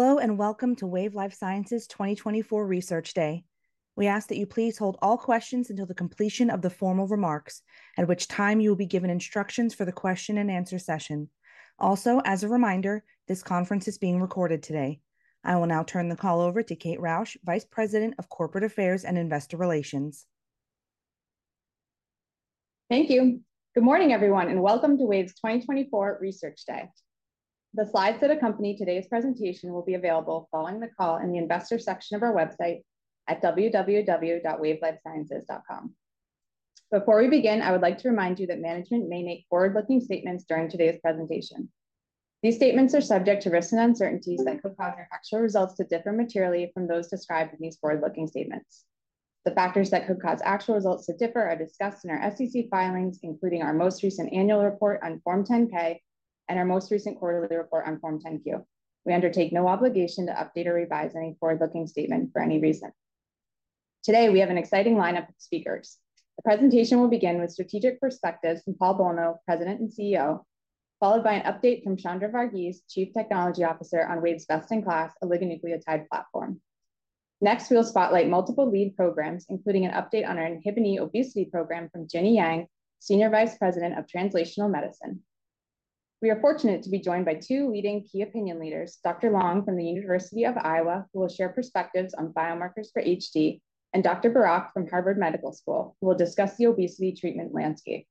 Hello and welcome to Wave Life Sciences' 2024 Research Day. We ask that you please hold all questions until the completion of the formal remarks, at which time you will be given instructions for the question-and-answer session. Also, as a reminder, this conference is being recorded today. I will now turn the call over to Kate Rausch, Vice President of Corporate Affairs and Investor Relations. Thank you. Good morning, everyone, and welcome to Wave's 2024 Research Day. The slides that accompany today's presentation will be available following the call in the Investor section of our website at www.wavelifesciences.com. Before we begin, I would like to remind you that management may make forward-looking statements during today's presentation. These statements are subject to risks and uncertainties that could cause your actual results to differ materially from those described in these forward-looking statements. The factors that could cause actual results to differ are discussed in our SEC filings, including our most recent annual report on Form 10-K and our most recent quarterly report on Form 10-Q. We undertake no obligation to update or revise any forward-looking statement for any reason. Today, we have an exciting lineup of speakers. The presentation will begin with strategic perspectives from Paul Bolno, President and CEO, followed by an update from Chandra Vargeese, Chief Technology Officer on Wave's best-in-class oligonucleotide platform. Next, we will spotlight multiple lead programs, including an update on our Inhibin obesity program from Ginnie Zheng, Senior Vice President of Translational Medicine. We are fortunate to be joined by two leading key opinion leaders, Dr. Long from the University of Iowa, who will share perspectives on biomarkers for HD, and Dr. Burak from Harvard Medical School, who will discuss the obesity treatment landscape.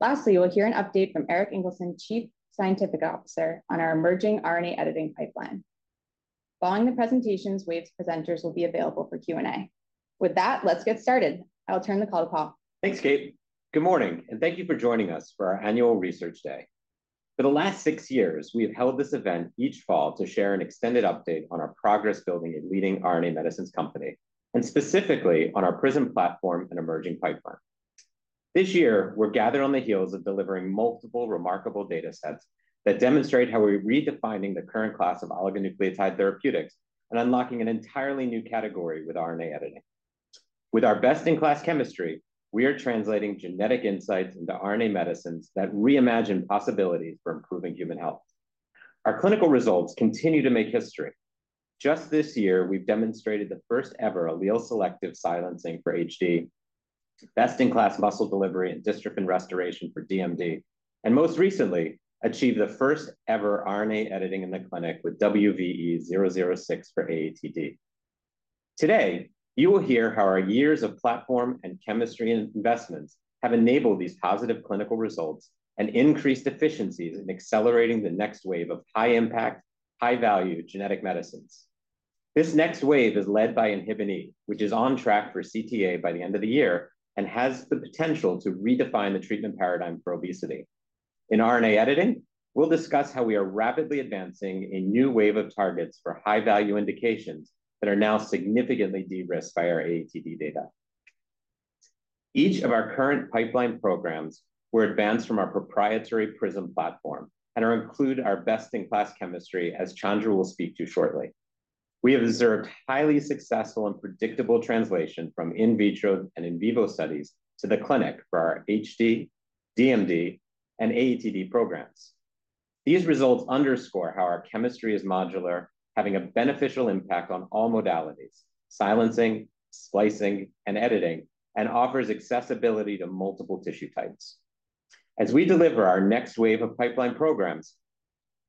Lastly, we'll hear an update from Erik Ingelsson, Chief Scientific Officer on our emerging RNA editing pipeline. Following the presentations, Wave's presenters will be available for Q&A. With that, let's get started. I'll turn the call to Paul. Thanks, Kate. Good morning, and thank you for joining us for our annual Research Day. For the last six years, we have held this event each fall to share an extended update on our progress building a leading RNA medicines company, and specifically on our PRISM platform and emerging pipeline. This year, we're gathered on the heels of delivering multiple remarkable data sets that demonstrate how we're redefining the current class of oligonucleotide therapeutics and unlocking an entirely new category with RNA editing. With our best-in-class chemistry, we are translating genetic insights into RNA medicines that reimagine possibilities for improving human health. Our clinical results continue to make history. Just this year, we've demonstrated the first-ever allele-selective silencing for HD, best-in-class muscle delivery and dystrophin restoration for DMD, and most recently achieved the first-ever RNA editing in the clinic with WVE-006 for AATD. Today, you will hear how our years of platform and chemistry investments have enabled these positive clinical results and increased efficiencies in accelerating the next wave of high-impact, high-value genetic medicines. This next wave is led by Inhibin beta E, which is on track for CTA by the end of the year and has the potential to redefine the treatment paradigm for obesity. In RNA editing, we'll discuss how we are rapidly advancing a new wave of targets for high-value indications that are now significantly de-risked by our AATD data. Each of our current pipeline programs were advanced from our proprietary PRISM platform and include our best-in-class chemistry, as Chandra will speak to shortly. We have observed highly successful and predictable translation from in vitro and in vivo studies to the clinic for our HD, DMD, and AATD programs. These results underscore how our chemistry is modular, having a beneficial impact on all modalities: silencing, splicing, and editing, and offers accessibility to multiple tissue types. As we deliver our next wave of pipeline programs,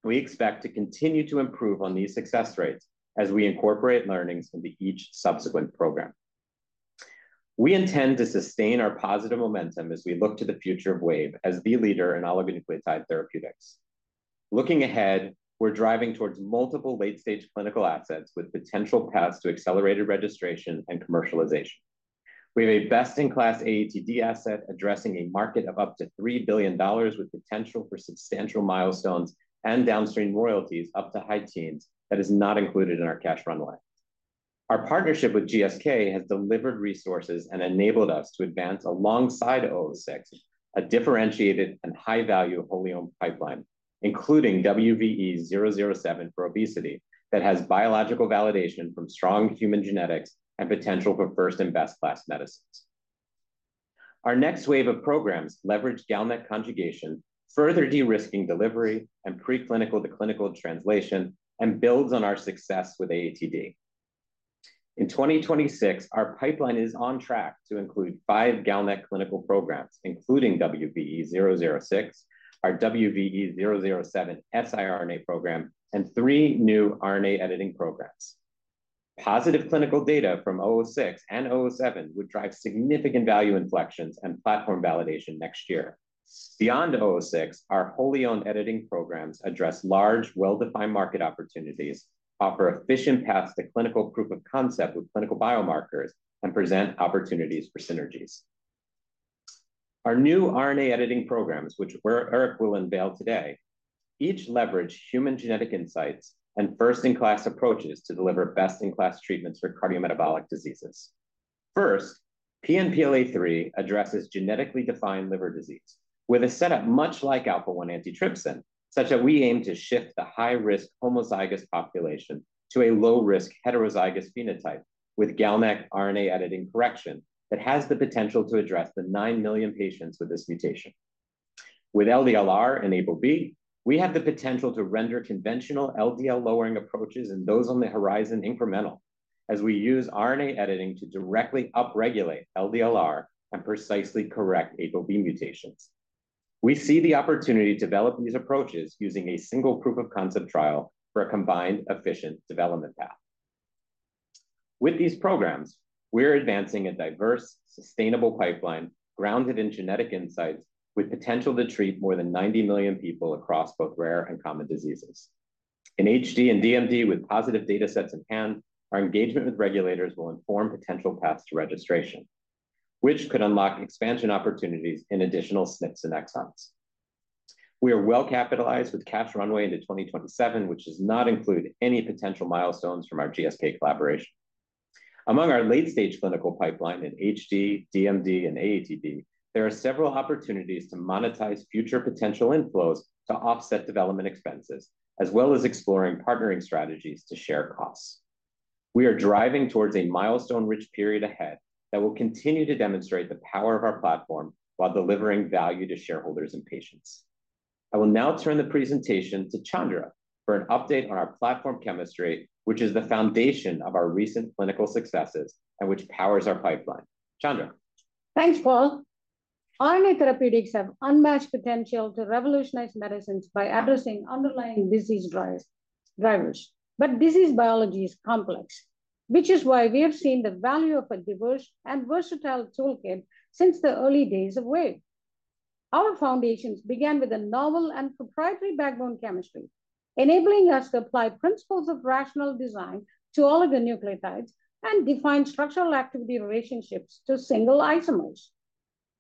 we expect to continue to improve on these success rates as we incorporate learnings into each subsequent program. We intend to sustain our positive momentum as we look to the future of Wave as the leader in oligonucleotide therapeutics. Looking ahead, we're driving towards multiple late-stage clinical assets with potential paths to accelerated registration and commercialization. We have a best-in-class AATD asset addressing a market of up to $3 billion with potential for substantial milestones and downstream royalties up to high teens that is not included in our cash runway. Our partnership with GSK has delivered resources and enabled us to advance WVE-006, a differentiated and high-value wholly-owned pipeline, including WVE-007 for obesity that has biological validation from strong human genetics and potential for first- and best-in-class medicines. Our next wave of programs leverage GalNAc conjugation, further de-risking delivery and preclinical to clinical translation, and builds on our success with AATD. In 2026, our pipeline is on track to include five GalNAc clinical programs, including WVE-006, our WVE-007 siRNA program, and three new RNA editing programs. Positive clinical data from WVE-006 and WVE-007 would drive significant value inflections and platform validation next year. Beyond WVE-006, our wholly-owned editing programs address large, well-defined market opportunities, offer efficient paths to clinical proof of concept with clinical biomarkers, and present opportunities for synergies. Our new RNA editing programs, which Erik will unveil today, each leverage human genetic insights and first-in-class approaches to deliver best-in-class treatments for cardiometabolic diseases. First, PNPLA3 addresses genetically defined liver disease with a setup much like alpha-1 antitrypsin, such that we aim to shift the high-risk homozygous population to a low-risk heterozygous phenotype with GalNAc RNA editing correction that has the potential to address the nine million patients with this mutation. With LDLR and ApoB, we have the potential to render conventional LDL-lowering approaches and those on the horizon incremental as we use RNA editing to directly upregulate LDLR and precisely correct ApoB mutations. We see the opportunity to develop these approaches using a single proof of concept trial for a combined efficient development path. With these programs, we're advancing a diverse, sustainable pipeline grounded in genetic insights with potential to treat more than 90 million people across both rare and common diseases. In HD and DMD, with positive data sets in hand, our engagement with regulators will inform potential paths to registration, which could unlock expansion opportunities in additional SNPs and exons. We are well capitalized with cash runway into 2027, which does not include any potential milestones from our GSK collaboration. Among our late-stage clinical pipeline in HD, DMD, and AATD, there are several opportunities to monetize future potential inflows to offset development expenses, as well as exploring partnering strategies to share costs. We are driving towards a milestone-rich period ahead that will continue to demonstrate the power of our platform while delivering value to shareholders and patients. I will now turn the presentation to Chandra for an update on our platform chemistry, which is the foundation of our recent clinical successes and which powers our pipeline. Chandra. Thanks, Paul. RNA therapeutics have unmatched potential to revolutionize medicines by addressing underlying disease drivers. But disease biology is complex, which is why we have seen the value of a diverse and versatile toolkit since the early days of Wave. Our foundations began with a novel and proprietary backbone chemistry, enabling us to apply principles of rational design to oligonucleotides and define structural activity relationships to single isomers.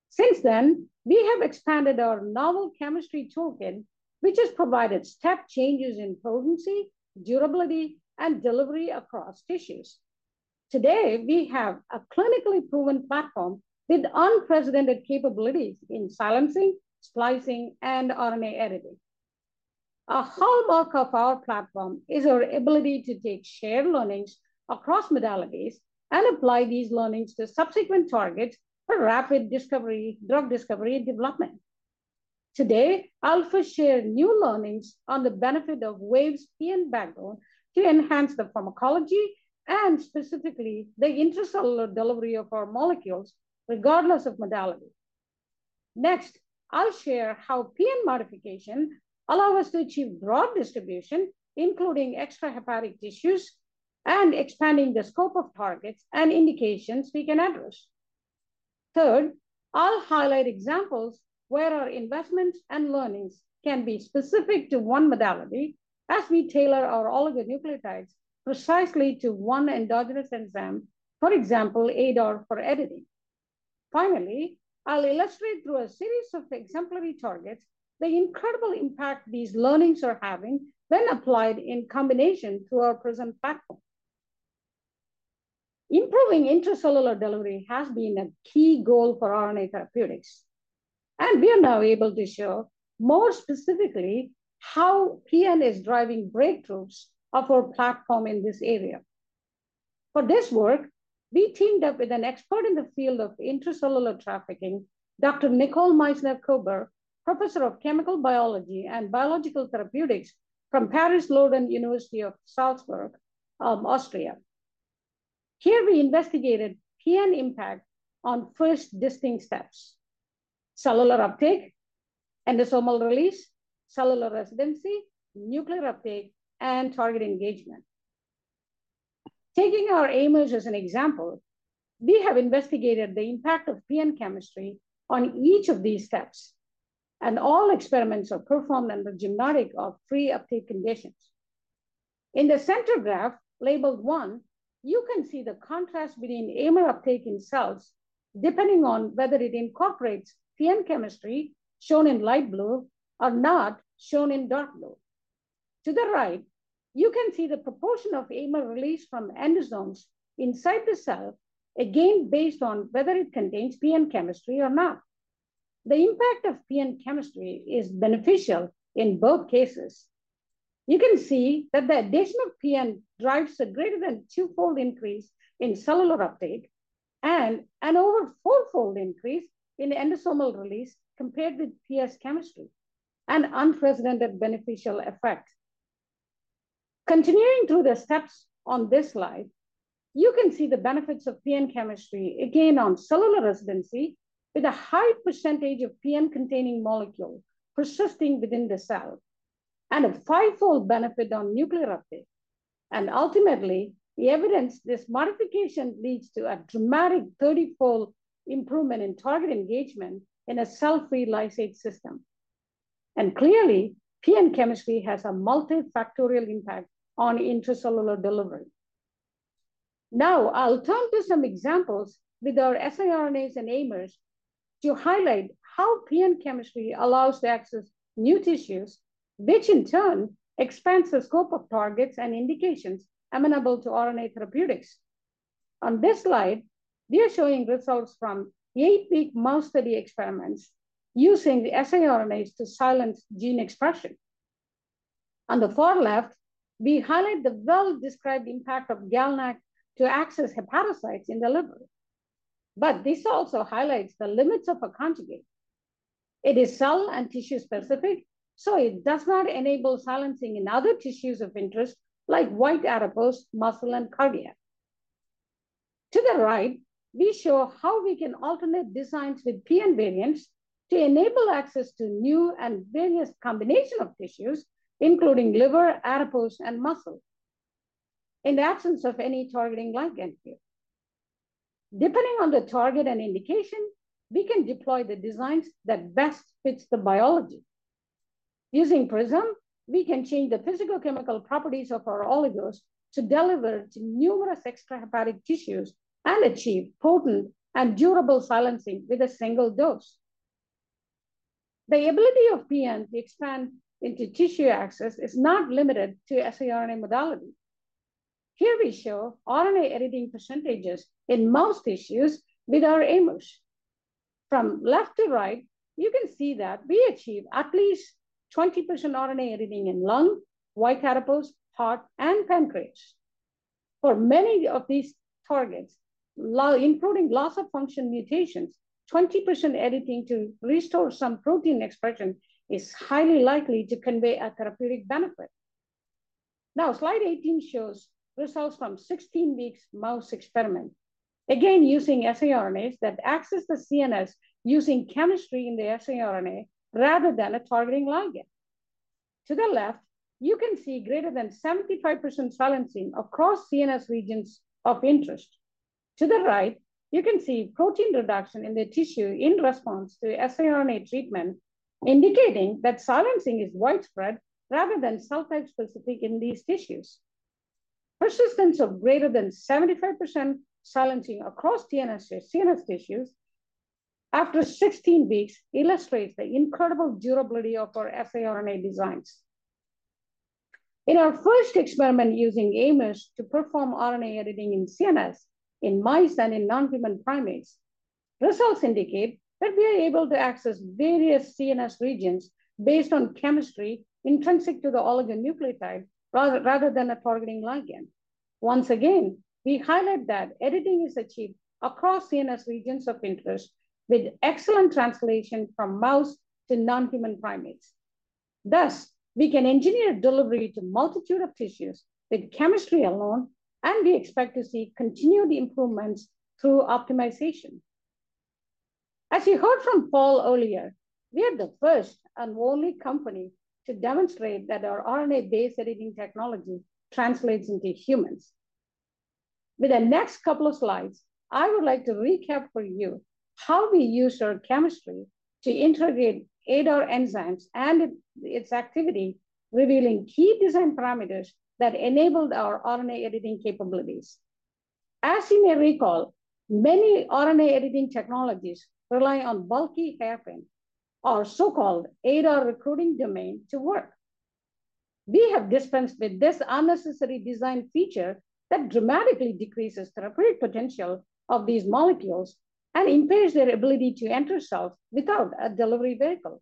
Since then, we have expanded our novel chemistry toolkit, which has provided step changes in potency, durability, and delivery across tissues. Today, we have a clinically proven platform with unprecedented capabilities in silencing, splicing, and RNA editing. A hallmark of our platform is our ability to take shared learnings across modalities and apply these learnings to subsequent targets for rapid drug discovery and development. Today, I'll first share new learnings on the benefit of Wave's PN backbone to enhance the pharmacology and specifically the intracellular delivery of our molecules, regardless of modality. Next, I'll share how PN modification allows us to achieve broad distribution, including extrahepatic tissues, and expanding the scope of targets and indications we can address. Third, I'll highlight examples where our investments and learnings can be specific to one modality as we tailor our oligonucleotides precisely to one endogenous enzyme, for example, ADAR for editing. Finally, I'll illustrate through a series of exemplary targets the incredible impact these learnings are having, then applied in combination to our PRISM platform. Improving intracellular delivery has been a key goal for RNA therapeutics, and we are now able to show more specifically how PN is driving breakthroughs of our platform in this area. For this work, we teamed up with an expert in the field of intracellular trafficking, Dr. Nicole Meisner-Kober, Professor of Chemical Biology and Biological Therapeutics from Paris-Lodron University of Salzburg, Austria. Here, we investigated PN impact on first distinct steps: cellular uptake, endosomal release, cellular residency, nuclear uptake, and target engagement. Taking our AIMers as an example, we have investigated the impact of PN chemistry on each of these steps, and all experiments are performed under the auspices of free uptake conditions. In the center graph labeled 1, you can see the contrast between AIMer uptake in cells depending on whether it incorporates PN chemistry shown in light blue or not shown in dark blue. To the right, you can see the proportion of AIMer release from endosomes inside the cell, again based on whether it contains PN chemistry or not. The impact of PN chemistry is beneficial in both cases. You can see that the addition of PN drives a greater than twofold increase in cellular uptake and an over fourfold increase in endosomal release compared with PS chemistry, an unprecedented beneficial effect. Continuing through the steps on this slide, you can see the benefits of PN chemistry, again on cellular residency, with a high percentage of PN-containing molecules persisting within the cell, and a fivefold benefit on nuclear uptake, and ultimately, the evidence this modification leads to a dramatic thirtyfold improvement in target engagement in a cell-free lysate system, and clearly, PN chemistry has a multifactorial impact on intracellular delivery. Now, I'll turn to some examples with our siRNAs and AIMers to highlight how PN chemistry allows the access of new tissues, which in turn expands the scope of targets and indications amenable to RNA therapeutics. On this slide, we are showing results from eight-week mouse study experiments using the siRNAs to silence gene expression. On the far left, we highlight the well-described impact of GalNAc to access hepatocytes in the liver. But this also highlights the limits of a conjugate. It is cell and tissue specific, so it does not enable silencing in other tissues of interest, like white adipose, muscle, and cardiac. To the right, we show how we can alternate designs with PN variants to enable access to new and various combinations of tissues, including liver, adipose, and muscle, in the absence of any targeting like GalNAc here. Depending on the target and indication, we can deploy the designs that best fit the biology. Using PRISM, we can change the physicochemical properties of our oligos to deliver to numerous extrahepatic tissues and achieve potent and durable silencing with a single dose. The ability of PN to expand into tissue access is not limited to siRNA modality. Here, we show RNA editing percentages in most tissues with our AIMers. From left to right, you can see that we achieve at least 20% RNA editing in lung, white adipose, heart, and pancreas. For many of these targets, including loss of function mutations, 20% editing to restore some protein expression is highly likely to convey a therapeutic benefit. Now, slide 18 shows results from 16-week mouse experiment, again using siRNAs that access the CNS using chemistry in the siRNA rather than a targeting ligand. To the left, you can see greater than 75% silencing across CNS regions of interest. To the right, you can see protein reduction in the tissue in response to siRNA treatment, indicating that silencing is widespread rather than cell-type specific in these tissues. Persistence of greater than 75% silencing across CNS tissues after 16 weeks illustrates the incredible durability of our siRNA designs. In our first experiment using AIMers to perform RNA editing in CNS in mice and in non-human primates, results indicate that we are able to access various CNS regions based on chemistry intrinsic to the oligonucleotide rather than a targeting ligand. Once again, we highlight that editing is achieved across CNS regions of interest with excellent translation from mouse to non-human primates. Thus, we can engineer delivery to a multitude of tissues with chemistry alone, and we expect to see continued improvements through optimization. As you heard from Paul earlier, we are the first and only company to demonstrate that our RNA-based editing technology translates into humans. With the next couple of slides, I would like to recap for you how we used our chemistry to integrate ADAR enzymes and its activity, revealing key design parameters that enabled our RNA editing capabilities. As you may recall, many RNA editing technologies rely on bulky hairpin, our so-called ADAR recruiting domain, to work. We have dispensed with this unnecessary design feature that dramatically decreases the therapeutic potential of these molecules and impairs their ability to enter cells without a delivery vehicle.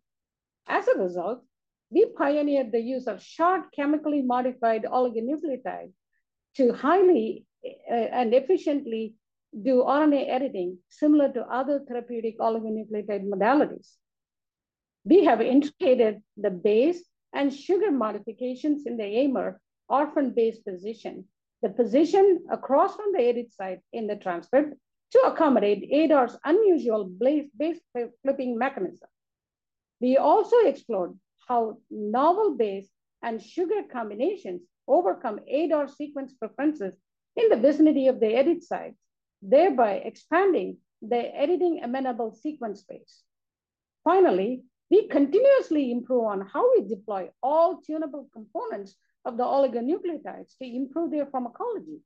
As a result, we pioneered the use of short chemically modified oligonucleotides to highly and efficiently do RNA editing similar to other therapeutic oligonucleotide modalities. We have integrated the base and sugar modifications in the AIMer orphan base position, the position across from the edit site in the transcript to accommodate ADAR's unusual base flipping mechanism. We also explored how novel base and sugar combinations overcome ADAR sequence preferences in the vicinity of the edit site, thereby expanding the editing amenable sequence space. Finally, we continuously improve on how we deploy all tunable components of the oligonucleotides to improve their pharmacology.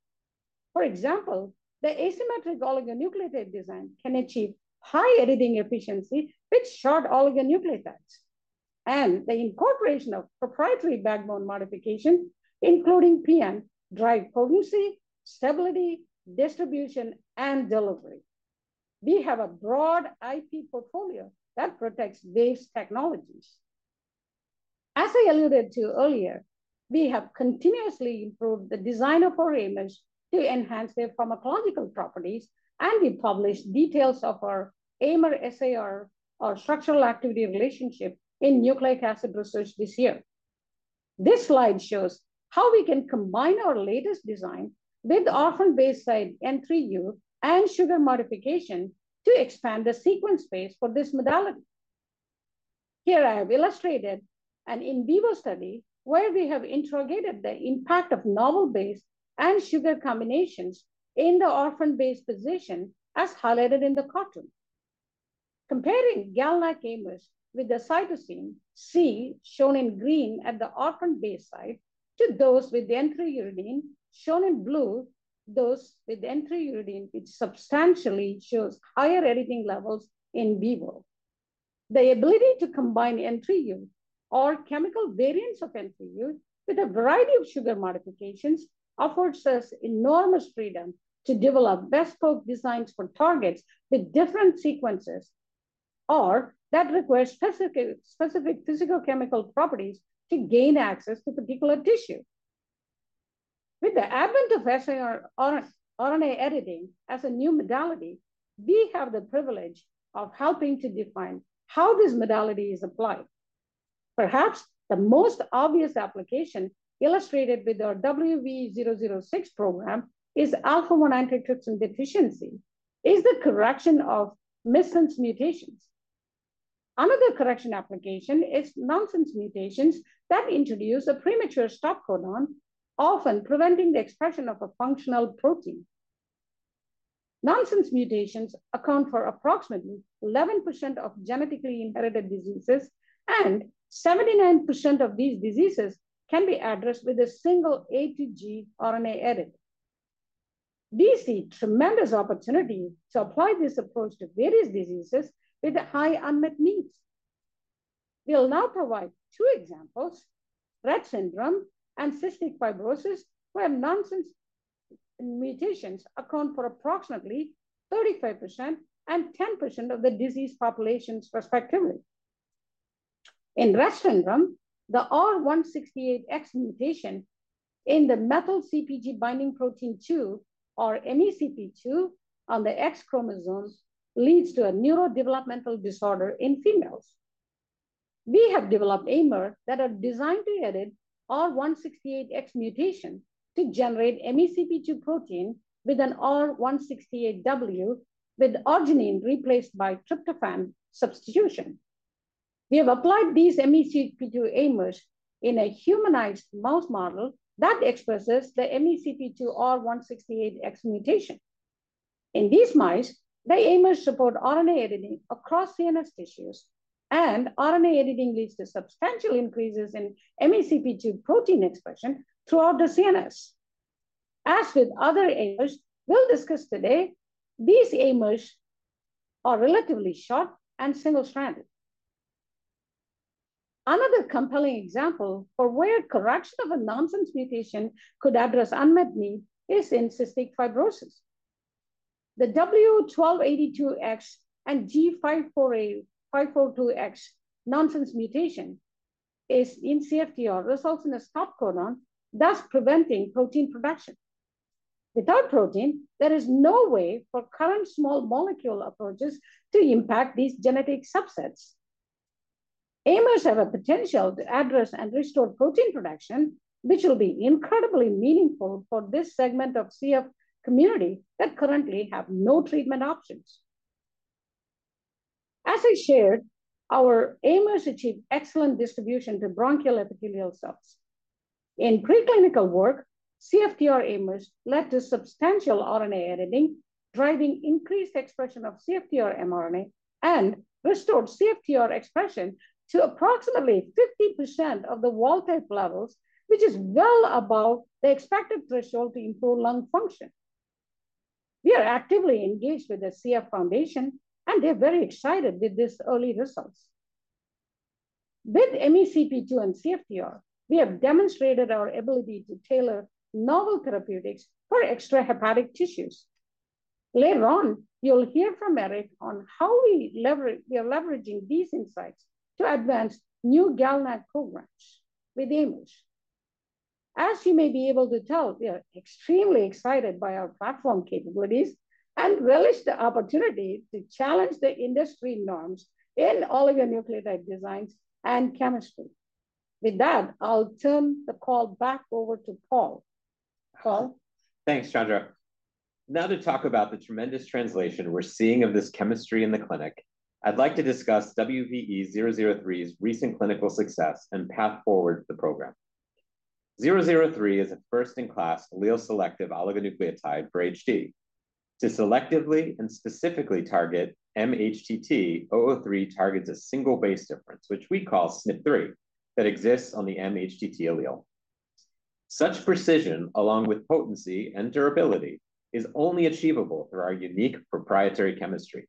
For example, the asymmetric oligonucleotide design can achieve high editing efficiency with short oligonucleotides, and the incorporation of proprietary backbone modification, including PN, drive potency, stability, distribution, and delivery. We have a broad IP portfolio that protects these technologies. As I alluded to earlier, we have continuously improved the design of our AIMers to enhance their pharmacological properties, and we published details of our AIMer-siRNA, our structure-activity relationship in Nucleic Acids Research this year. This slide shows how we can combine our latest design with PN-based site N3U and sugar modification to expand the sequence space for this modality. Here, I have illustrated an in vivo study where we have interrogated the impact of novel base and sugar combinations in the orphan base position, as highlighted in the caption. Comparing GalNAc AIMers with the cytosine C shown in green at the orphan base site to those with the N3U residue shown in blue, those with the N3U residue substantially shows higher editing levels in vivo. The ability to combine N3U or chemical variants of N3U with a variety of sugar modifications offers us enormous freedom to develop best-in-class designs for targets with different sequences or that require specific physicochemical properties to gain access to particular tissue. With the advent of RNA editing as a new modality, we have the privilege of helping to define how this modality is applied. Perhaps the most obvious application illustrated with our WVE-006 program is alpha-1 antitrypsin deficiency is the correction of missense mutations. Another correction application is nonsense mutations that introduce a premature stop codon, often preventing the expression of a functional protein. Nonsense mutations account for approximately 11% of genetically inherited diseases, and 79% of these diseases can be addressed with a single A2G RNA edit. We see tremendous opportunity to apply this approach to various diseases with high unmet needs. We'll now provide two examples: Rett syndrome and cystic fibrosis, where nonsense mutations account for approximately 35% and 10% of the disease populations prospectively. In Rett syndrome, the R168X mutation in the methyl-CpG binding protein 2, or MECP2, on the X chromosomes leads to a neurodevelopmental disorder in females. We have developed AIMers that are designed to edit R168X mutation to generate MECP2 protein with an R168W, with arginine replaced by tryptophan substitution. We have applied these MECP2 AIMers in a humanized mouse model that expresses the MECP2 R168X mutation. In these mice, the AIMers support RNA editing across CNS tissues, and RNA editing leads to substantial increases in MECP2 protein expression throughout the CNS. As with other AIMers we'll discuss today, these AIMers are relatively short and single-stranded. Another compelling example for where correction of a nonsense mutation could address unmet need is in cystic fibrosis. The W1282X and G542X nonsense mutation is in CFTR, results in a stop codon, thus preventing protein production. Without protein, there is no way for current small molecule approaches to impact these genetic subsets. AIMers have a potential to address and restore protein production, which will be incredibly meaningful for this segment of CF community that currently have no treatment options. As I shared, our AIMers achieve excellent distribution to bronchial epithelial cells. In preclinical work, CFTR AIMers led to substantial RNA editing, driving increased expression of CFTR mRNA and restored CFTR expression to approximately 50% of the wild type levels, which is well above the expected threshold to improve lung function. We are actively engaged with the CF Foundation, and they're very excited with these early results. With MECP2 and CFTR, we have demonstrated our ability to tailor novel therapeutics for extrahepatic tissues. Later on, you'll hear from Erik on how we are leveraging these insights to advance new GalNAc programs with AIMers. As you may be able to tell, we are extremely excited by our platform capabilities and relish the opportunity to challenge the industry norms in oligonucleotide designs and chemistry. With that, I'll turn the call back over to Paul. Paul? Thanks, Chandra. Now, to talk about the tremendous translation we're seeing of this chemistry in the clinic, I'd like to discuss WVE-003's recent clinical success and path forward of the program. WVE-003 is a first-in-class allele-selective oligonucleotide for HD. To selectively and specifically target mHTT, WVE-003 targets a single base difference, which we call SNP3, that exists on the mHTT allele. Such precision, along with potency and durability, is only achievable through our unique proprietary chemistry.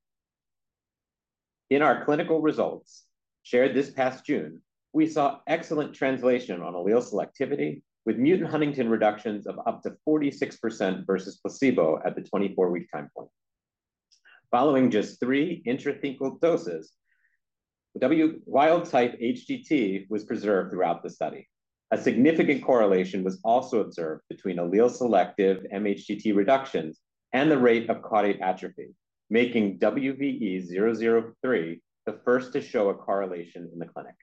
In our clinical results shared this past June, we saw excellent translation on allele selectivity with mutant Huntington reductions of up to 46% versus placebo at the 24-week time point. Following just three intrathecal doses, the wild-type HTT was preserved throughout the study. A significant correlation was also observed between allele-selective mHTT reductions and the rate of caudate atrophy, making WVE-003 the first to show a correlation in the clinic.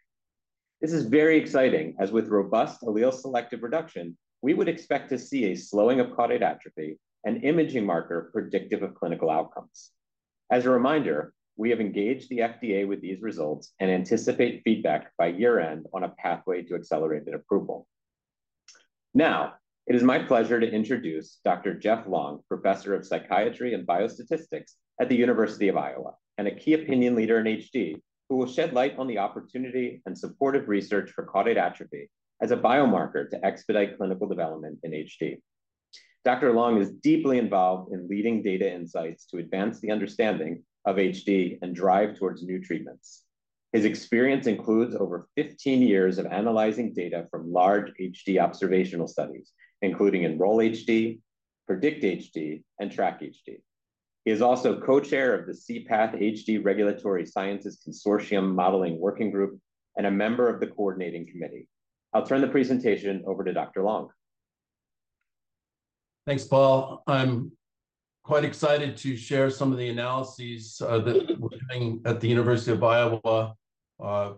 This is very exciting, as with robust allele-selective reduction, we would expect to see a slowing of caudate atrophy, an imaging marker predictive of clinical outcomes. As a reminder, we have engaged the FDA with these results and anticipate feedback by year-end on a pathway to accelerated approval. Now, it is my pleasure to introduce Dr. Jeffrey Long, Professor of Psychiatry and Biostatistics at the University of Iowa, and a key opinion leader in HD who will shed light on the opportunity and supportive research for caudate atrophy as a biomarker to expedite clinical development in HD. Dr. Long is deeply involved in leading data insights to advance the understanding of HD and drive towards new treatments. His experience includes over 15 years of analyzing data from large HD observational studies, including Enroll-HD, PREDICT-HD, and TRACK-HD. He is also co-chair of the C-Path HD Regulatory Science Consortium Modeling Working Group and a member of the coordinating committee. I'll turn the presentation over to Dr. Long. Thanks, Paul. I'm quite excited to share some of the analyses that we're doing at the University of Iowa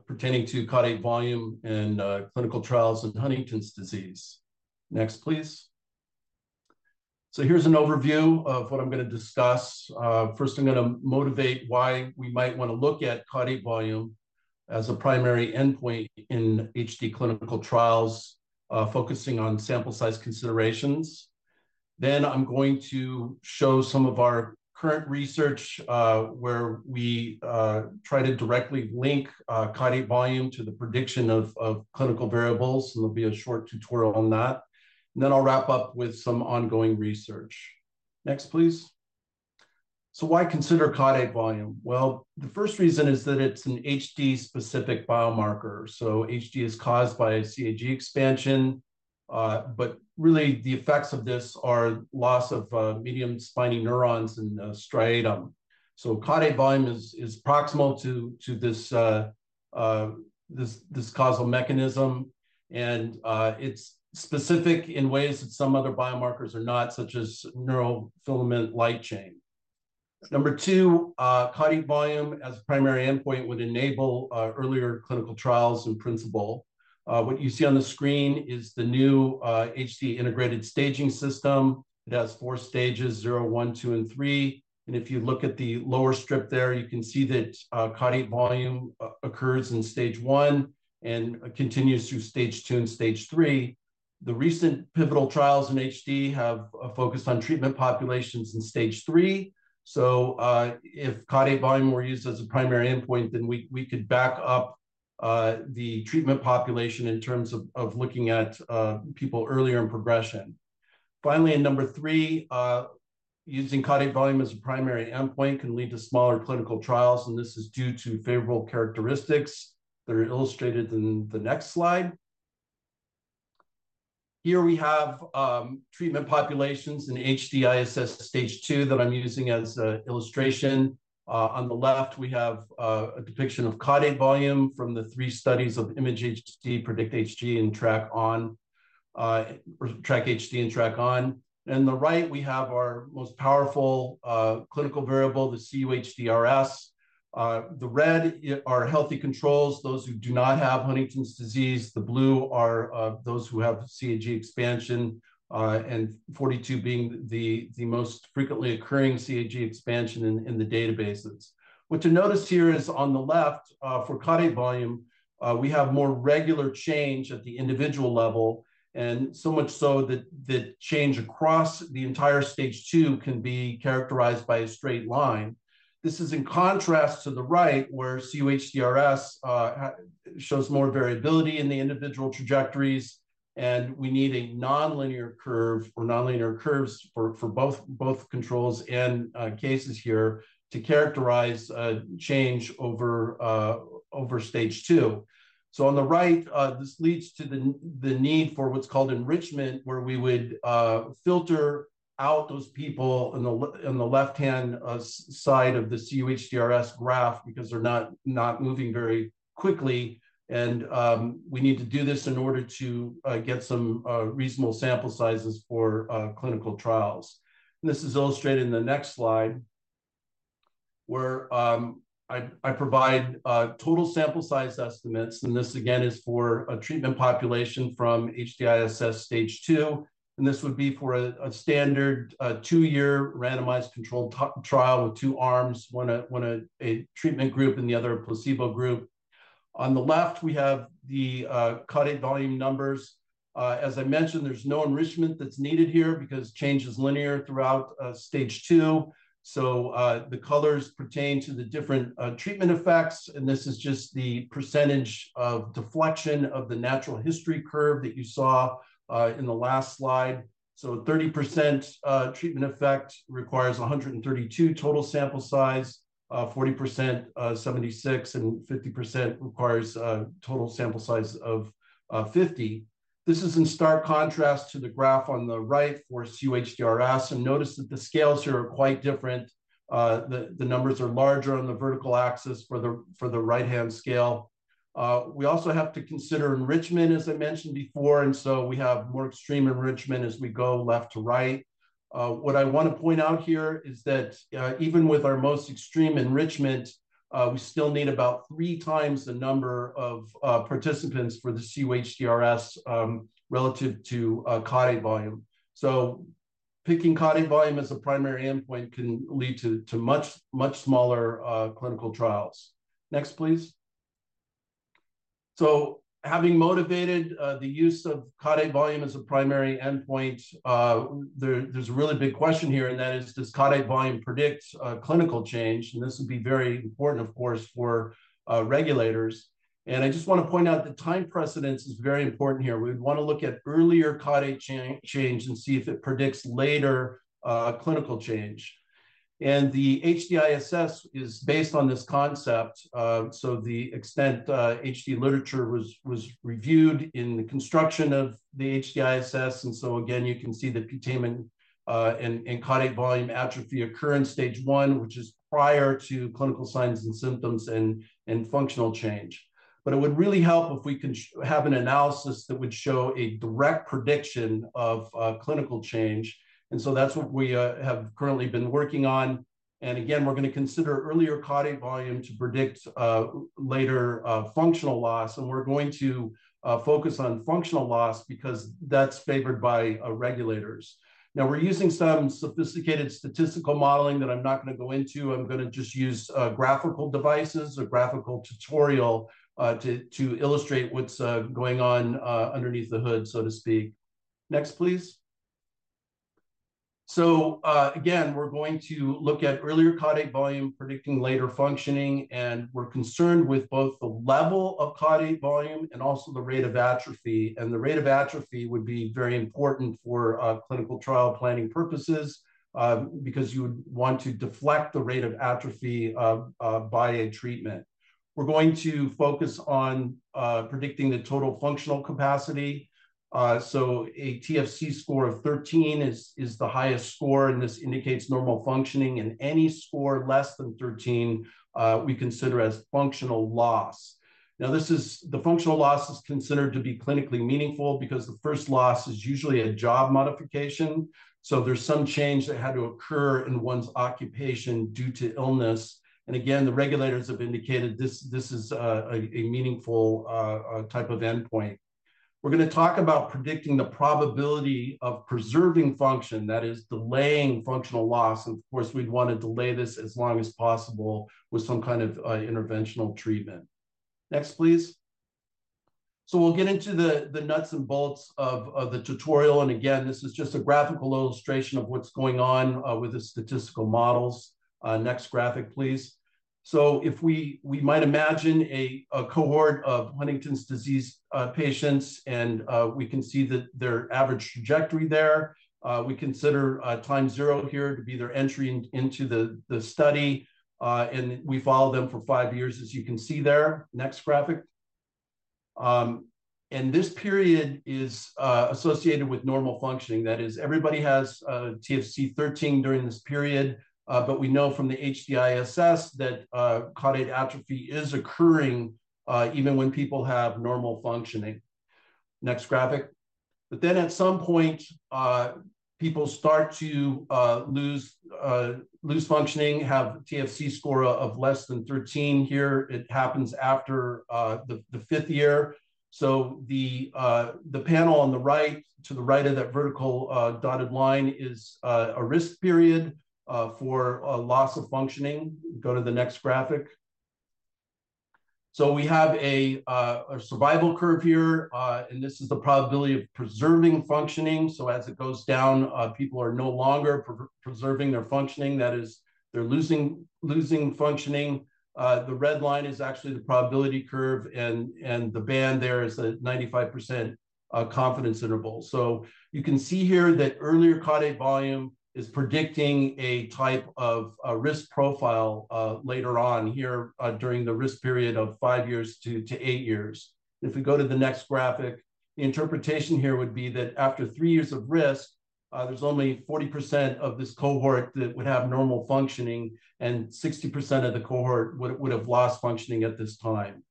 pertaining to caudate volume in clinical trials in Huntington's disease. Next, please. So here's an overview of what I'm going to discuss. First, I'm going to motivate why we might want to look at caudate volume as a primary endpoint in HD clinical trials, focusing on sample size considerations. Then I'm going to show some of our current research where we try to directly link caudate volume to the prediction of clinical variables, and there'll be a short tutorial on that. And then I'll wrap up with some ongoing research. Next, please. So why consider caudate volume? The first reason is that it's an HD-specific biomarker. HD is caused by CAG expansion, but really the effects of this are loss of medium spiny neurons in the striatum. Caudate volume is proximal to this causal mechanism, and it's specific in ways that some other biomarkers are not, such as neurofilament light chain. Number two, caudate volume as a primary endpoint would enable earlier clinical trials in principle. What you see on the screen is the new HD integrated staging system. It has four stages, 0, 1, 2, and 3. If you look at the lower strip there, you can see that caudate volume occurs in stage one and continues through stage two and stage three. The recent pivotal trials in HD have focused on treatment populations in stage three. If caudate volume were used as a primary endpoint, then we could back up the treatment population in terms of looking at people earlier in progression. Finally, in number three, using caudate volume as a primary endpoint can lead to smaller clinical trials, and this is due to favorable characteristics that are illustrated in the next slide. Here we have treatment populations in HD-ISS stage two that I'm using as an illustration. On the left, we have a depiction of caudate volume from the three studies of IMAGE-HD, PREDICT-HD, TRACK-HD, and Track-On. And on the right, we have our most powerful clinical variable, the cUHDRS. The red are healthy controls, those who do not have Huntington's disease. The blue are those who have CAG expansion, and 42 being the most frequently occurring CAG expansion in the databases. What to notice here is on the left, for caudate volume, we have more regular change at the individual level, and so much so that change across the entire stage two can be characterized by a straight line. This is in contrast to the right, where cUHDRS shows more variability in the individual trajectories, and we need a nonlinear curve or nonlinear curves for both controls and cases here to characterize change over stage two, so on the right, this leads to the need for what's called enrichment, where we would filter out those people on the left-hand side of the cUHDRS graph because they're not moving very quickly, and we need to do this in order to get some reasonable sample sizes for clinical trials. This is illustrated in the next slide, where I provide total sample size estimates, and this again is for a treatment population from HD-ISS stage two, and this would be for a standard two-year randomized controlled trial with two arms, one a treatment group and the other a placebo group. On the left, we have the caudate volume numbers. As I mentioned, there's no enrichment that's needed here because change is linear throughout stage two. So the colors pertain to the different treatment effects, and this is just the percentage of deflection of the natural history curve that you saw in the last slide. So 30% treatment effect requires 132 total sample size, 40% 76, and 50% requires total sample size of 50. This is in stark contrast to the graph on the right for cUHDRS, and notice that the scales here are quite different. The numbers are larger on the vertical axis for the right-hand scale. We also have to consider enrichment, as I mentioned before, and so we have more extreme enrichment as we go left to right. What I want to point out here is that even with our most extreme enrichment, we still need about three times the number of participants for the cUHDRS relative to caudate volume. So picking caudate volume as a primary endpoint can lead to much smaller clinical trials. Next, please. So having motivated the use of caudate volume as a primary endpoint, there's a really big question here, and that is, does caudate volume predict clinical change? And this would be very important, of course, for regulators. And I just want to point out that time precedence is very important here. We'd want to look at earlier caudate change and see if it predicts later clinical change, and the HD-ISS is based on this concept, so the extent HD literature was reviewed in the construction of the HD-ISS, and so again, you can see the putamen and caudate volume atrophy occur in stage one, which is prior to clinical signs and symptoms and functional change, but it would really help if we can have an analysis that would show a direct prediction of clinical change, and so that's what we have currently been working on, and again, we're going to consider earlier caudate volume to predict later functional loss, and we're going to focus on functional loss because that's favored by regulators. Now, we're using some sophisticated statistical modeling that I'm not going to go into. I'm going to just use graphical devices, a graphical tutorial to illustrate what's going on underneath the hood, so to speak. Next, please. So again, we're going to look at earlier caudate volume predicting later functioning, and we're concerned with both the level of caudate volume and also the rate of atrophy. And the rate of atrophy would be very important for clinical trial planning purposes because you would want to deflect the rate of atrophy by a treatment. We're going to focus on predicting the total functional capacity. So a TFC score of 13 is the highest score, and this indicates normal functioning, and any score less than 13 we consider as functional loss. Now, the functional loss is considered to be clinically meaningful because the first loss is usually a job modification, so there's some change that had to occur in one's occupation due to illness. And again, the regulators have indicated this is a meaningful type of endpoint. We're going to talk about predicting the probability of preserving function, that is, delaying functional loss. And of course, we'd want to delay this as long as possible with some kind of interventional treatment. Next, please. So we'll get into the nuts and bolts of the tutorial, and again, this is just a graphical illustration of what's going on with the statistical models. Next graphic, please. So we might imagine a cohort of Huntington's disease patients, and we can see their average trajectory there. We consider time zero here to be their entry into the study, and we follow them for five years, as you can see there. Next graphic. And this period is associated with normal functioning. That is, everybody has TFC 13 during this period, but we know from the HD-ISS that caudate atrophy is occurring even when people have normal functioning. Next graphic. But then at some point, people start to lose functioning, have TFC score of less than 13. Here, it happens after the fifth year. So the panel on the right, to the right of that vertical dotted line, is a risk period for loss of functioning. Go to the next graphic. So we have a survival curve here, and this is the probability of preserving functioning. So as it goes down, people are no longer preserving their functioning. That is, they're losing functioning. The red line is actually the probability curve, and the band there is a 95% confidence interval. You can see here that earlier caudate volume is predicting a type of risk profile later on here during the risk period of five years to eight years. If we go to the next graphic, the interpretation here would be that after three years of risk, there's only 40% of this cohort that would have normal functioning, and 60% of the cohort would have lost functioning at this time.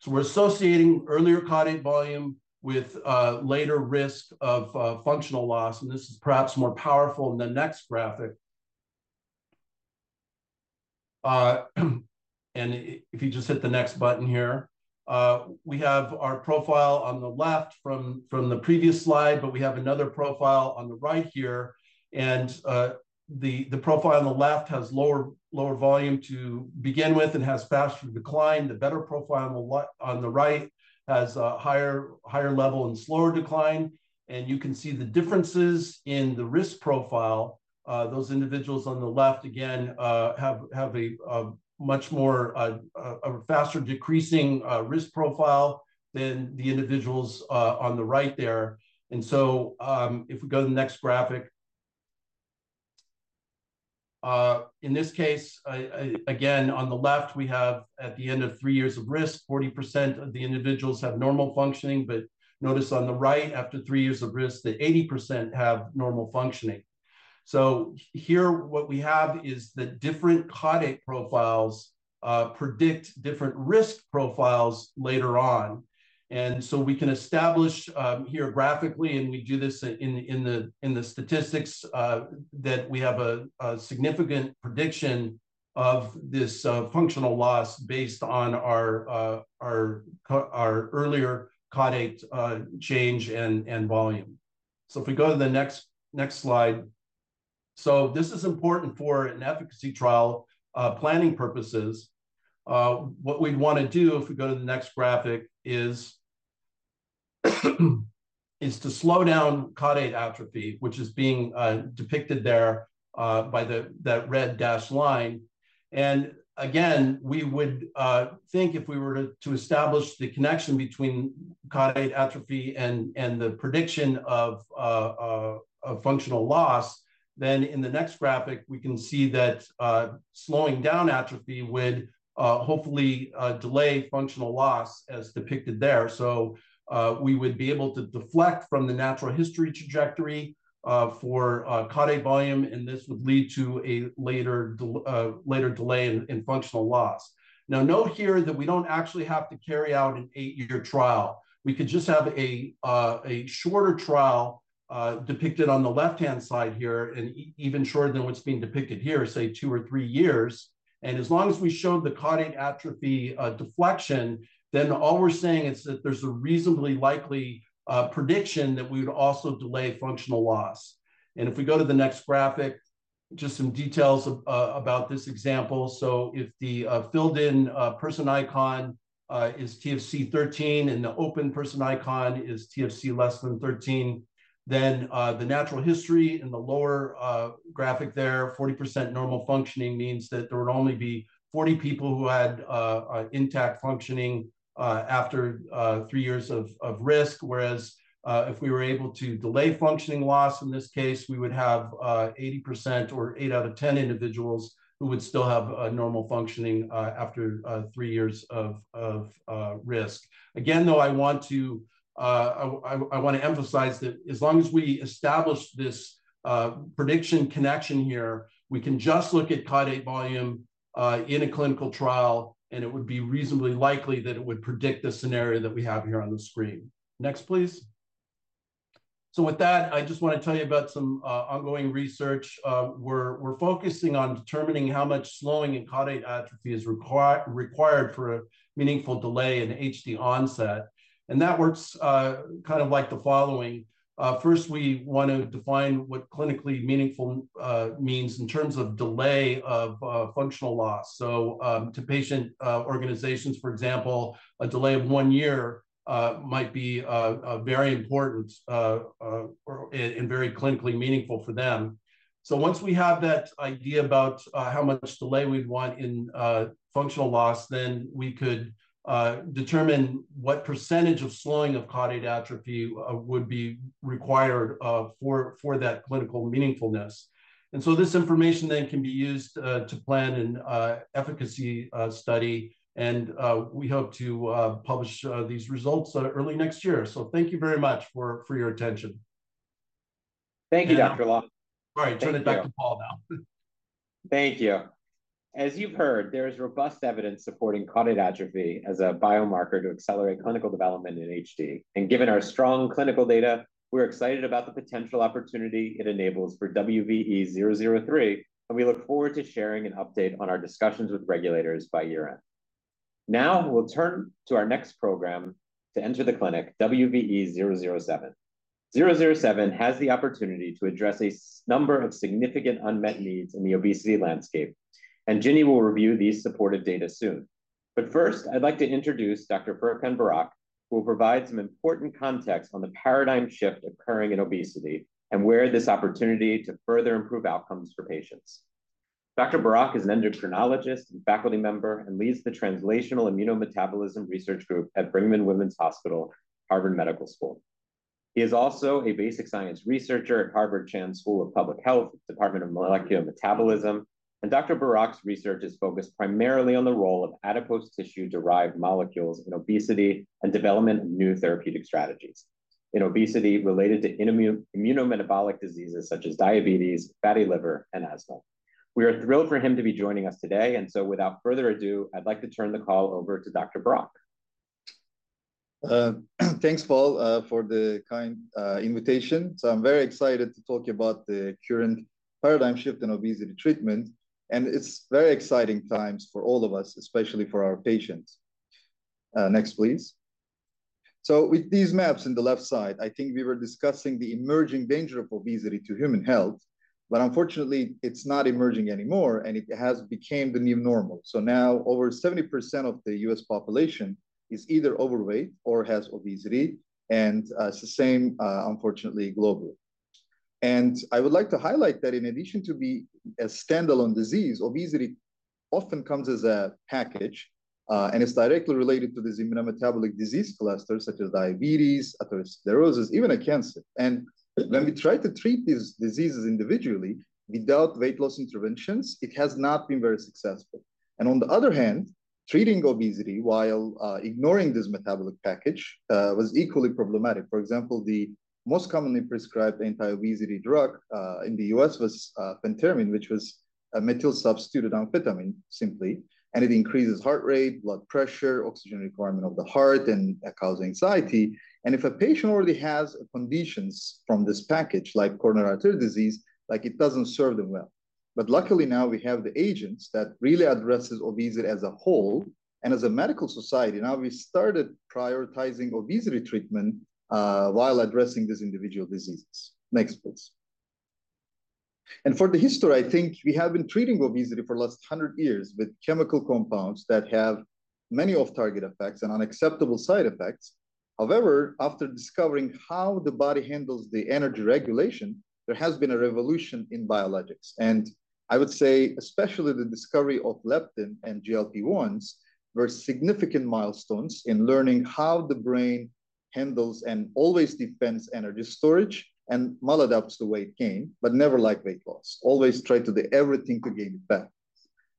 So we're associating earlier caudate volume with later risk of functional loss, and this is perhaps more powerful in the next graphic. And if you just hit the next button here, we have our profile on the left from the previous slide, but we have another profile on the right here. And the profile on the left has lower volume to begin with and has faster decline. The better profile on the right has a higher level and slower decline. And you can see the differences in the risk profile. Those individuals on the left, again, have a much more faster decreasing risk profile than the individuals on the right there. And so if we go to the next graphic, in this case, again, on the left, we have at the end of three years of risk, 40% of the individuals have normal functioning, but notice on the right, after three years of risk, that 80% have normal functioning. So here, what we have is that different caudate profiles predict different risk profiles later on. And so we can establish here graphically, and we do this in the statistics that we have a significant prediction of this functional loss based on our earlier caudate change and volume. So if we go to the next slide, so this is important for an efficacy trial planning purposes. What we'd want to do if we go to the next graphic is to slow down caudate atrophy, which is being depicted there by that red dashed line, and again, we would think if we were to establish the connection between caudate atrophy and the prediction of functional loss, then in the next graphic, we can see that slowing down atrophy would hopefully delay functional loss as depicted there, so we would be able to deflect from the natural history trajectory for caudate volume, and this would lead to a later delay in functional loss. Now, note here that we don't actually have to carry out an eight-year trial. We could just have a shorter trial depicted on the left-hand side here and even shorter than what's being depicted here, say two or three years. As long as we showed the caudate atrophy deflection, then all we're saying is that there's a reasonably likely prediction that we would also delay functional loss. If we go to the next graphic, just some details about this example. If the filled-in person icon is TFC 13 and the open person icon is TFC less than 13, then the natural history in the lower graphic there, 40% normal functioning means that there would only be 40 people who had intact functioning after three years of risk, whereas if we were able to delay functioning loss in this case, we would have 80% or eight out of 10 individuals who would still have normal functioning after three years of risk. Again, though, I want to emphasize that as long as we establish this prediction connection here, we can just look at caudate volume in a clinical trial, and it would be reasonably likely that it would predict the scenario that we have here on the screen. Next, please. So with that, I just want to tell you about some ongoing research. We're focusing on determining how much slowing in caudate atrophy is required for a meaningful delay in HD onset. And that works kind of like the following. First, we want to define what clinically meaningful means in terms of delay of functional loss. So to patient organizations, for example, a delay of one year might be very important and very clinically meaningful for them. So once we have that idea about how much delay we'd want in functional loss, then we could determine what percentage of slowing of caudate atrophy would be required for that clinical meaningfulness. And so this information then can be used to plan an efficacy study, and we hope to publish these results early next year. So thank you very much for your attention. Thank you, Dr. Long. All right, turning it back to Paul now. Thank you. As you've heard, there is robust evidence supporting caudate atrophy as a biomarker to accelerate clinical development in HD. And given our strong clinical data, we're excited about the potential opportunity it enables for WVE-003, and we look forward to sharing an update on our discussions with regulators by year-end. Now, we'll turn to our next program to enter the clinic, WVE-007. 007 has the opportunity to address a number of significant unmet needs in the obesity landscape, and Ginnie will review these supportive data soon. But first, I'd like to introduce Dr. Furkan Burak, who will provide some important context on the paradigm shift occurring in obesity and where this opportunity to further improve outcomes for patients. Dr. Burak is an endocrinologist and faculty member and leads the Translational Immunometabolism Research Group at Brigham and Women's Hospital, Harvard Medical School. He is also a basic science researcher at Harvard Chan School of Public Health, Department of Molecular Metabolism, and Dr. Burak's research is focused primarily on the role of adipose tissue-derived molecules in obesity and development of new therapeutic strategies in obesity related to immunometabolic diseases such as diabetes, fatty liver, and asthma. We are thrilled for him to be joining us today, and so without further ado, I'd like to turn the call over to Dr. Burak. Thanks, Paul, for the kind invitation. I'm very excited to talk about the current paradigm shift in obesity treatment, and it's very exciting times for all of us, especially for our patients. Next, please. With these maps on the left side, I think we were discussing the emerging danger of obesity to human health, but unfortunately, it's not emerging anymore, and it has become the new normal. Now, over 70% of the U.S. population is either overweight or has obesity, and it's the same, unfortunately, globally. I would like to highlight that in addition to being a standalone disease, obesity often comes as a package, and it's directly related to these immunometabolic disease clusters such as diabetes, atherosclerosis, even cancer. When we try to treat these diseases individually without weight loss interventions, it has not been very successful. On the other hand, treating obesity while ignoring this metabolic package was equally problematic. For example, the most commonly prescribed anti-obesity drug in the U.S. was phentermine, which was a methyl substitute of amphetamine, simply, and it increases heart rate, blood pressure, oxygen requirement of the heart, and causes anxiety. If a patient already has conditions from this package, like coronary artery disease, it doesn't serve them well. Luckily, now we have the agents that really address obesity as a whole, and as a medical society, now we started prioritizing obesity treatment while addressing these individual diseases. Next, please. For the history, I think we have been treating obesity for the last 100 years with chemical compounds that have many off-target effects and unacceptable side effects. However, after discovering how the body handles the energy regulation, there has been a revolution in biologics. I would say, especially the discovery of leptin and GLP-1s were significant milestones in learning how the brain handles and always defends energy storage and maladapts the weight gain, but never like weight loss. Always try to do everything to gain it back.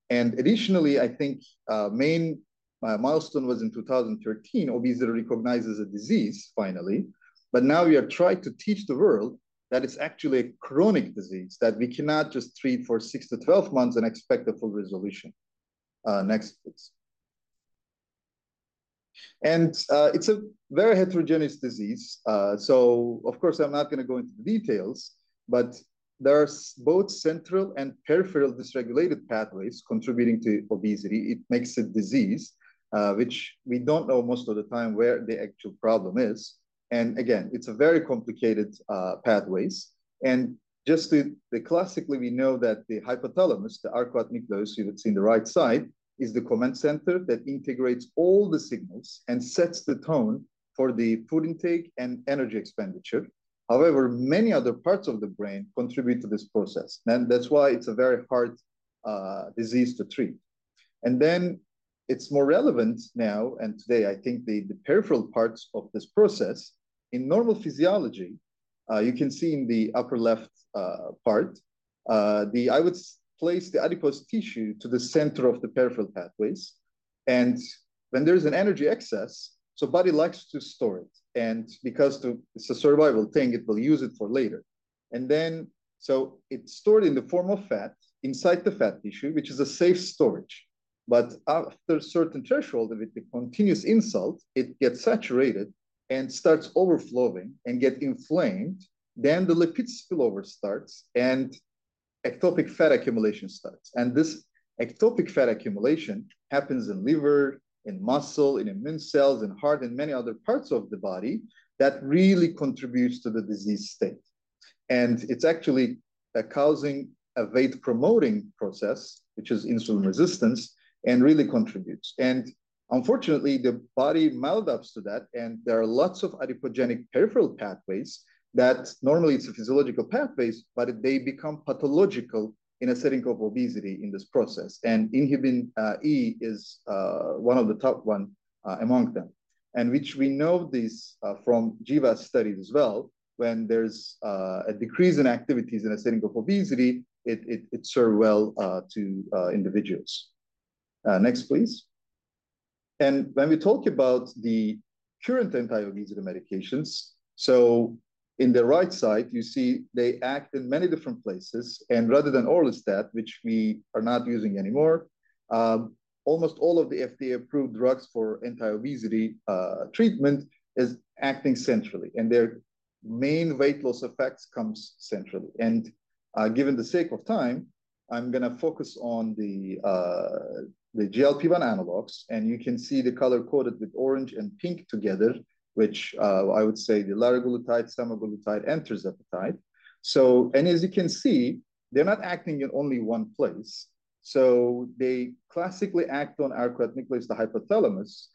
Additionally, I think the main milestone was in 2013, obesity recognized as a disease finally, but now we are trying to teach the world that it's actually a chronic disease that we cannot just treat for six to 12 months and expect a full resolution. Next, please. It's a very heterogeneous disease. So of course, I'm not going to go into the details, but there are both central and peripheral dysregulated pathways contributing to obesity. It makes it a disease, which we don't know most of the time where the actual problem is. Again, it's a very complicated pathway. And just classically, we know that the hypothalamus, the arcuate nucleus, you would see on the right side, is the command center that integrates all the signals and sets the tone for the food intake and energy expenditure. However, many other parts of the brain contribute to this process, and that's why it's a very hard disease to treat. And then it's more relevant now, and today, I think the peripheral parts of this process in normal physiology, you can see in the upper left part, I would place the adipose tissue to the center of the peripheral pathways. And when there's an energy excess, so the body likes to store it. And because it's a survival thing, it will use it for later. And then so it's stored in the form of fat inside the fat tissue, which is a safe storage. But after a certain threshold of continuous insult, it gets saturated and starts overflowing and gets inflamed. Then the lipid spillover starts and ectopic fat accumulation starts. And this ectopic fat accumulation happens in liver, in muscle, in immune cells, in heart, and many other parts of the body that really contributes to the disease state. And it's actually causing a weight-promoting process, which is insulin resistance, and really contributes. And unfortunately, the body maladapts to that, and there are lots of adipogenic peripheral pathways that normally it's a physiological pathway, but they become pathological in a setting of obesity in this process. And INHBE is one of the top ones among them, and which we know this from GWAS studies as well. When there's a decrease in activities in a setting of obesity, it serves well to individuals. Next, please. And when we talk about the current anti-obesity medications, so in the right side, you see they act in many different places. And rather than orlistat, which we are not using anymore, almost all of the FDA-approved drugs for anti-obesity treatment are acting centrally, and their main weight loss effect comes centrally. And given the sake of time, I'm going to focus on the GLP-1 analogs, and you can see the color coded with orange and pink together, which I would say the liraglutide, semaglutide, and tirzepatide. And as you can see, they're not acting in only one place. So they classically act on arcuate nucleus, the hypothalamus,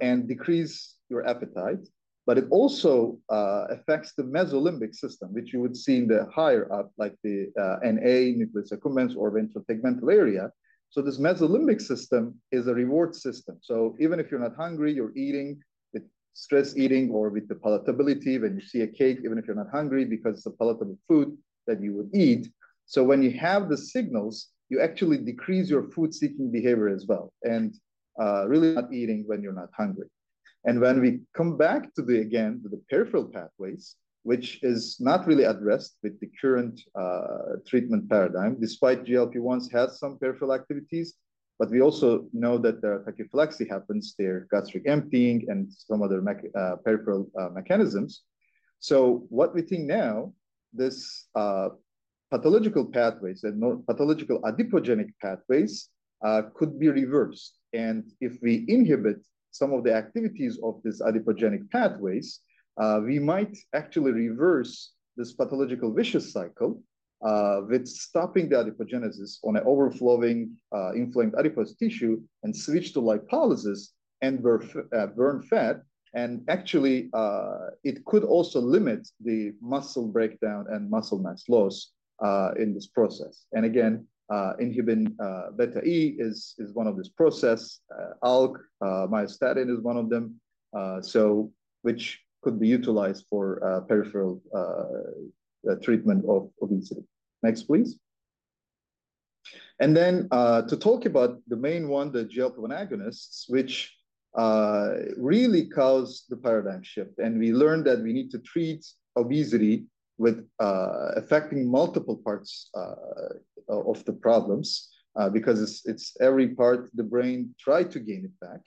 and decrease your appetite, but it also affects the mesolimbic system, which you would see in the higher up, like the NA nucleus accumbens or ventral tegmental area. So this mesolimbic system is a reward system. So even if you're not hungry, you're eating with stress eating or with the palatability, when you see a cake, even if you're not hungry, because it's a palatable food that you would eat. So when you have the signals, you actually decrease your food-seeking behavior as well and really not eating when you're not hungry. And when we come back to the, again, the peripheral pathways, which is not really addressed with the current treatment paradigm, despite GLP-1s having some peripheral activities, but we also know that tachyphylaxis happens there, gastric emptying, and some other peripheral mechanisms. So what we think now, these pathological pathways, pathological adipogenic pathways could be reversed. And if we inhibit some of the activities of these adipogenic pathways, we might actually reverse this pathological vicious cycle with stopping the adipogenesis on an overflowing inflamed adipose tissue and switch to lipolysis and burn fat. And actually, it could also limit the muscle breakdown and muscle mass loss in this process. And again, Inhibin beta E is one of these processes. ALK, myostatin is one of them, which could be utilized for peripheral treatment of obesity. Next, please. And then to talk about the main one, the GLP-1 agonists, which really cause the paradigm shift. And we learned that we need to treat obesity with affecting multiple parts of the problems because it's every part of the brain trying to gain it back.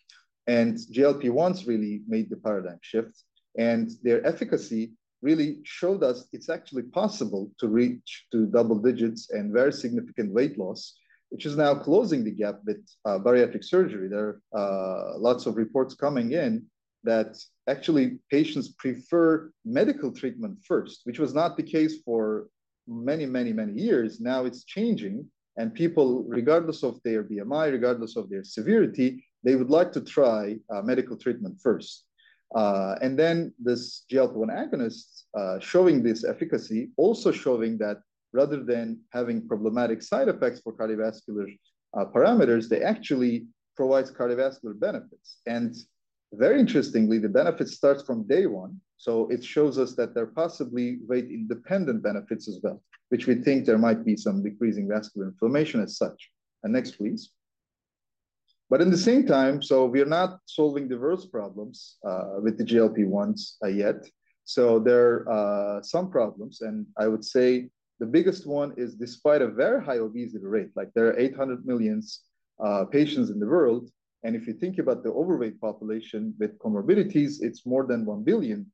GLP-1s really made the paradigm shift, and their efficacy really showed us it's actually possible to reach double digits and very significant weight loss, which is now closing the gap with bariatric surgery. There are lots of reports coming in that actually patients prefer medical treatment first, which was not the case for many, many, many years. Now it's changing, and people, regardless of their BMI, regardless of their severity, they would like to try medical treatment first. And then this GLP-1 agonist showing this efficacy also showing that rather than having problematic side effects for cardiovascular parameters, they actually provide cardiovascular benefits. And very interestingly, the benefits start from day one. So it shows us that there are possibly weight-independent benefits as well, which we think there might be some decreasing vascular inflammation as such. And next, please. But at the same time, so we are not solving diverse problems with the GLP-1s yet. So there are some problems, and I would say the biggest one is despite a very high obesity rate, like there are 800 million patients in the world. And if you think about the overweight population with comorbidities, it's more than 1 billion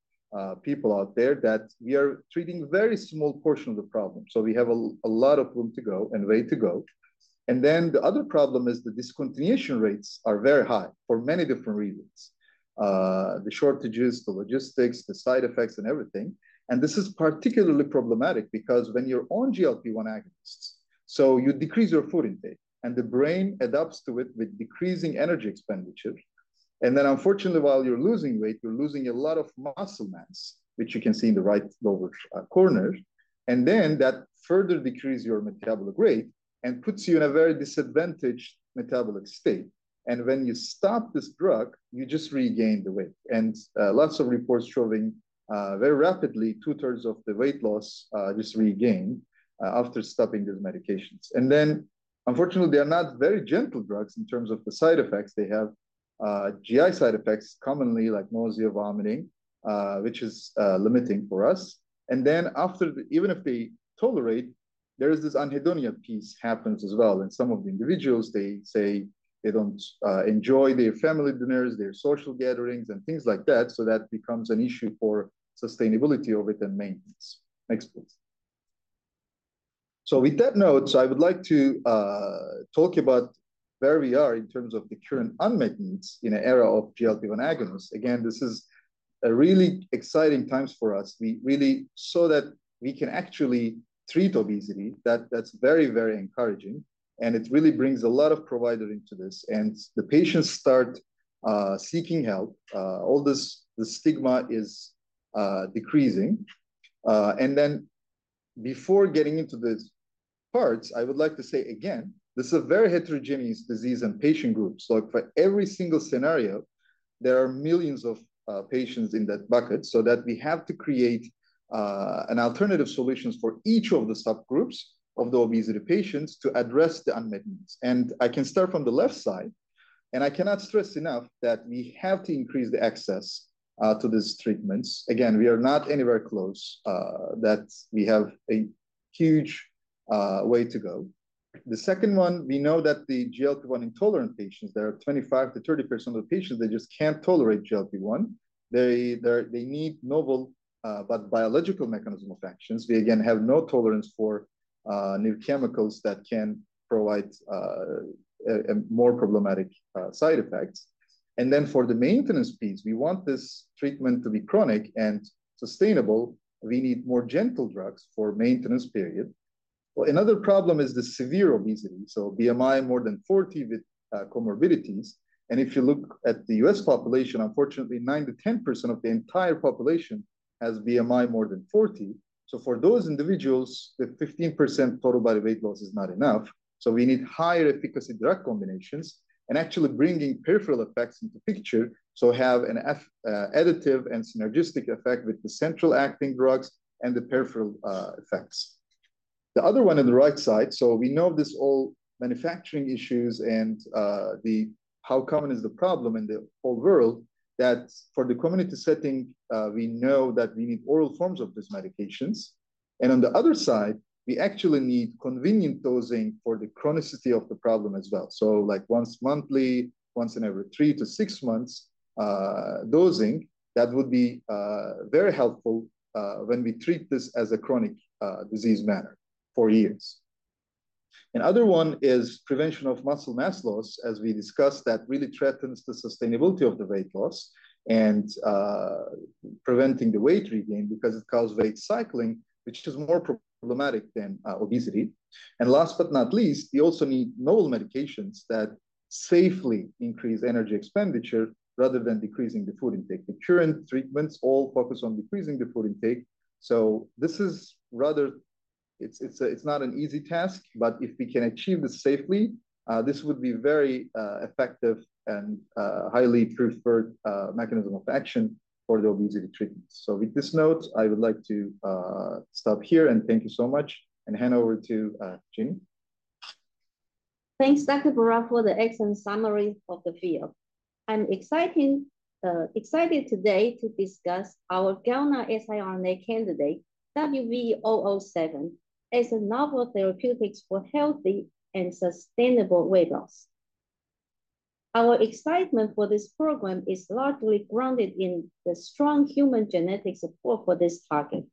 people out there that we are treating a very small portion of the problem. So we have a lot of room to go and way to go. And then the other problem is the discontinuation rates are very high for many different reasons: the shortages, the logistics, the side effects, and everything. And this is particularly problematic because when you're on GLP-1 agonists, so you decrease your food intake, and the brain adapts to it with decreasing energy expenditure. And then unfortunately, while you're losing weight, you're losing a lot of muscle mass, which you can see in the right lower corner. And then that further decreases your metabolic rate and puts you in a very disadvantaged metabolic state. And when you stop this drug, you just regain the weight. And lots of reports showing very rapidly two-thirds of the weight loss just regained after stopping these medications. And then unfortunately, they are not very gentle drugs in terms of the side effects. They have GI side effects commonly, like nausea, vomiting, which is limiting for us. And then after, even if they tolerate, there is this anhedonic piece that happens as well. And some of the individuals, they say they don't enjoy their family dinners, their social gatherings, and things like that. So that becomes an issue for sustainability of it and maintenance. Next, please. So with that note, I would like to talk about where we are in terms of the current unmet needs in the era of GLP-1 agonists. Again, this is a really exciting time for us. We really saw that we can actually treat obesity. That's very, very encouraging, and it really brings a lot of providers into this. And the patients start seeking help. All this stigma is decreasing. And then before getting into these parts, I would like to say again, this is a very heterogeneous disease and patient group. So for every single scenario, there are millions of patients in that bucket. So that we have to create alternative solutions for each of the subgroups of the obesity patients to address the unmet needs. And I can start from the left side. And I cannot stress enough that we have to increase the access to these treatments. Again, we are not anywhere close to that. We have a huge way to go. The second one, we know that the GLP-1 intolerant patients, there are 25%-30% of patients that just can't tolerate GLP-1. They need novel biological mechanisms of actions. They again have no tolerance for new chemicals that can provide more problematic side effects, and then for the maintenance piece, we want this treatment to be chronic and sustainable. We need more gentle drugs for maintenance period. Another problem is the severe obesity, so, BMI more than 40 with comorbidities, and if you look at the U.S. population, unfortunately, 9%-10% of the entire population has BMI more than 40, so for those individuals, the 15% total body weight loss is not enough, so we need higher efficacy drug combinations and actually bringing peripheral effects into the picture. So have an additive and synergistic effect with the central acting drugs and the peripheral effects. The other one on the right side, so we know this all manufacturing issues and how common is the problem in the whole world that for the community setting, we know that we need oral forms of these medications. And on the other side, we actually need convenient dosing for the chronicity of the problem as well. So like once monthly, once in every three-to-six months dosing, that would be very helpful when we treat this as a chronic disease manner for years. Another one is prevention of muscle mass loss, as we discussed, that really threatens the sustainability of the weight loss and preventing the weight regain because it causes weight cycling, which is more problematic than obesity. And last but not least, we also need novel medications that safely increase energy expenditure rather than decreasing the food intake. The current treatments all focus on decreasing the food intake. So this is rather, it's not an easy task, but if we can achieve this safely, this would be a very effective and highly proven mechanism of action for the obesity treatment. So with this note, I would like to stop here and thank you so much and hand over to Ginnie. Thanks, Dr. Burak, for the excellent summary of the field. I'm excited today to discuss our GalNAc siRNA candidate, WVE-007, as a novel therapeutic for healthy and sustainable weight loss. Our excitement for this program is largely grounded in the strong human genetic support for this target.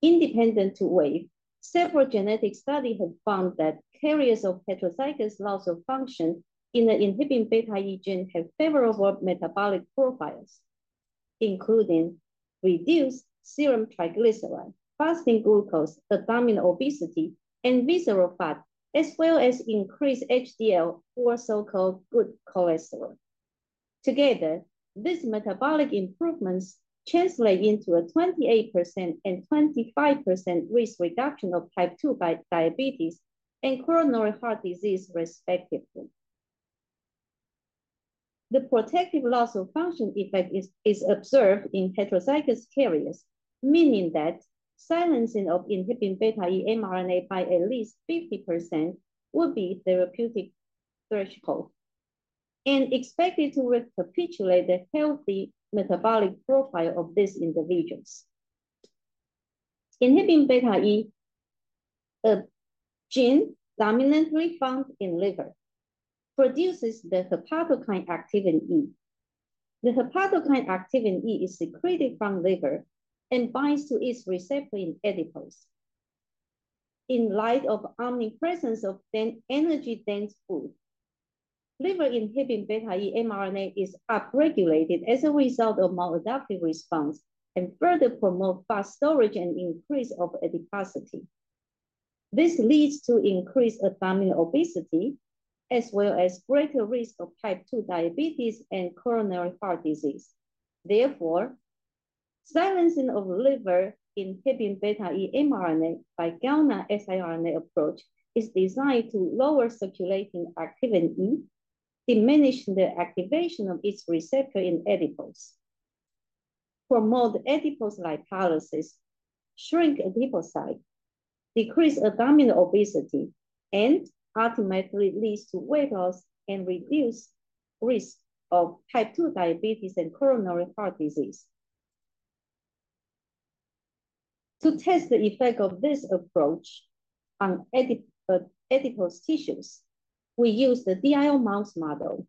Independent to Wave, several genetic studies have found that carriers of heterozygous loss of function in the Inhibin beta E gene have favorable metabolic profiles, including reduced serum triglycerides, fasting glucose, abdominal obesity, and visceral fat, as well as increased HDL or so-called good cholesterol. Together, these metabolic improvements translate into a 28% and 25% risk reduction of type 2 diabetes and coronary heart disease, respectively. The protective loss of function effect is observed in heterozygous carriers, meaning that silencing of Inhibin beta E mRNA by at least 50% would be a therapeutic threshold and expected to recapitulate the healthy metabolic profile of these individuals. Inhibin beta E, a gene dominantly found in liver, produces the hepatokine Activin E. The hepatokine Activin E is secreted from liver and binds to its receptor in adipose. In light of the omnipresence of energy-dense food, liver Inhibin beta E mRNA is upregulated as a result of maladaptive response and further promotes fat storage and increase of adiposity. This leads to increased abdominal obesity as well as greater risk of type 2 diabetes and coronary heart disease. Therefore, silencing of liver Inhibin beta E mRNA by GalNAc siRNA approach is designed to lower circulating Activin E, diminish the activation of its receptor in adipose, promote adipose lipolysis, shrink adipocytes, decrease abdominal obesity, and ultimately leads to weight loss and reduced risk of type 2 diabetes and coronary heart disease. To test the effect of this approach on adipose tissues, we use the DIO mouse model.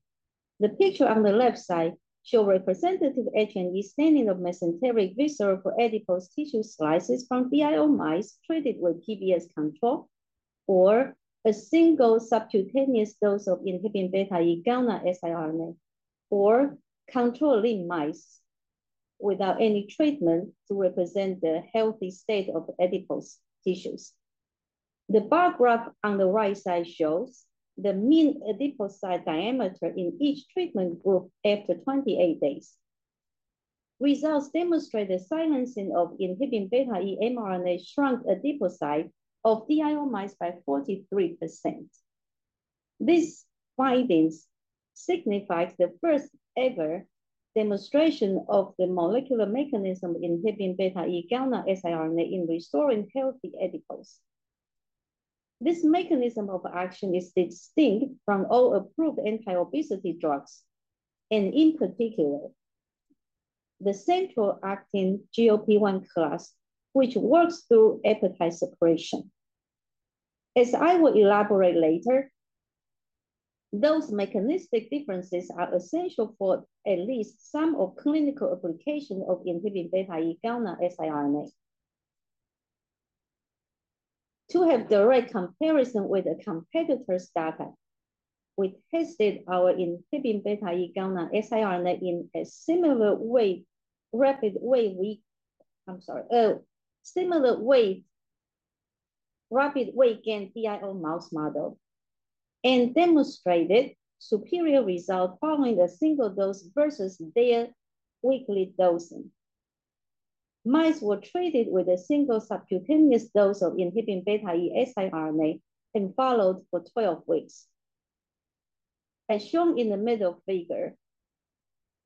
The picture on the left side shows representative H&E staining of mesenteric visceral adipose tissue slices from DIO mice treated with PBS control or a single subcutaneous dose of Inhibin beta E GalNAc siRNA or control lean mice without any treatment to represent the healthy state of adipose tissues. The bar graph on the right side shows the mean adipocyte diameter in each treatment group after 28 days. Results demonstrate the silencing of Inhibin beta E mRNA shrunk adipocyte of DIO mice by 43%. These findings signify the first-ever demonstration of the molecular mechanism Inhibin beta E GalNAc siRNA in restoring healthy adipose. This mechanism of action is distinct from all approved anti-obesity drugs and in particular, the central acting GLP-1 class, which works through appetite suppression. As I will elaborate later, those mechanistic differences are essential for at least some of the clinical applications of Inhibin beta E GalNAc siRNA. To have direct comparison with the competitors' data, we tested our Inhibin beta E GalNAc siRNA in a similar way, rapid weight gain DIO mouse model and demonstrated superior results following a single dose versus their weekly dosing. Mice were treated with a single subcutaneous dose of Inhibin beta E GalNAc siRNA and followed for 12 weeks. As shown in the middle figure,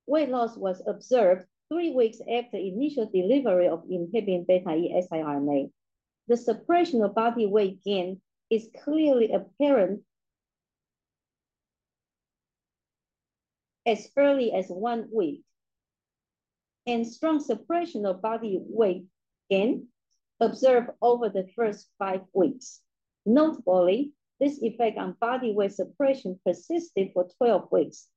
weight loss was observed three weeks after initial delivery of Inhibin beta E siRNA. The suppression of body weight gain is clearly apparent as early as one week, and strong suppression of body weight gain observed over the first five weeks. Notably, this effect on body weight suppression persisted for 12 weeks.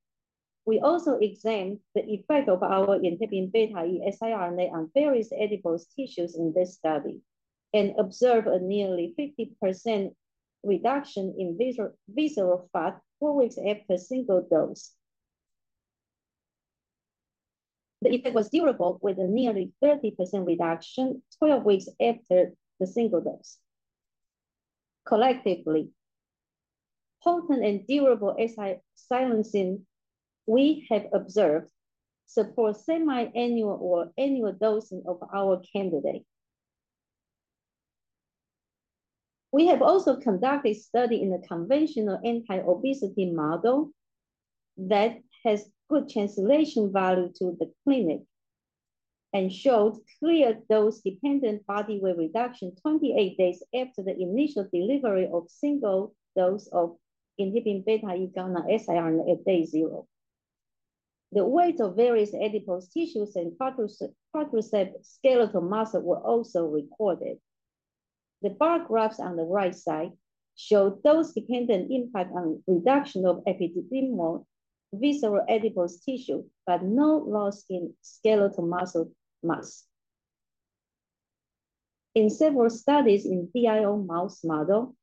We also examined the effect of our Inhibin beta E siRNA on various adipose tissues in this study and observed a nearly 50% reduction in visceral fat four weeks after a single dose. The effect was durable with a nearly 30% reduction 12 weeks after the single dose. Collectively, potent and durable silencing we have observed supports semi-annual or annual dosing of our candidate. We have also conducted a study in the conventional anti-obesity model that has good translation value to the clinic and showed clear dose-dependent body weight reduction 28 days after the initial delivery of a single dose of Inhibin beta E GalNAc siRNA at day zero. The weights of various adipose tissues and quadriceps skeletal muscle were also recorded. The bar graphs on the right side showed dose-dependent impact on reduction of epididymal visceral adipose tissue, but no loss in skeletal muscle mass. In several studies in DIO mouse model,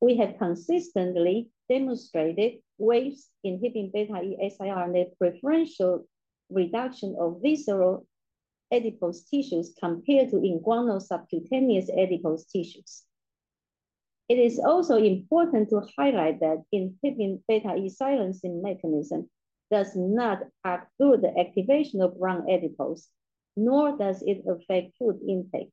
we have consistently demonstrated Wave's Inhibin beta E siRNA preferential reduction of visceral adipose tissues compared to inguinal subcutaneous adipose tissues. It is also important to highlight that Inhibin beta E silencing mechanism does not have good activation of brown adipose, nor does it affect food intake.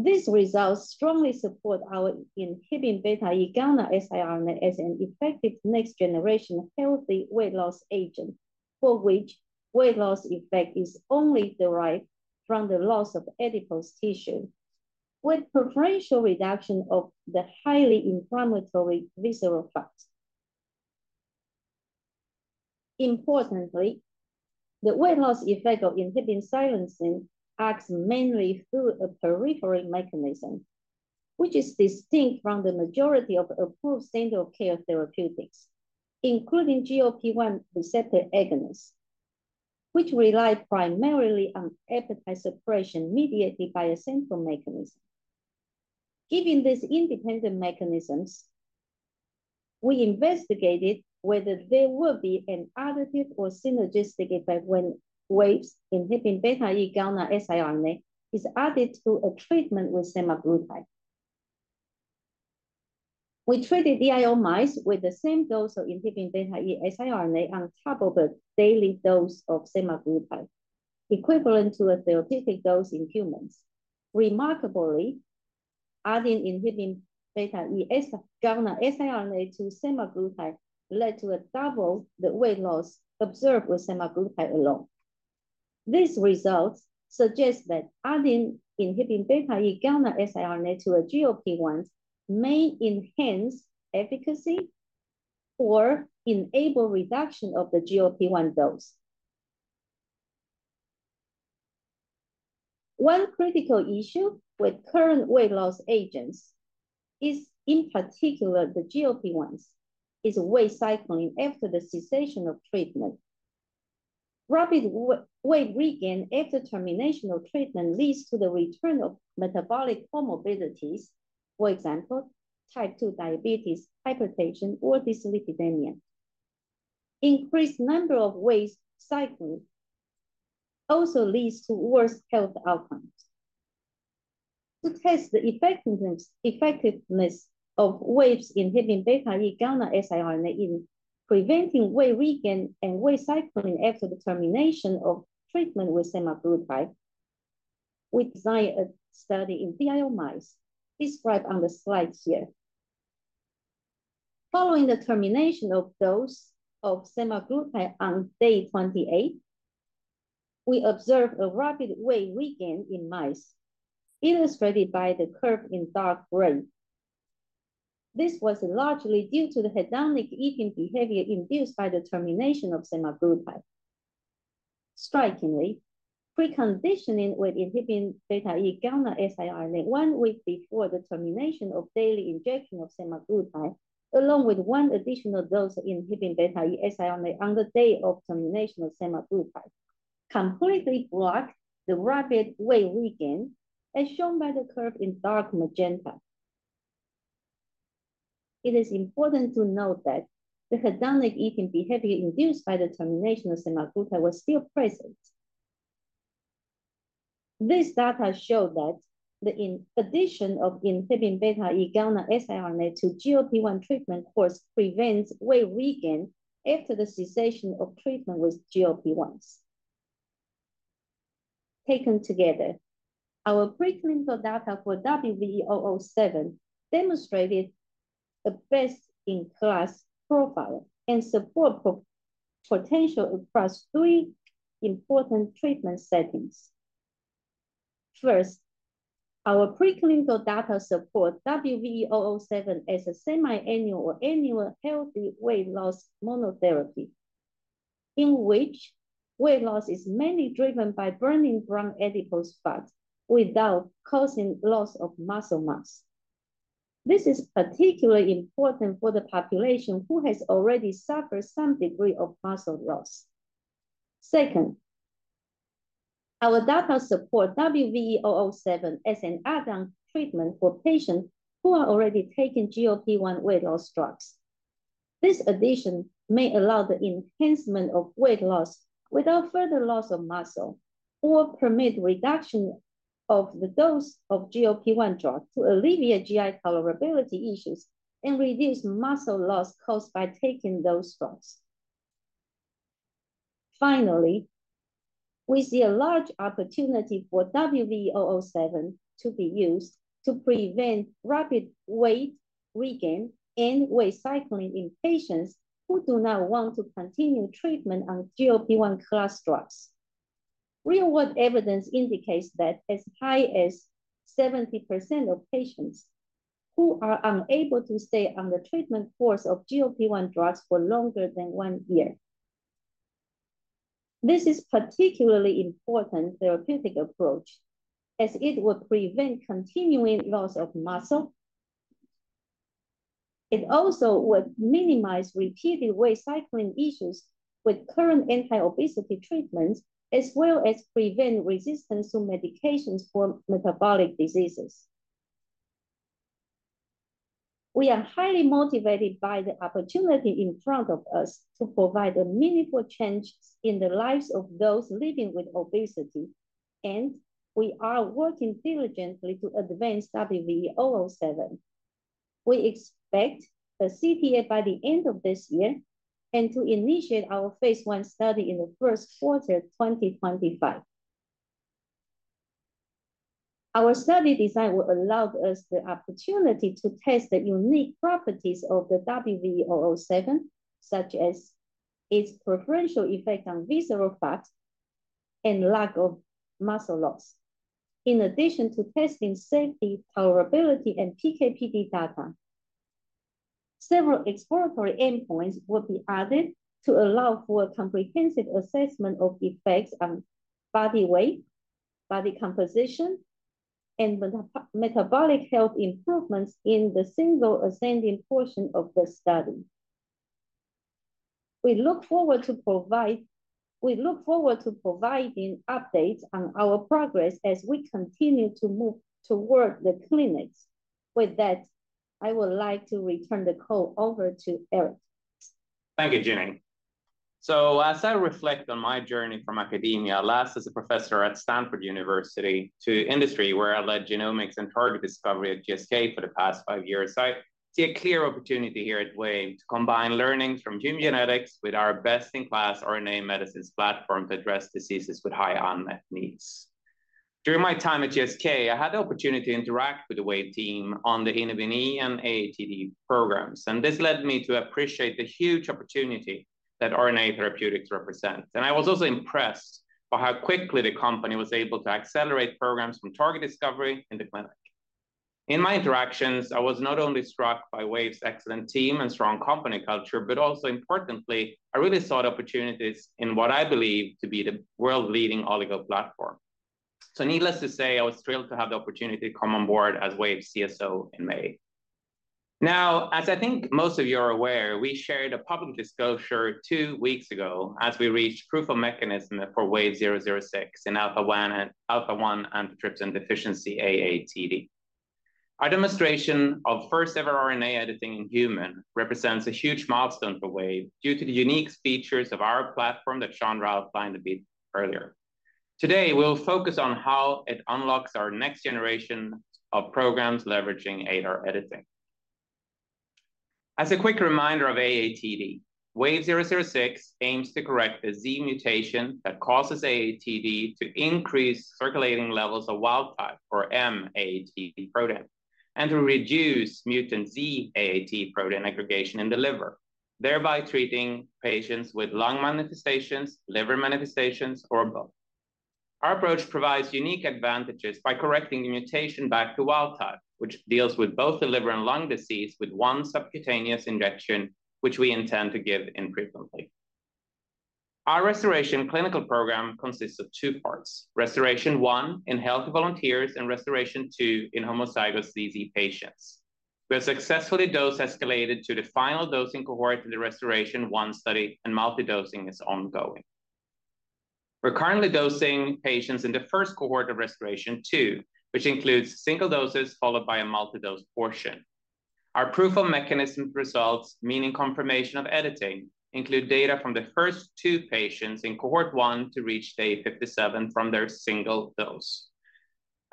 These results strongly support our Inhibin beta E GalNAc siRNA as an effective next-generation healthy weight loss agent, for which weight loss effect is only derived from the loss of adipose tissue with preferential reduction of the highly inflammatory visceral fat. Importantly, the weight loss effect of inhibin silencing acts mainly through a peripheral mechanism, which is distinct from the majority of approved standard of care therapeutics, including GLP-1 receptor agonists, which rely primarily on appetite suppression mediated by a central mechanism. Given these independent mechanisms, we investigated whether there will be an additive or synergistic effect when Wave's Inhibin beta E GalNAc siRNA is added to a treatment with Semaglutide. We treated DIO mice with the same dose of inhibin beta E siRNA on top of a daily dose of Semaglutide, equivalent to a therapeutic dose in humans. Remarkably, adding Inhibin beta E GalNAc siRNA to semaglutide led to double the weight loss observed with semaglutide alone. These results suggest that adding Inhibin beta E GalNAc siRNA to a GLP-1 may enhance efficacy or enable reduction of the GLP-1 dose. One critical issue with current weight loss agents, in particular the GLP-1s, is weight cycling after the cessation of treatment. Rapid weight regain after termination of treatment leads to the return of metabolic comorbidities, for example, type 2 diabetes, hypertension, or dyslipidemia. Increased number of weight cycling also leads to worse health outcomes. To test the effectiveness of Wave's Inhibin beta E GalNAc siRNA in preventing weight regain and weight cycling after the termination of treatment with semaglutide, we designed a study in DIO mice described on the slide here. Following the termination of dose of semaglutide on day 28, we observed a rapid weight regain in mice, illustrated by the curve in dark gray. This was largely due to the hedonic eating behavior induced by the termination of semaglutide. Strikingly, preconditioning with inhibin beta E GalNAc siRNA one week before the termination of daily injection of semaglutide, along with one additional dose of inhibin beta E siRNA on the day of termination of semaglutide, completely blocked the rapid weight regain, as shown by the curve in dark magenta. It is important to note that the hedonic eating behavior induced by the termination of semaglutide was still present. This data showed that the addition of inhibin beta E GalNAc siRNA to GLP-1 treatment course prevents weight regain after the cessation of treatment with GLP-1s. Taken together, our preclinical data for WVE-007 demonstrated a best-in-class profile and support potential across three important treatment settings. First, our preclinical data supports WVE-007 as a semi-annual or annual healthy weight loss monotherapy, in which weight loss is mainly driven by burning brown adipose fat without causing loss of muscle mass. This is particularly important for the population who has already suffered some degree of muscle loss. Second, our data supports WVE-007 as an add-on treatment for patients who are already taking GLP-1 weight loss drugs. This addition may allow the enhancement of weight loss without further loss of muscle or permit reduction of the dose of GLP-1 drug to alleviate GI tolerability issues and reduce muscle loss caused by taking those drugs. Finally, we see a large opportunity for WVE-007 to be used to prevent rapid weight regain and weight cycling in patients who do not want to continue treatment on GLP-1 class drugs. Real-world evidence indicates that as high as 70% of patients who are unable to stay on the treatment course of GLP-1 drugs for longer than one year. This is a particularly important therapeutic approach as it would prevent continuing loss of muscle. It also would minimize repeated weight cycling issues with current anti-obesity treatments, as well as prevent resistance to medications for metabolic diseases. We are highly motivated by the opportunity in front of us to provide a meaningful change in the lives of those living with obesity, and we are working diligently to advance WVE-007. We expect a CTA by the end of this year and to initiate our Phase 1 study in the first quarter of 2025. Our study design will allow us the opportunity to test the unique properties of the WVE-007, such as its preferential effect on visceral fat and lack of muscle loss, in addition to testing safety, tolerability, and PKPD data. Several exploratory endpoints will be added to allow for a comprehensive assessment of effects on body weight, body composition, and metabolic health improvements in the single ascending portion of the study. We look forward to providing updates on our progress as we continue to move toward the clinics. With that, I would like to return the call over to Erik. Thank you, Ginnie. As I reflect on my journey from academia, last as a professor at Stanford University to industry, where I led genomics and target discovery at GSK for the past five years, I see a clear opportunity here at Wave to combine learnings from gene genetics with our best-in-class RNA medicines platform to address diseases with high unmet needs. During my time at GSK, I had the opportunity to interact with the Wave team on the INHBE and AATD programs, and this led me to appreciate the huge opportunity that RNA therapeutics represent. I was also impressed by how quickly the company was able to accelerate programs from target discovery in the clinic. In my interactions, I was not only struck by Wave's excellent team and strong company culture, but also, importantly, I really saw opportunities in what I believe to be the world-leading oligo platform. So needless to say, I was thrilled to have the opportunity to come on board as Wave's CSO in May. Now, as I think most of you are aware, we shared a public disclosure two weeks ago as we reached proof of mechanism for WVE-006 in alpha-1 antitrypsin deficiency AATD. Our demonstration of first-ever RNA editing in human represents a huge milestone for Wave due to the unique features of our platform that Chandra outlined a bit earlier. Today, we'll focus on how it unlocks our next generation of programs leveraging ADAR editing. As a quick reminder of AATD, WVE-006 aims to correct the Z mutation that causes AATD to increase circulating levels of wild type, or M AAT protein, and to reduce mutant Z AAT protein aggregation in the liver, thereby treating patients with lung manifestations, liver manifestations, or both. Our approach provides unique advantages by correcting the mutation back to wild type, which deals with both the liver and lung disease with one subcutaneous injection, which we intend to give infrequently. Our restoration clinical program consists of two parts: RestorAATion-1 in healthy volunteers and RestorAATion-2 in homozygous ZZ patients. We have successfully dose-escalated to the final dosing cohort in the RestorAATion-1 study, and multidosing is ongoing. We're currently dosing patients in the first cohort of RestorAATion-2, which includes single doses followed by a multidose portion. Our proof of mechanism results, meaning confirmation of editing, include data from the first 2 patients in cohort 1 to reach day 57 from their single dose,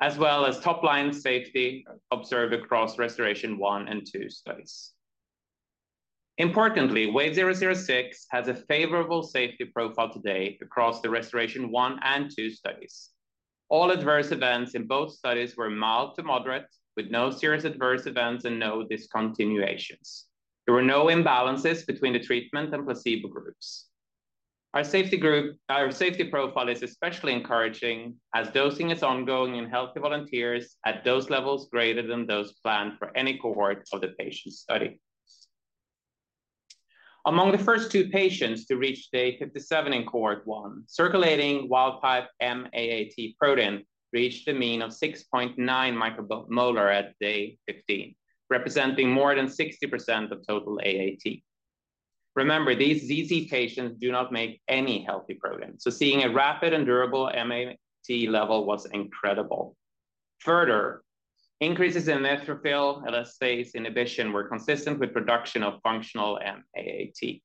as well as top-line safety observed across RestorAATion-1 and 2 studies. Importantly, WVE-006 has a favorable safety profile today across the RestorAATion-1 and 2 studies. All adverse events in both studies were mild to moderate, with no serious adverse events and no discontinuations. There were no imbalances between the treatment and placebo groups. Our safety profile is especially encouraging as dosing is ongoing in healthy volunteers at dose levels greater than those planned for any cohort of the patient study. Among the first two patients to reach day 57 in cohort 1, circulating wild type M-AAT protein reached a mean of 6.9 micromolar at day 15, representing more than 60% of total AAT. Remember, these ZZ patients do not make any healthy protein, so seeing a rapid and durable M-AAT level was incredible. Further, increases in neutrophil elastase inhibition were consistent with production of functional M-AAT.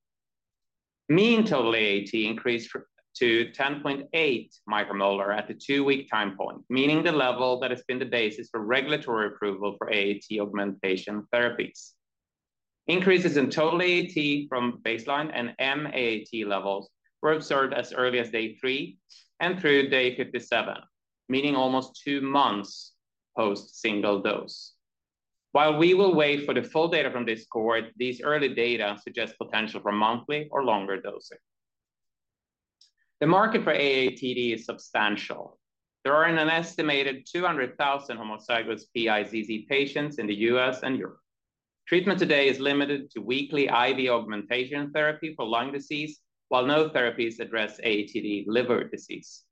Mean total AAT increased to 10.8 micromolar at the two-week time point, meaning the level that has been the basis for regulatory approval for AAT augmentation therapies. Increases in total AAT from baseline and MAAT levels were observed as early as day 3 and through day 57, meaning almost two months post single dose. While we will wait for the full data from this cohort, these early data suggest potential for monthly or longer dosing. The market for AATD is substantial. There are an estimated 200,000 homozygous PiZZ patients in the U.S. and Europe. Treatment today is limited to weekly IV augmentation therapy for lung disease, while no therapies address AATD liver disease.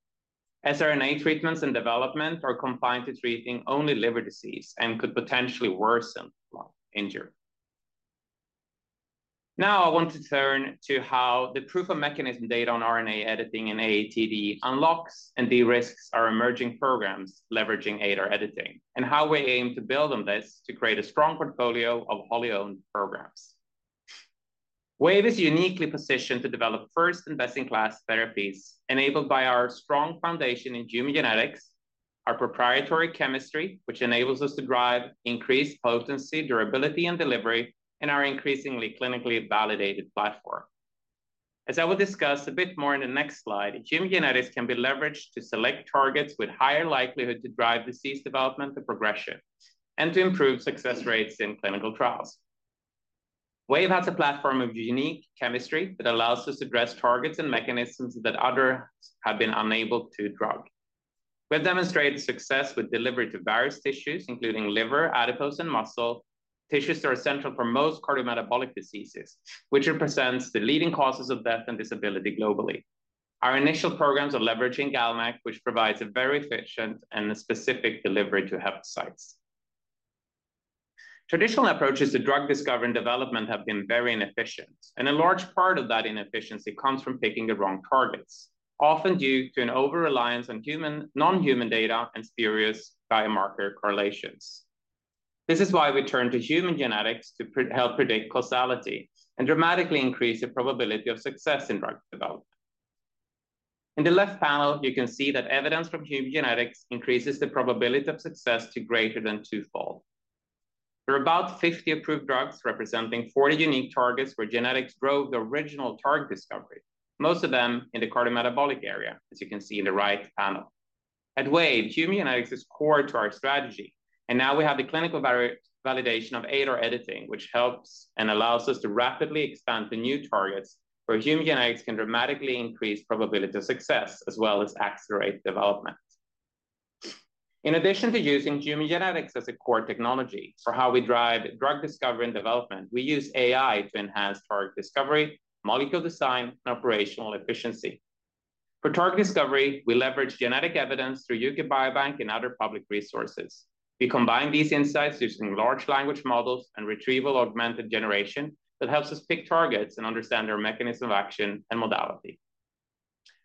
siRNA treatments and development are confined to treating only liver disease and could potentially worsen lung injury. Now, I want to turn to how the proof of mechanism data on RNA editing and AATD unlocks and de-risks our emerging programs leveraging ADAR editing, and how we aim to build on this to create a strong portfolio of wholly owned programs. Wave is uniquely positioned to develop first and best-in-class therapies enabled by our strong foundation in gene genetics, our proprietary chemistry, which enables us to drive increased potency, durability, and delivery in our increasingly clinically validated platform. As I will discuss a bit more in the next slide, gene genetics can be leveraged to select targets with higher likelihood to drive disease development and progression and to improve success rates in clinical trials. Wave has a platform of unique chemistry that allows us to address targets and mechanisms that others have been unable to drug. We have demonstrated success with delivery to various tissues, including liver, adipose, and muscle. Tissues that are central for most cardiometabolic diseases, which represents the leading causes of death and disability globally. Our initial programs are leveraging GalNAc, which provides a very efficient and specific delivery to hepatocytes. Traditional approaches to drug discovery and development have been very inefficient, and a large part of that inefficiency comes from picking the wrong targets, often due to an over-reliance on human non-human data and spurious biomarker correlations. This is why we turn to human genetics to help predict causality and dramatically increase the probability of success in drug development. In the left panel, you can see that evidence from human genetics increases the probability of success to greater than twofold. There are about 50 approved drugs representing 40 unique targets where genetics drove the original target discovery, most of them in the cardiometabolic area, as you can see in the right panel. At Wave, human genetics is core to our strategy, and now we have the clinical validation of ADAR editing, which helps and allows us to rapidly expand the new targets where human genetics can dramatically increase the probability of success, as well as accelerate development. In addition to using human genetics as a core technology for how we drive drug discovery and development, we use AI to enhance target discovery, molecule design, and operational efficiency. For target discovery, we leverage genetic evidence through UK Biobank and other public resources. We combine these insights using large language models and retrieval augmented generation that helps us pick targets and understand their mechanism of action and modality.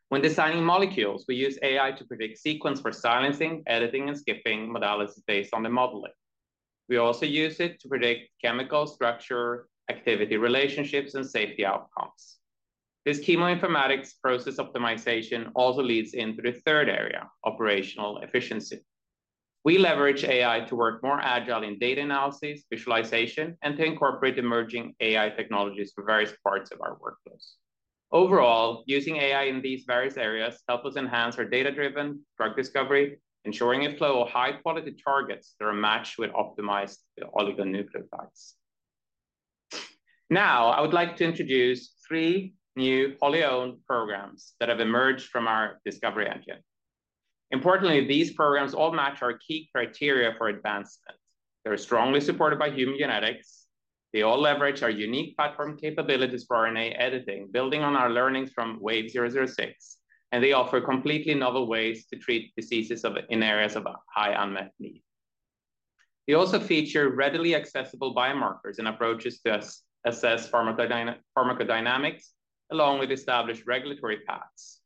When designing molecules, we use AI to predict sequence for silencing, editing, and skipping modalities based on the modeling. We also use it to predict chemical structure, activity relationships, and safety outcomes. This chemoinformatics process optimization also leads into the third area, operational efficiency. We leverage AI to work more agile in data analysis, visualization, and to incorporate emerging AI technologies for various parts of our workflows. Overall, using AI in these various areas helps us enhance our data-driven drug discovery, ensuring it flows with high-quality targets that are matched with optimized oligonucleotides. Now, I would like to introduce three new wholly owned programs that have emerged from our discovery engine. Importantly, these programs all match our key criteria for advancement. They're strongly supported by human genetics. They all leverage our unique platform capabilities for RNA editing, building on our learnings from WVE-006, and they offer completely novel ways to treat diseases in areas of high unmet need. They also feature readily accessible biomarkers and approaches to assess pharmacodynamics, along with established regulatory paths.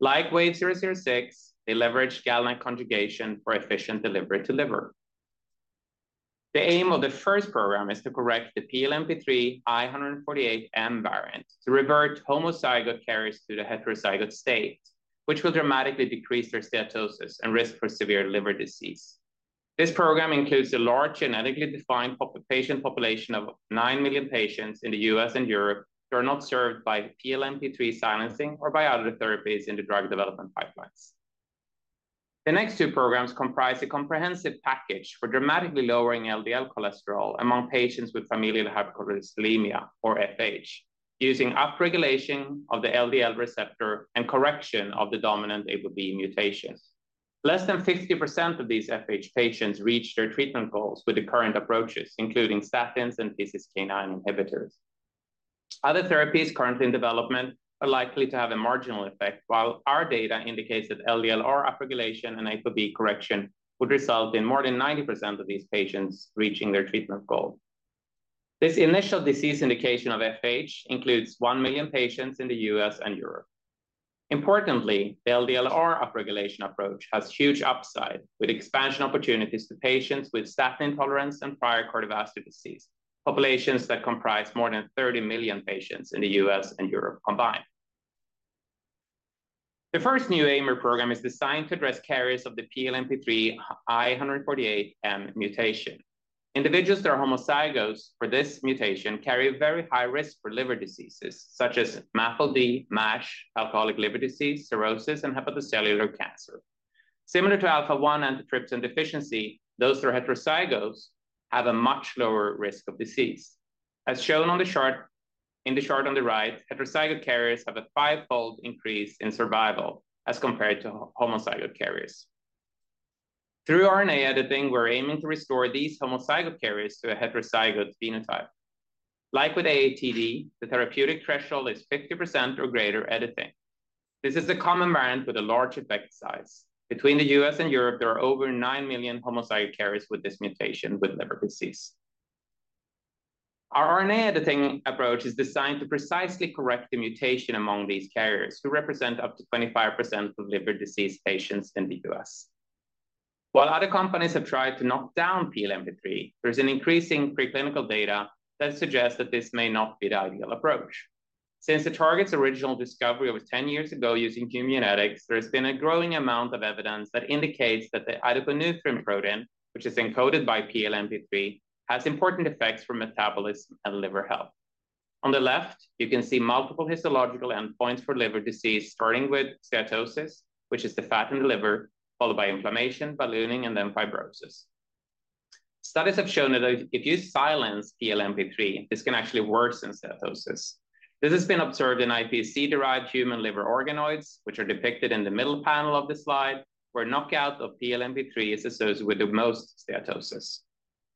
Like WVE-006, they leverage GalNAc conjugation for efficient delivery to liver. The aim of the first program is to correct the PNPLA3 I148M variant to revert homozygous carriers to the heterozygous state, which will dramatically decrease their steatosis and risk for severe liver disease. This program includes a large genetically defined patient population of nine million patients in the U.S. and Europe who are not served by PNPLA3 silencing or by other therapies in the drug development pipelines. The next two programs comprise a comprehensive package for dramatically lowering LDL cholesterol among patients with familial hypercholesterolemia, or FH, using upregulation of the LDL receptor and correction of the dominant ApoB mutations. Less than 50% of these FH patients reach their treatment goals with the current approaches, including statins and PCSK9 inhibitors. Other therapies currently in development are likely to have a marginal effect, while our data indicates that LDLR upregulation and ApoB correction would result in more than 90% of these patients reaching their treatment goal. This initial disease indication of FH includes 1 million patients in the U.S. and Europe. Importantly, the LDLR upregulation approach has huge upside with expansion opportunities to patients with statin intolerance and prior cardiovascular disease, populations that comprise more than 30 million patients in the U.S. and Europe combined. The first new AIMer program is designed to address carriers of the PNPLA3 I148M mutation. Individuals that are homozygous for this mutation carry a very high risk for liver diseases such as MASLD, MASH, alcoholic liver disease, cirrhosis, and hepatocellular cancer. Similar to alpha-1 antitrypsin deficiency, those that are heterozygous have a much lower risk of disease. As shown on the chart in the chart on the right, heterozygous carriers have a fivefold increase in survival as compared to homozygous carriers. Through RNA editing, we're aiming to restore these homozygous carriers to a heterozygous phenotype. Like with AATD, the therapeutic threshold is 50% or greater editing. This is a common variant with a large effect size. Between the U.S. and Europe, there are over 9 million homozygous carriers with this mutation with liver disease. Our RNA editing approach is designed to precisely correct the mutation among these carriers, who represent up to 25% of liver disease patients in the U.S. While other companies have tried to knock down PNPLA3, there's an increasing preclinical data that suggests that this may not be the ideal approach. Since the target's original discovery was 10 years ago using human genetics, there has been a growing amount of evidence that indicates that the adiponutrin protein, which is encoded by PNPLA3, has important effects for metabolism and liver health. On the left, you can see multiple histological endpoints for liver disease, starting with steatosis, which is the fat in the liver, followed by inflammation, ballooning, and then fibrosis. Studies have shown that if you silence PNPLA3, this can actually worsen steatosis. This has been observed in iPSC-derived human liver organoids, which are depicted in the middle panel of the slide, where knockout of PNPLA3 is associated with the most steatosis.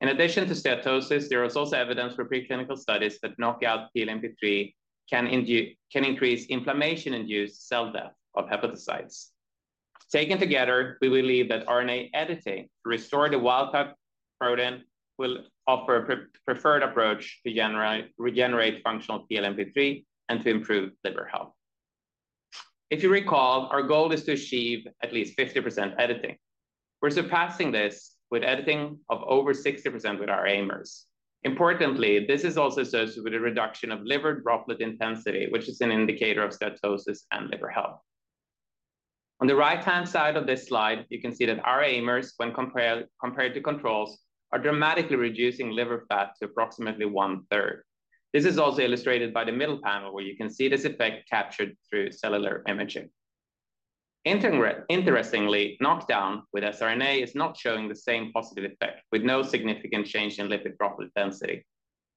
In addition to steatosis, there is also evidence for preclinical studies that knockout PNPLA3 can increase inflammation-induced cell death of hepatocytes. Taken together, we believe that RNA editing to restore the wild type protein will offer a preferred approach to regenerate functional PNPLA3 and to improve liver health. If you recall, our goal is to achieve at least 50% editing. We're surpassing this with editing of over 60% with our AIMers. Importantly, this is also associated with a reduction of liver droplet intensity, which is an indicator of steatosis and liver health. On the right-hand side of this slide, you can see that our AIMers, when compared to controls, are dramatically reducing liver fat to approximately one-third. This is also illustrated by the middle panel, where you can see this effect captured through cellular imaging. Interestingly, knockdown with siRNA is not showing the same positive effect, with no significant change in lipid droplet density.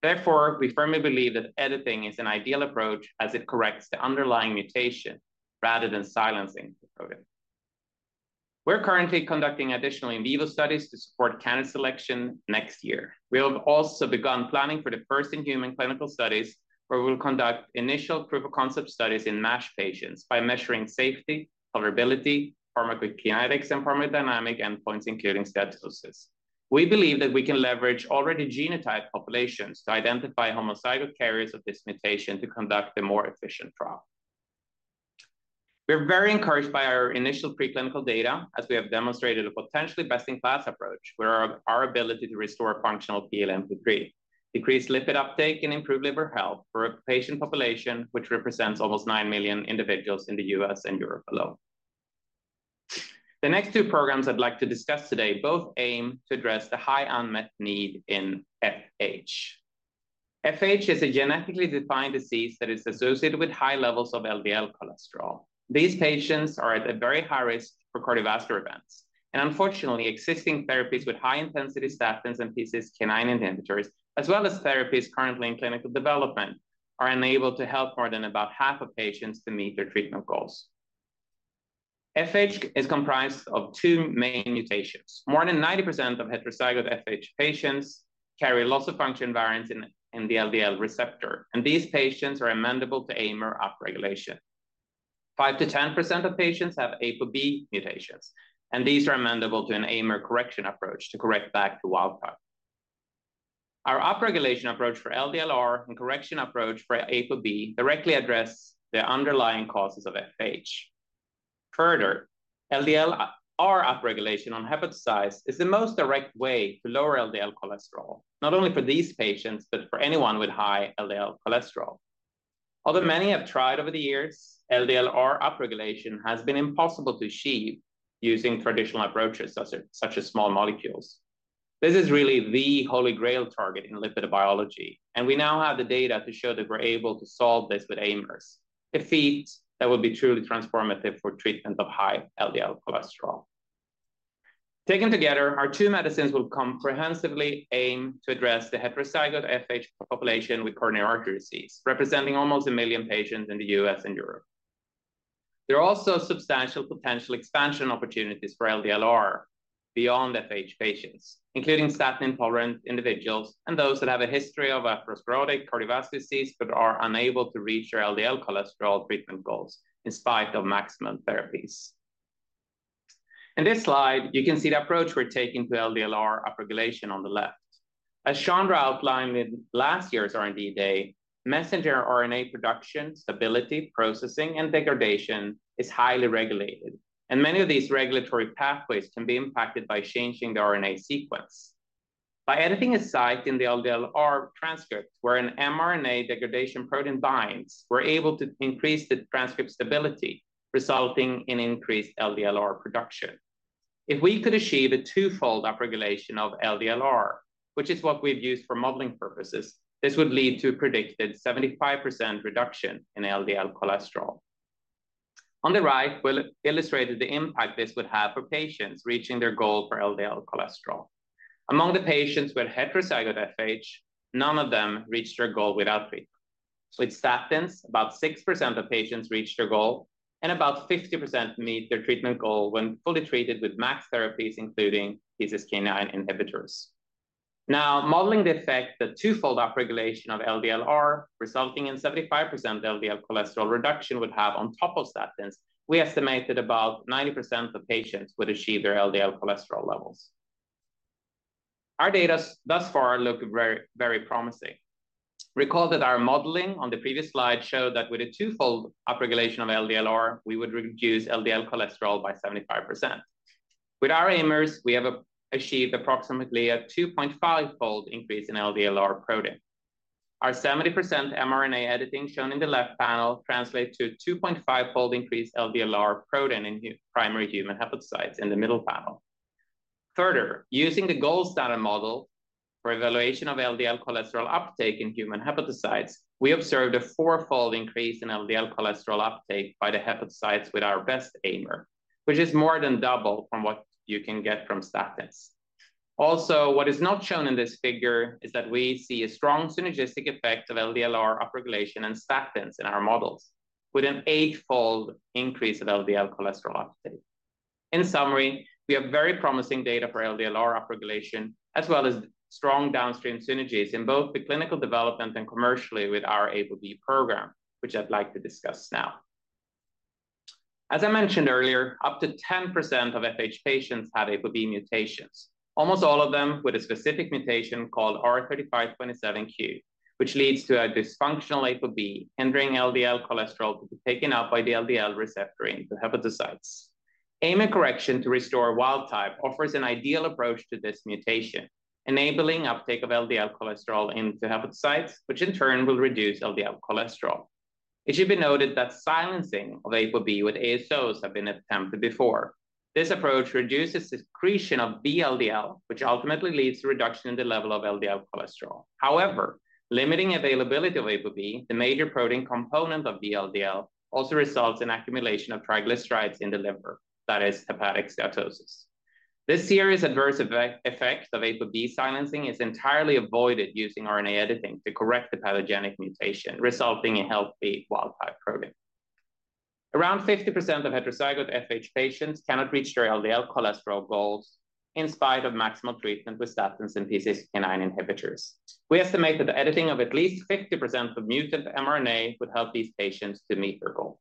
Therefore, we firmly believe that editing is an ideal approach as it corrects the underlying mutation rather than silencing the protein. We're currently conducting additional in vivo studies to support candidate selection next year. We have also begun planning for the first-in-human clinical studies, where we will conduct initial proof-of-concept studies in MASH patients by measuring safety, tolerability, pharmacokinetics, and pharmacodynamic endpoints, including steatosis. We believe that we can leverage already genotyped populations to identify homozygous carriers of this mutation to conduct a more efficient trial. We're very encouraged by our initial preclinical data, as we have demonstrated a potentially best-in-class approach with our ability to restore functional PNPLA3, decrease lipid uptake, and improve liver health for a patient population, which represents almost nine million individuals in the U.S. and Europe alone. The next two programs I'd like to discuss today both aim to address the high unmet need in FH. FH is a genetically defined disease that is associated with high levels of LDL cholesterol. These patients are at a very high risk for cardiovascular events, and unfortunately, existing therapies with high-intensity statins and PCSK9 inhibitors, as well as therapies currently in clinical development, are unable to help more than about half of patients to meet their treatment goals. FH is comprised of two main mutations. More than 90% of heterozygous FH patients carry loss of function variants in the LDL receptor, and these patients are amenable to AIMer upregulation. 5%-10% of patients have ApoB mutations, and these are amenable to an AIMer correction approach to correct back to wild type. Our upregulation approach for LDLR and correction approach for ApoB directly address the underlying causes of FH. Further, LDLR upregulation on hepatocytes is the most direct way to lower LDL cholesterol, not only for these patients, but for anyone with high LDL cholesterol. Although many have tried over the years, LDLR upregulation has been impossible to achieve using traditional approaches such as small molecules. This is really the holy grail target in lipid biology, and we now have the data to show that we're able to solve this with AIMers, a feat that would be truly transformative for treatment of high LDL cholesterol. Taken together, our two medicines will comprehensively aim to address the heterozygous FH population with coronary artery disease, representing almost a million patients in the U.S. and Europe. There are also substantial potential expansion opportunities for LDLR beyond FH patients, including statin intolerant individuals and those that have a history of atherosclerotic cardiovascular disease but are unable to reach their LDL cholesterol treatment goals in spite of maximum therapies. In this slide, you can see the approach we're taking to LDLR upregulation on the left. As Chandra outlined in last year's R&D day, messenger RNA production, stability, processing, and degradation is highly regulated, and many of these regulatory pathways can be impacted by changing the RNA sequence. By editing a site in the LDLR transcript where an mRNA degradation protein binds, we're able to increase the transcript stability, resulting in increased LDLR production. If we could achieve a twofold upregulation of LDLR, which is what we've used for modeling purposes, this would lead to a predicted 75% reduction in LDL cholesterol. On the right, we'll illustrate the impact this would have for patients reaching their goal for LDL cholesterol. Among the patients with heterozygous FH, none of them reached their goal without treatment. With statins, about 6% of patients reached their goal, and about 50% meet their treatment goal when fully treated with max therapies, including PCSK9 inhibitors. Now, modeling the effect that twofold upregulation of LDLR, resulting in 75% LDL cholesterol reduction, would have on top of statins, we estimated about 90% of patients would achieve their LDL cholesterol levels. Our data thus far look very, very promising. Recall that our modeling on the previous slide showed that with a twofold upregulation of LDLR, we would reduce LDL cholesterol by 75%. With our AIMers, we have achieved approximately a 2.5-fold increase in LDLR protein. Our 70% mRNA editing shown in the left panel translates to a 2.5-fold increased LDLR protein in primary human hepatocytes in the middle panel. Further, using the GOALS data model for evaluation of LDL cholesterol uptake in human hepatocytes, we observed a four-fold increase in LDL cholesterol uptake by the hepatocytes with our best AIMer, which is more than double from what you can get from statins. Also, what is not shown in this figure is that we see a strong synergistic effect of LDLR upregulation and statins in our models, with an eight-fold increase of LDL cholesterol uptake. In summary, we have very promising data for LDLR upregulation, as well as strong downstream synergies in both the clinical development and commercially with our ApoB program, which I'd like to discuss now. As I mentioned earlier, up to 10% of FH patients have ApoB mutations, almost all of them with a specific mutation called R3527Q, which leads to a dysfunctional ApoB, hindering LDL cholesterol to be taken up by the LDL receptor into hepatocytes. AIMer correction to restore wild type offers an ideal approach to this mutation, enabling uptake of LDL cholesterol into hepatocytes, which in turn will reduce LDL cholesterol. It should be noted that silencing of ApoB with ASOs has been attempted before. This approach reduces the secretion of VLDL, which ultimately leads to a reduction in the level of LDL cholesterol. However, limiting availability of ApoB, the major protein component of VLDL, also results in accumulation of triglycerides in the liver, that is, hepatic steatosis. This serious adverse effect of ApoB silencing is entirely avoided using RNA editing to correct the pathogenic mutation, resulting in healthy wild type protein. Around 50% of heterozygous FH patients cannot reach their LDL cholesterol goals in spite of maximal treatment with statins and PCSK9 inhibitors. We estimate that the editing of at least 50% of mutant mRNA would help these patients to meet their goal.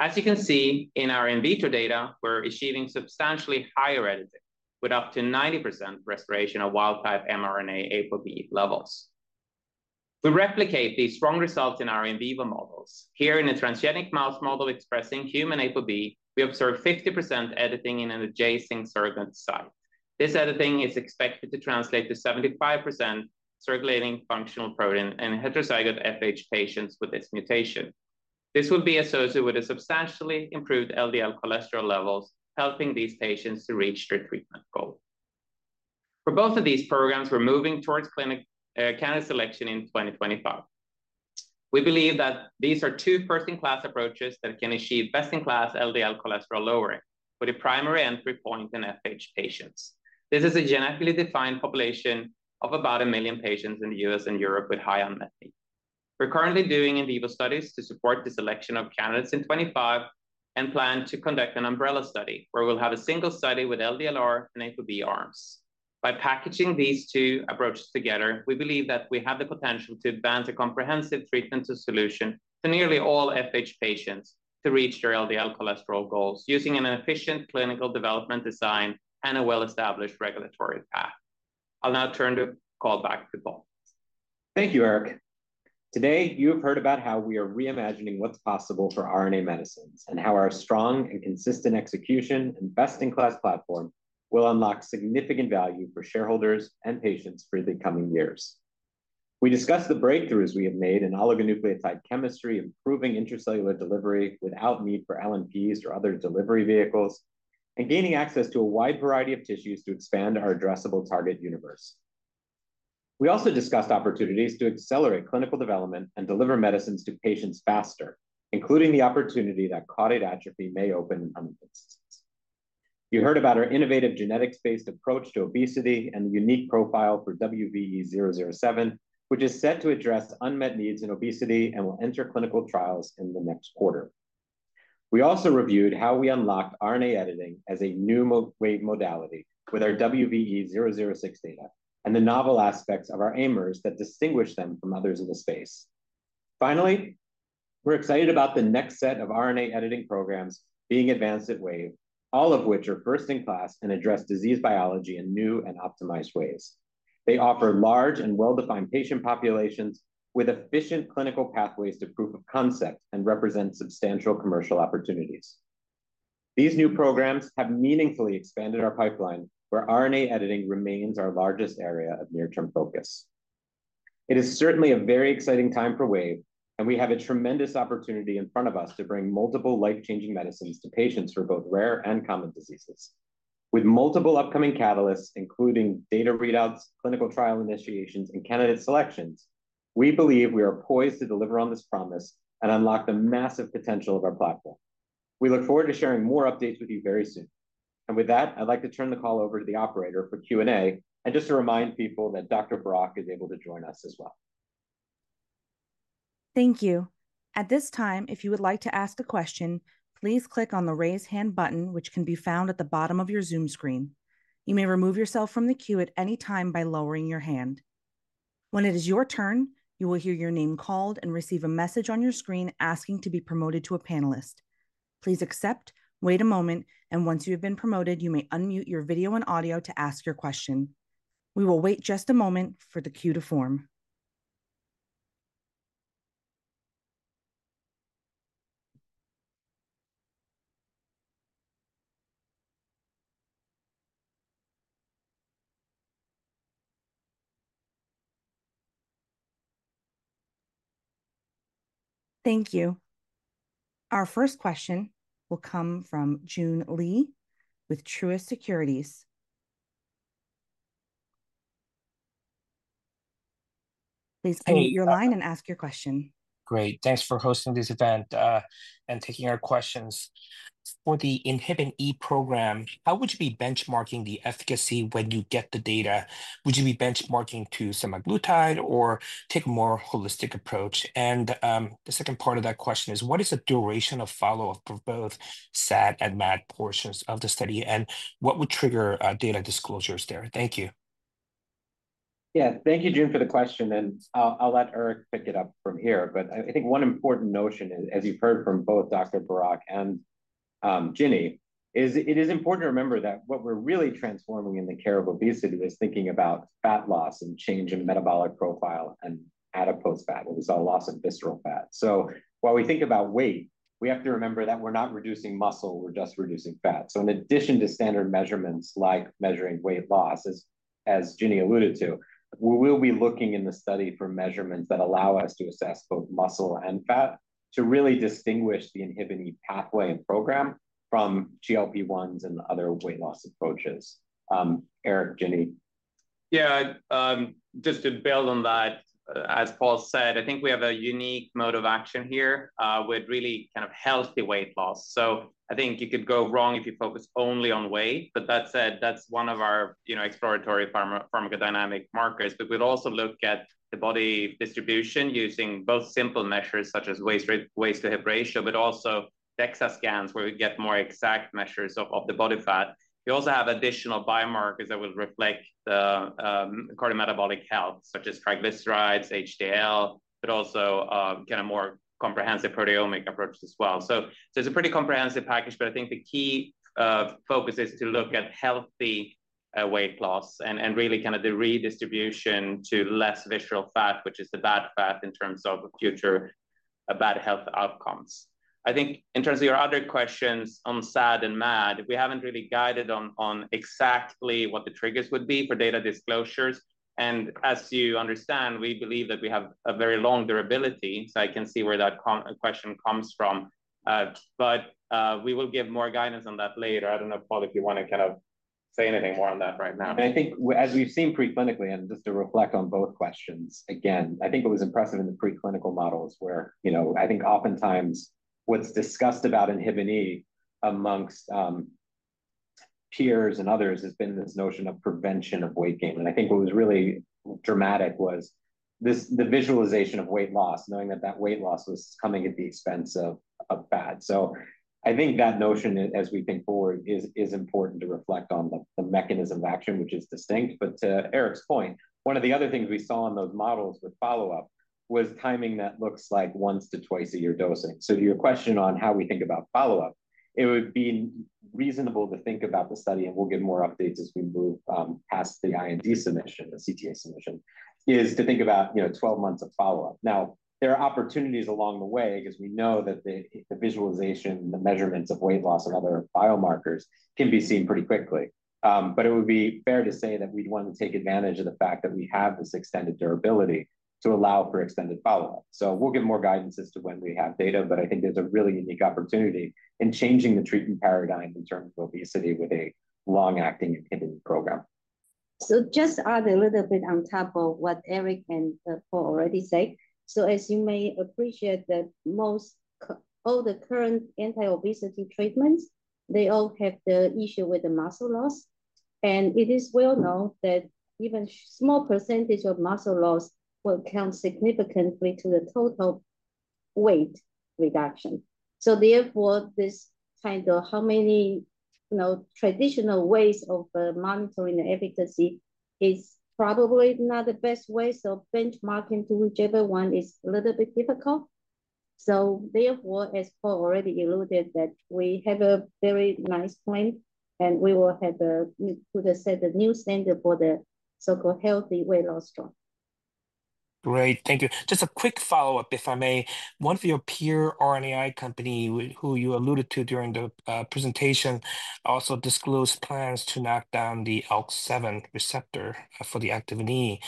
As you can see in our in vivo data, we're achieving substantially higher editing with up to 90% restoration of wild type mRNA ApoB levels. We replicate these strong results in our in vivo models. Here in a transgenic mouse model expressing human ApoB, we observe 50% editing in an adjacent surrogate site. This editing is expected to translate to 75% circulating functional protein in heterozygous FH patients with this mutation. This will be associated with substantially improved LDL cholesterol levels, helping these patients to reach their treatment goal. For both of these programs, we're moving towards candidate selection in 2025. We believe that these are two first-in-class approaches that can achieve best-in-class LDL cholesterol lowering with a primary entry point in FH patients. This is a genetically defined population of about a million patients in the U.S. and Europe with high unmet need. We're currently doing in vivo studies to support the selection of candidates in 2025 and plan to conduct an umbrella study where we'll have a single study with LDLR and ApoB arms. By packaging these two approaches together, we believe that we have the potential to advance a comprehensive treatment solution for nearly all FH patients to reach their LDL cholesterol goals using an efficient clinical development design and a well-established regulatory path. I'll now turn the call back to Paul. Thank you, Erik. Today, you have heard about how we are reimagining what's possible for RNA medicines and how our strong and consistent execution and best-in-class platform will unlock significant value for shareholders and patients for the coming years. We discussed the breakthroughs we have made in oligonucleotide chemistry, improving intracellular delivery without need for LNPs or other delivery vehicles, and gaining access to a wide variety of tissues to expand our addressable target universe. We also discussed opportunities to accelerate clinical development and deliver medicines to patients faster, including the opportunity that caudate atrophy may open in some instances. You heard about our innovative genetics-based approach to obesity and the unique profile for WVE-007, which is set to address unmet needs in obesity and will enter clinical trials in the next quarter. We also reviewed how we unlocked RNA editing as a new modality with our WVE-006 data and the novel aspects of our AIMers that distinguish them from others in the space. Finally, we're excited about the next set of RNA editing programs being advanced at Wave, all of which are first-in-class and address disease biology in new and optimized ways. They offer large and well-defined patient populations with efficient clinical pathways to proof of concept and represent substantial commercial opportunities. These new programs have meaningfully expanded our pipeline, where RNA editing remains our largest area of near-term focus. It is certainly a very exciting time for Wave, and we have a tremendous opportunity in front of us to bring multiple life-changing medicines to patients for both rare and common diseases. With multiple upcoming catalysts, including data readouts, clinical trial initiations, and candidate selections, we believe we are poised to deliver on this promise and unlock the massive potential of our platform. We look forward to sharing more updates with you very soon. And with that, I'd like to turn the call over to the operator for Q&A and just to remind people that Dr. Burak is able to join us as well. Thank you. At this time, if you would like to ask a question, please click on the raise hand button, which can be found at the bottom of your Zoom screen. You may remove yourself from the queue at any time by lowering your hand. When it is your turn, you will hear your name called and receive a message on your screen asking to be promoted to a panelist. Please accept, wait a moment, and once you have been promoted, you may unmute your video and audio to ask your question. We will wait just a moment for the queue to form. Thank you. Our first question will come from Joon Lee with Truist Securities. Please unmute your line and ask your question. Great. Thanks for hosting this event and taking our questions. For the INHBE program, how would you be benchmarking the efficacy when you get the data? Would you be benchmarking to semaglutide or take a more holistic approach? And the second part of that question is, what is the duration of follow-up for both SAD and MAD portions of the study, and what would trigger data disclosures there? Thank you. Yeah, thank you, Joon, for the question, and I'll let Erik pick it up from here. But I think one important notion, as you've heard from both Dr. Burak and Ginnie, is it is important to remember that what we're really transforming in the care of obesity is thinking about fat loss and change in metabolic profile and adipose fat, what we saw, loss of visceral fat. So while we think about weight, we have to remember that we're not reducing muscle. We're just reducing fat. So in addition to standard measurements like measuring weight loss, as Ginnie alluded to, we will be looking in the study for measurements that allow us to assess both muscle and fat to really distinguish the INHBE pathway and program from GLP-1s and other weight loss approaches. Erik, Ginnie. Yeah, just to build on that, as Paul said, I think we have a unique mode of action here with really kind of healthy weight loss. I think you could go wrong if you focus only on weight. But that said, that's one of our exploratory pharmacodynamic markers. But we'd also look at the body distribution using both simple measures such as waist-to-hip ratio, but also DEXA scans where we get more exact measures of the body fat. We also have additional biomarkers that will reflect the cardiometabolic health, such as triglycerides, HDL, but also kind of more comprehensive proteomic approaches as well. So it's a pretty comprehensive package, but I think the key focus is to look at healthy weight loss and really kind of the redistribution to less visceral fat, which is the bad fat in terms of future bad health outcomes. I think in terms of your other questions on SAD and MAD, we haven't really guided on exactly what the triggers would be for data disclosures. And as you understand, we believe that we have a very long durability, so I can see where that question comes from. But we will give more guidance on that later. I don't know, Paul, if you want to kind of say anything more on that right now. I think as we've seen preclinically, and just to reflect on both questions again, I think what was impressive in the preclinical models where I think oftentimes what's discussed about INHBE amongst peers and others has been this notion of prevention of weight gain. And I think what was really dramatic was the visualization of weight loss, knowing that that weight loss was coming at the expense of fat. So I think that notion, as we think forward, is important to reflect on the mechanism of action, which is distinct. But to Erik's point, one of the other things we saw in those models with follow-up was timing that looks like once to twice a year dosing. So to your question on how we think about follow-up, it would be reasonable to think about the study, and we'll give more updates as we move past the IND submission, the CTA submission, is to think about 12 months of follow-up. Now, there are opportunities along the way because we know that the visualization, the measurements of weight loss and other biomarkers can be seen pretty quickly, but it would be fair to say that we'd want to take advantage of the fact that we have this extended durability to allow for extended follow-up. So we'll give more guidance as to when we have data, but I think there's a really unique opportunity in changing the treatment paradigm in terms of obesity with a long-acting Inhibin beta E program. So just add a little bit on top of what Erik and Paul already said. So as you may appreciate, that most of the current anti-obesity treatments, they all have the issue with the muscle loss. And it is well known that even a small percentage of muscle loss will count significantly to the total weight reduction. So therefore, this kind of how many traditional ways of monitoring the efficacy is probably not the best way. So benchmarking to whichever one is a little bit difficult. So therefore, as Paul already alluded, that we have a very nice plan, and we will have to set a new standard for the so-called healthy weight loss drug. Great. Thank you. Just a quick follow-up, if I may. One of your peer RNAi company, who you alluded to during the presentation, also disclosed plans to knock down the ALK-7 receptor for the Activin E,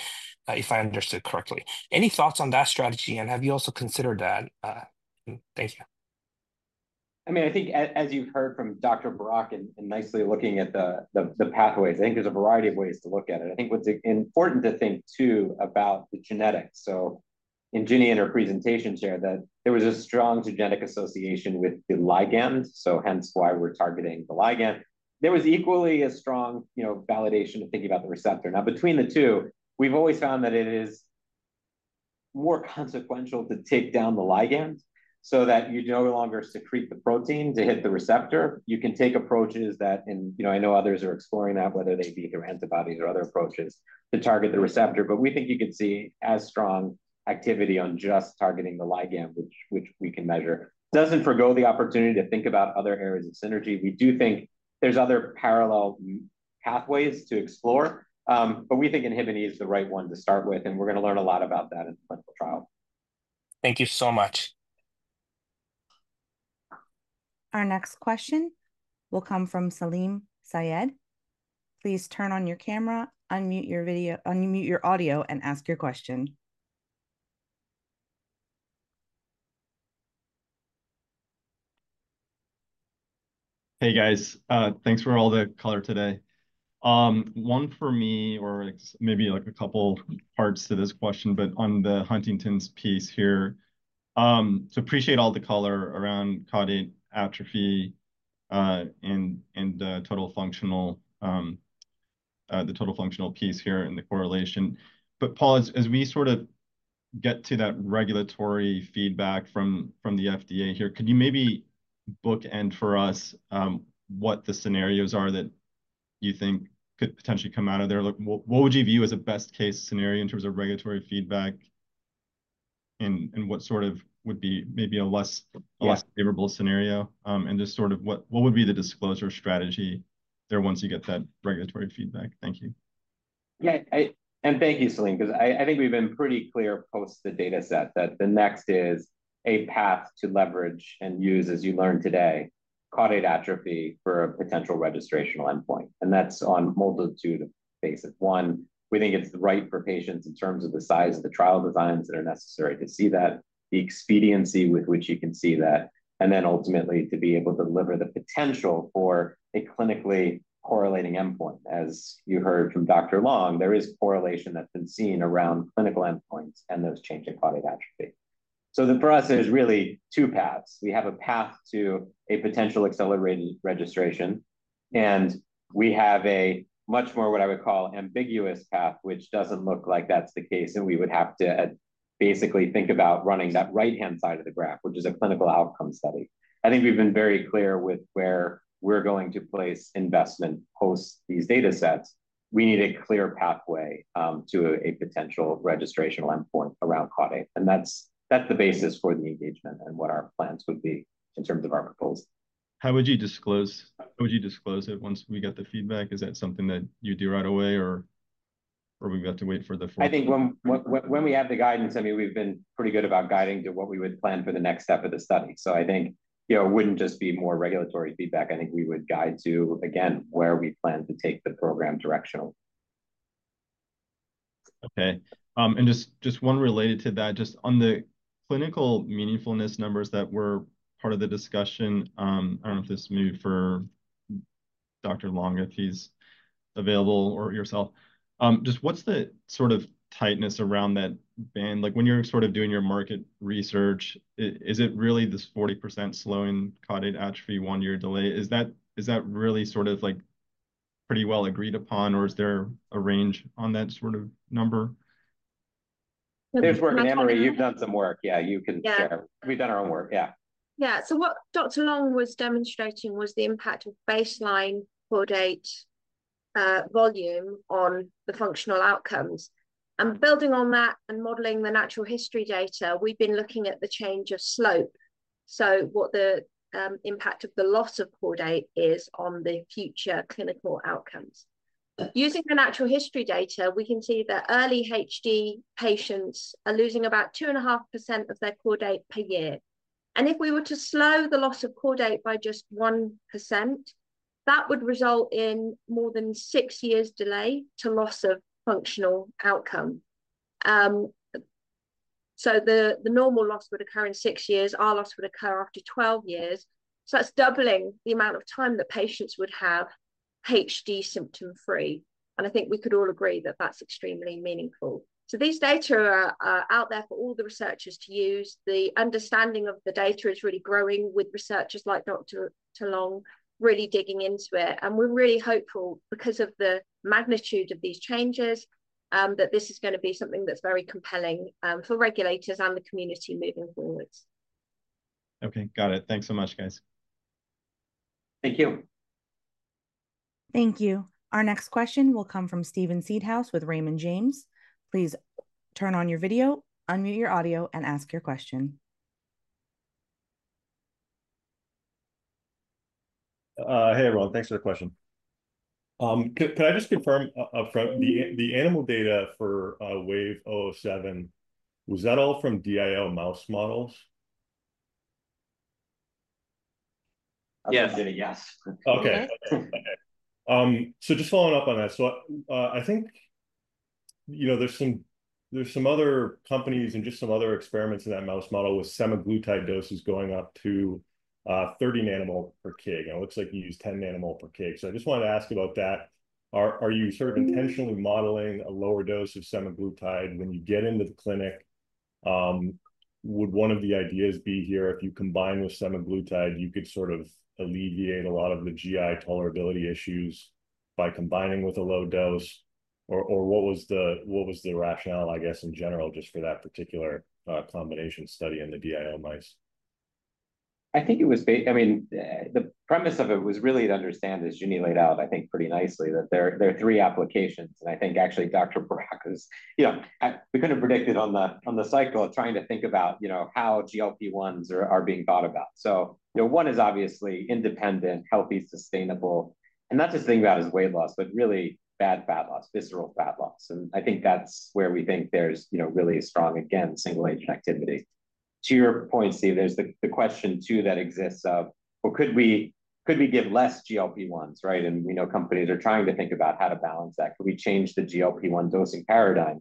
if I understood correctly. Any thoughts on that strategy, and have you also considered that? Thank you. I mean, I think as you've heard from Dr. Burak and nicely looking at the pathways, I think there's a variety of ways to look at it. I think what's important to think too about the genetics. So in Ginnie and her presentation shared that there was a strong genetic association with the ligand, so hence why we're targeting the ligand. There was equally as strong validation of thinking about the receptor. Now, between the two, we've always found that it is more consequential to take down the ligand so that you no longer secrete the protein to hit the receptor. You can take approaches that, and I know others are exploring that, whether they be through antibodies or other approaches to target the receptor. But we think you could see as strong activity on just targeting the ligand, which we can measure. Doesn't forgo the opportunity to think about other areas of synergy. We do think there's other parallel pathways to explore, but we think INHBE is the right one to start with, and we're going to learn a lot about that in the clinical trial. Thank you so much. Our next question will come from Salim Syed. Please turn on your camera, unmute your video, unmute your audio, and ask your question. Hey, guys. Thanks for all the color today. One for me, or maybe like a couple parts to this question, but on the Huntington's piece here, to appreciate all the color around caudate atrophy and the total functional piece here and the correlation. But Paul, as we sort of get to that regulatory feedback from the FDA here, could you maybe bookend for us what the scenarios are that you think could potentially come out of there? What would you view as a best-case scenario in terms of regulatory feedback, and what sort of would be maybe a less favorable scenario? And just sort of what would be the disclosure strategy there once you get that regulatory feedback? Thank you. Yeah. Thank you, Salim, because I think we've been pretty clear post the data set that the next is a path to leverage and use, as you learned today, caudate atrophy for a potential registrational endpoint. That's on a multitude of bases. One, we think it's right for patients in terms of the size of the trial designs that are necessary to see that, the expediency with which you can see that, and then ultimately to be able to deliver the potential for a clinically correlating endpoint. As you heard from Dr. Long, there is correlation that's been seen around clinical endpoints and those changing caudate atrophy. For us, there's really two paths. We have a path to a potential accelerated registration, and we have a much more what I would call ambiguous path, which doesn't look like that's the case, and we would have to basically think about running that right-hand side of the graph, which is a clinical outcome study. I think we've been very clear with where we're going to place investment post these data sets. We need a clear pathway to a potential registrational endpoint around caudate. And that's the basis for the engagement and what our plans would be in terms of our proposal. How would you disclose? How would you disclose it once we get the feedback? Is that something that you do right away, or we've got to wait for the full? I think when we have the guidance, I mean, we've been pretty good about guiding to what we would plan for the next step of the study. So I think it wouldn't just be more regulatory feedback. I think we would guide to, again, where we plan to take the program directionally. Okay. And just one related to that, just on the clinical meaningfulness numbers that were part of the discussion, I don't know if this is new for Dr. Long if he's available or yourself. Just what's the sort of tightness around that band? When you're sort of doing your market research, is it really this 40% slowing caudate atrophy one-year delay? Is that really sort of pretty well agreed upon, or is there a range on that sort of number? There's work Anne-Marie. You've done some work. Yeah, you can share. We've done our own work. Yeah. Yeah, so what Dr. Long was demonstrating was the impact of baseline caudate volume on the functional outcomes, and building on that and modeling the natural history data, we've been looking at the change of slope, so what the impact of the loss of caudate is on the future clinical outcomes. Using the natural history data, we can see that early HD patients are losing about 2.5% of their caudate per year, and if we were to slow the loss of caudate by just 1%, that would result in more than six years' delay to loss of functional outcome, so the normal loss would occur in six years. Our loss would occur after 12 years, so that's doubling the amount of time that patients would have HD symptom-free, and I think we could all agree that that's extremely meaningful. So these data are out there for all the researchers to use. The understanding of the data is really growing with researchers like Dr. Long really digging into it. And we're really hopeful because of the magnitude of these changes that this is going to be something that's very compelling for regulators and the community moving forward. Okay. Got it. Thanks so much, guys. Thank you. Thank you. Our next question will come from Steven Seedhouse with Raymond James. Please turn on your video, unmute your audio, and ask your question. Hey, everyone. Thanks for the question. Could I just confirm upfront, the animal data for WVE-007, was that all from DIL mouse models? Yes. Okay. So just following up on that, so I think there's some other companies and just some other experiments in that mouse model with semaglutide doses going up to 30 nanomole per kg. And it looks like you use 10 nanomole per kg. So I just wanted to ask about that. Are you sort of intentionally modeling a lower dose of semaglutide when you get into the clinic? Would one of the ideas be here if you combine with semaglutide, you could sort of alleviate a lot of the GI tolerability issues by combining with a low dose? Or what was the rationale, I guess, in general just for that particular combination study in the DIO mice? I think it was, I mean, the premise of it was really to understand, as Ginnie laid out, I think pretty nicely, that there are three applications. And I think actually Dr. Burak was, we couldn't predict it on the cycle of trying to think about how GLP-1s are being thought about. So one is obviously independent, healthy, sustainable. And not just thinking about it as weight loss, but really bad fat loss, visceral fat loss. And I think that's where we think there's really a strong, again, single-agent activity. To your point, Steve, there's the question too that exists of, well, could we give less GLP-1s, right? And we know companies are trying to think about how to balance that. Could we change the GLP-1 dosing paradigm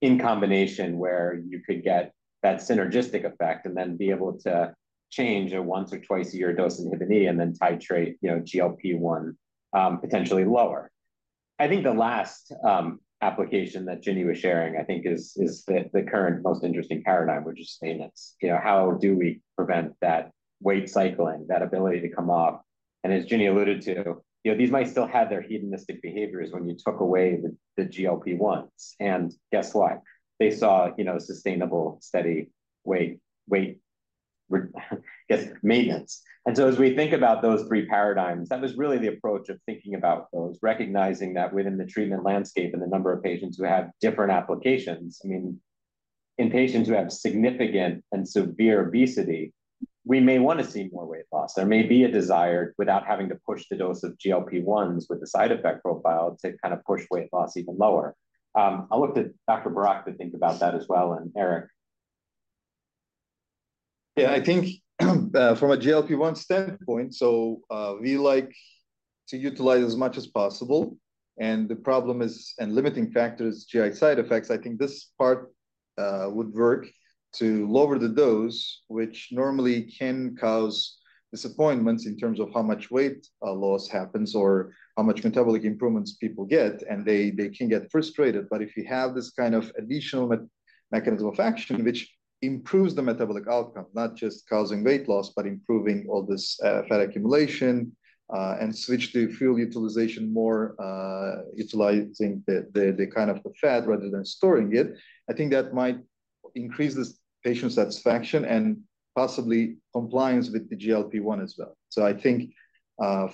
in combination where you could get that synergistic effect and then be able to change a once- or twice-a-year dose in Inhibin and then titrate GLP-1 potentially lower? I think the last application that Ginnie was sharing, I think, is the current most interesting paradigm, which is maintenance. How do we prevent that weight cycling, that ability to come off? And as Ginnie alluded to, these mice still had their hedonistic behaviors when you took away the GLP-1s. And guess what? They saw sustainable, steady weight, I guess, maintenance. So as we think about those three paradigms, that was really the approach of thinking about those, recognizing that within the treatment landscape and the number of patients who have different applications, I mean, in patients who have significant and severe obesity, we may want to see more weight loss. There may be a desire without having to push the dose of GLP-1s with the side effect profile to kind of push weight loss even lower. I'll look to Dr. Burak to think about that as well and Erik. Yeah, I think from a GLP-1 standpoint, so we like to utilize as much as possible. The problem is, and limiting factor is GI side effects. I think this part would work to lower the dose, which normally can cause disappointments in terms of how much weight loss happens or how much metabolic improvements people get, and they can get frustrated. But if you have this kind of additional mechanism of action, which improves the metabolic outcome, not just causing weight loss, but improving all this fat accumulation and switch to fuel utilization more, utilizing the kind of the fat rather than storing it, I think that might increase this patient satisfaction and possibly compliance with the GLP-1 as well. So I think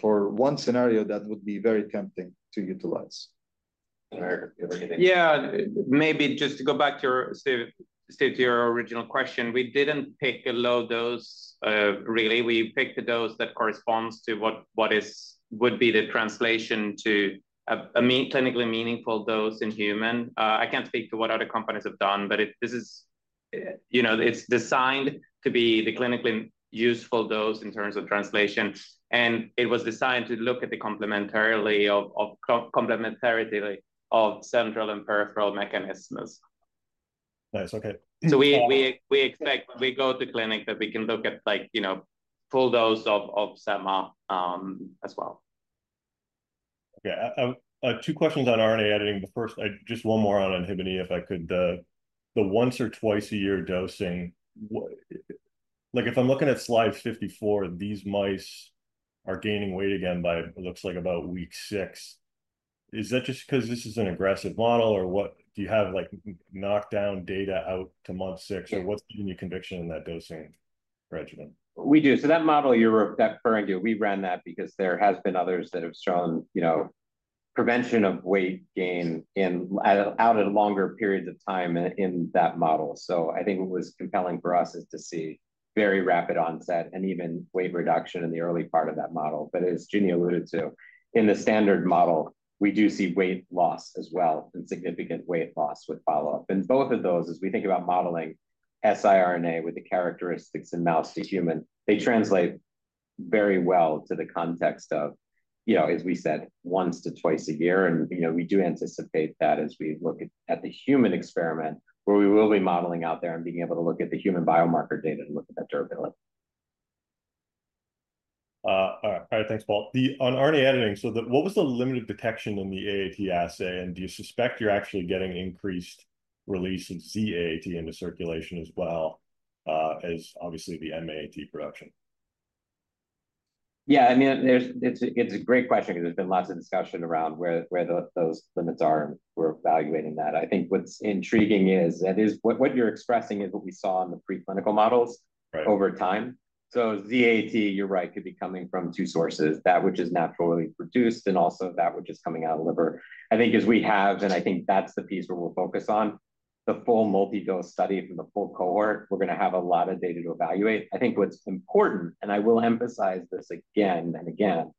for one scenario, that would be very tempting to utilize. Yeah. Maybe just to go back to your, Steve, to your original question, we didn't pick a low dose really. We picked a dose that corresponds to what would be the translation to a clinically meaningful dose in human. I can't speak to what other companies have done, but this is designed to be the clinically useful dose in terms of translation, and it was designed to look at the complementarity of central and peripheral mechanisms. Nice. Okay. So we expect when we go to clinic that we can look at full dose of SEMA as well. Okay. Two questions on RNA editing. The first, just one more on Inhibin if I could. The once or twice-a-year dosing, if I'm looking at slide 54, these mice are gaining weight again by, it looks like, about week six. Is that just because this is an aggressive model, or do you have knockdown data out to month six, or what's been your conviction in that dosing regimen? We do. So that model you're referring to, we ran that because there have been others that have shown prevention of weight gain out at longer periods of time in that model. So I think what was compelling for us is to see very rapid onset and even weight reduction in the early part of that model. But as Ginnie alluded to, in the standard model, we do see weight loss as well and significant weight loss with follow-up. And both of those, as we think about modeling siRNA with the characteristics in mouse to human, they translate very well to the context of, as we said, once to twice a year. And we do anticipate that as we look at the human experiment, where we will be modeling out there and being able to look at the human biomarker data and look at that durability. All right. Thanks, Paul. On RNA editing, so what was the limited detection in the AAT assay? And do you suspect you're actually getting increased release of Z-AAT into circulation as well as obviously the MAAT production? Yeah. I mean, it's a great question because there's been lots of discussion around where those limits are and we're evaluating that. I think what's intriguing is what you're expressing is what we saw in the preclinical models over time. So Z-AAT, you're right, could be coming from two sources, that which is naturally produced and also that which is coming out of liver. I think as we have, and I think that's the piece where we'll focus on, the full multi-dose study from the full cohort, we're going to have a lot of data to evaluate. I think what's important, and I will emphasize this again and again,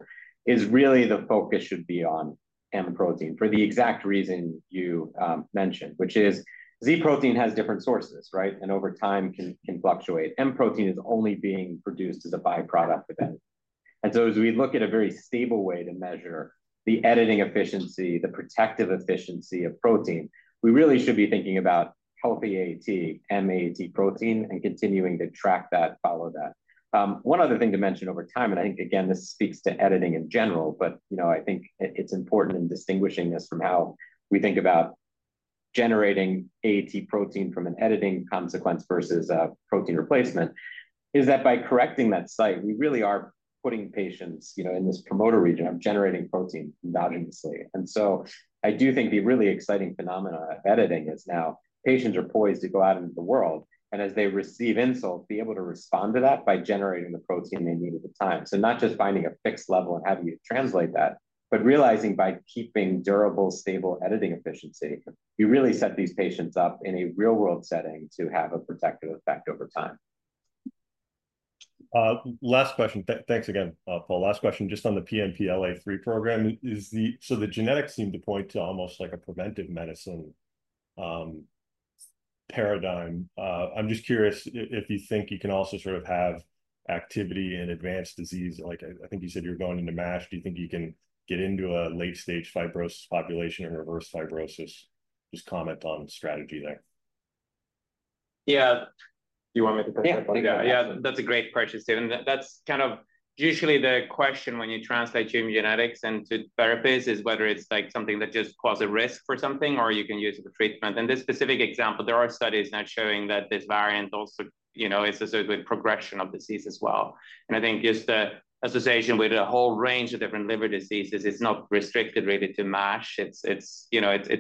is really the focus should be on M protein for the exact reason you mentioned, which is Z protein has different sources, right? And over time can fluctuate. M protein is only being produced as a byproduct of M. And so as we look at a very stable way to measure the editing efficiency, the protective efficiency of protein, we really should be thinking about healthy AAT, M AAT protein, and continuing to track that, follow that. One other thing to mention over time, and I think, again, this speaks to editing in general, but I think it's important in distinguishing this from how we think about generating AAT protein from an editing consequence versus a protein replacement, is that by correcting that site, we really are putting patients in this promoter region of generating protein endogenously. And so I do think the really exciting phenomena of editing is now patients are poised to go out into the world, and as they receive insults, be able to respond to that by generating the protein they need at the time. So not just finding a fixed level and having you translate that, but realizing by keeping durable, stable editing efficiency, you really set these patients up in a real-world setting to have a protective effect over time. Last question. Thanks again, Paul. Last question just on the PNPLA3 program. So the genetics seem to point to almost like a preventive medicine paradigm. I'm just curious if you think you can also sort of have activity in advanced disease. I think you said you're going into MASH. Do you think you can get into a late-stage fibrosis population and reverse fibrosis? Just comment on strategy there. Yeah. Do you want me to push that? Yeah. Yeah. That's a great question, Steven. That's kind of usually the question when you translate to immunogenetics and to therapies is whether it's something that just causes a risk for something or you can use it for treatment. In this specific example, there are studies now showing that this variant also is associated with progression of disease as well. And I think just the association with a whole range of different liver diseases is not restricted really to MASH. It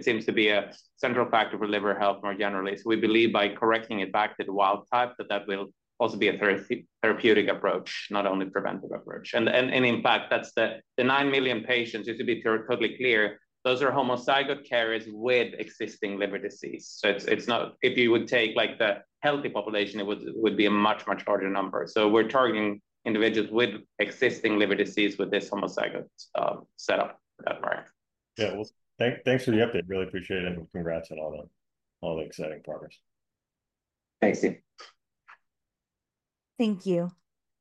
seems to be a central factor for liver health more generally. So we believe by correcting it back to the wild type, that that will also be a therapeutic approach, not only a preventive approach. And in fact, that's the nine million patients, just to be totally clear, those are homozygote carriers with existing liver disease. So if you would take the healthy population, it would be a much, much larger number. So we're targeting individuals with existing liver disease with this homozygote setup for that variant. Yeah. Well, thanks for the update. Really appreciate it. And congrats on all the exciting progress. Thanks, Steve. Thank you.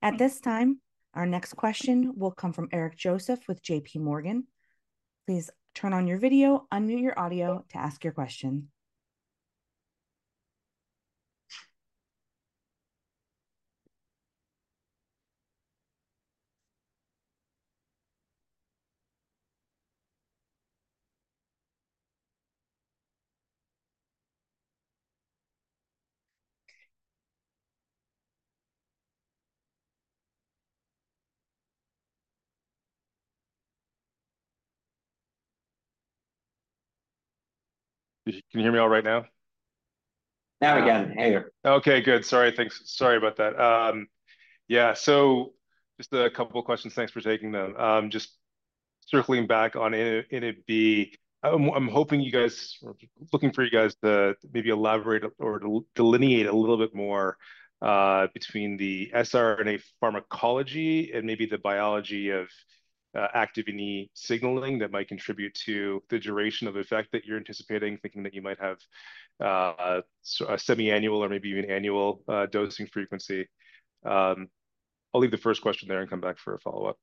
At this time, our next question will come from Eric Joseph with J.P. Morgan. Please turn on your video, unmute your audio to ask your question. Can you hear me all right now? Hey there. Okay. Good. Sorry about that. Yeah. So just a couple of questions. Thanks for taking them. Just circling back on NAB. I'm hoping you guys are looking for you guys to maybe elaborate or delineate a little bit more between the siRNA pharmacology and maybe the biology of activity signaling that might contribute to the duration of effect that you're anticipating, thinking that you might have a semi-annual or maybe even annual dosing frequency. I'll leave the first question there and come back for a follow-up.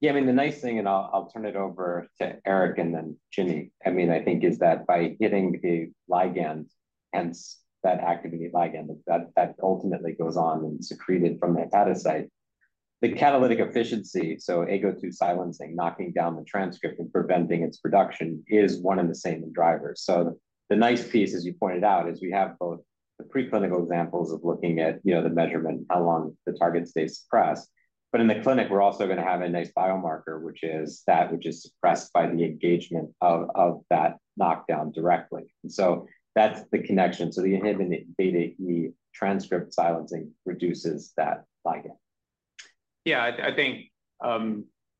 Yeah. I mean, the nice thing, and I'll turn it over to Erik and then Ginnie. I mean, I think is that by hitting a ligand, hence that activity ligand, that ultimately goes on and secreted from the hepatocyte, the catalytic efficiency, so AGO2 silencing, knocking down the transcript and preventing its production is one and the same driver. The nice piece, as you pointed out, is we have both the preclinical examples of looking at the measurement, how long the target stays suppressed. But in the clinic, we're also going to have a nice biomarker, which is that which is suppressed by the engagement of that knockdown directly. And that's the connection. The Inhibin beta E transcript silencing reduces that ligand. Yeah. I think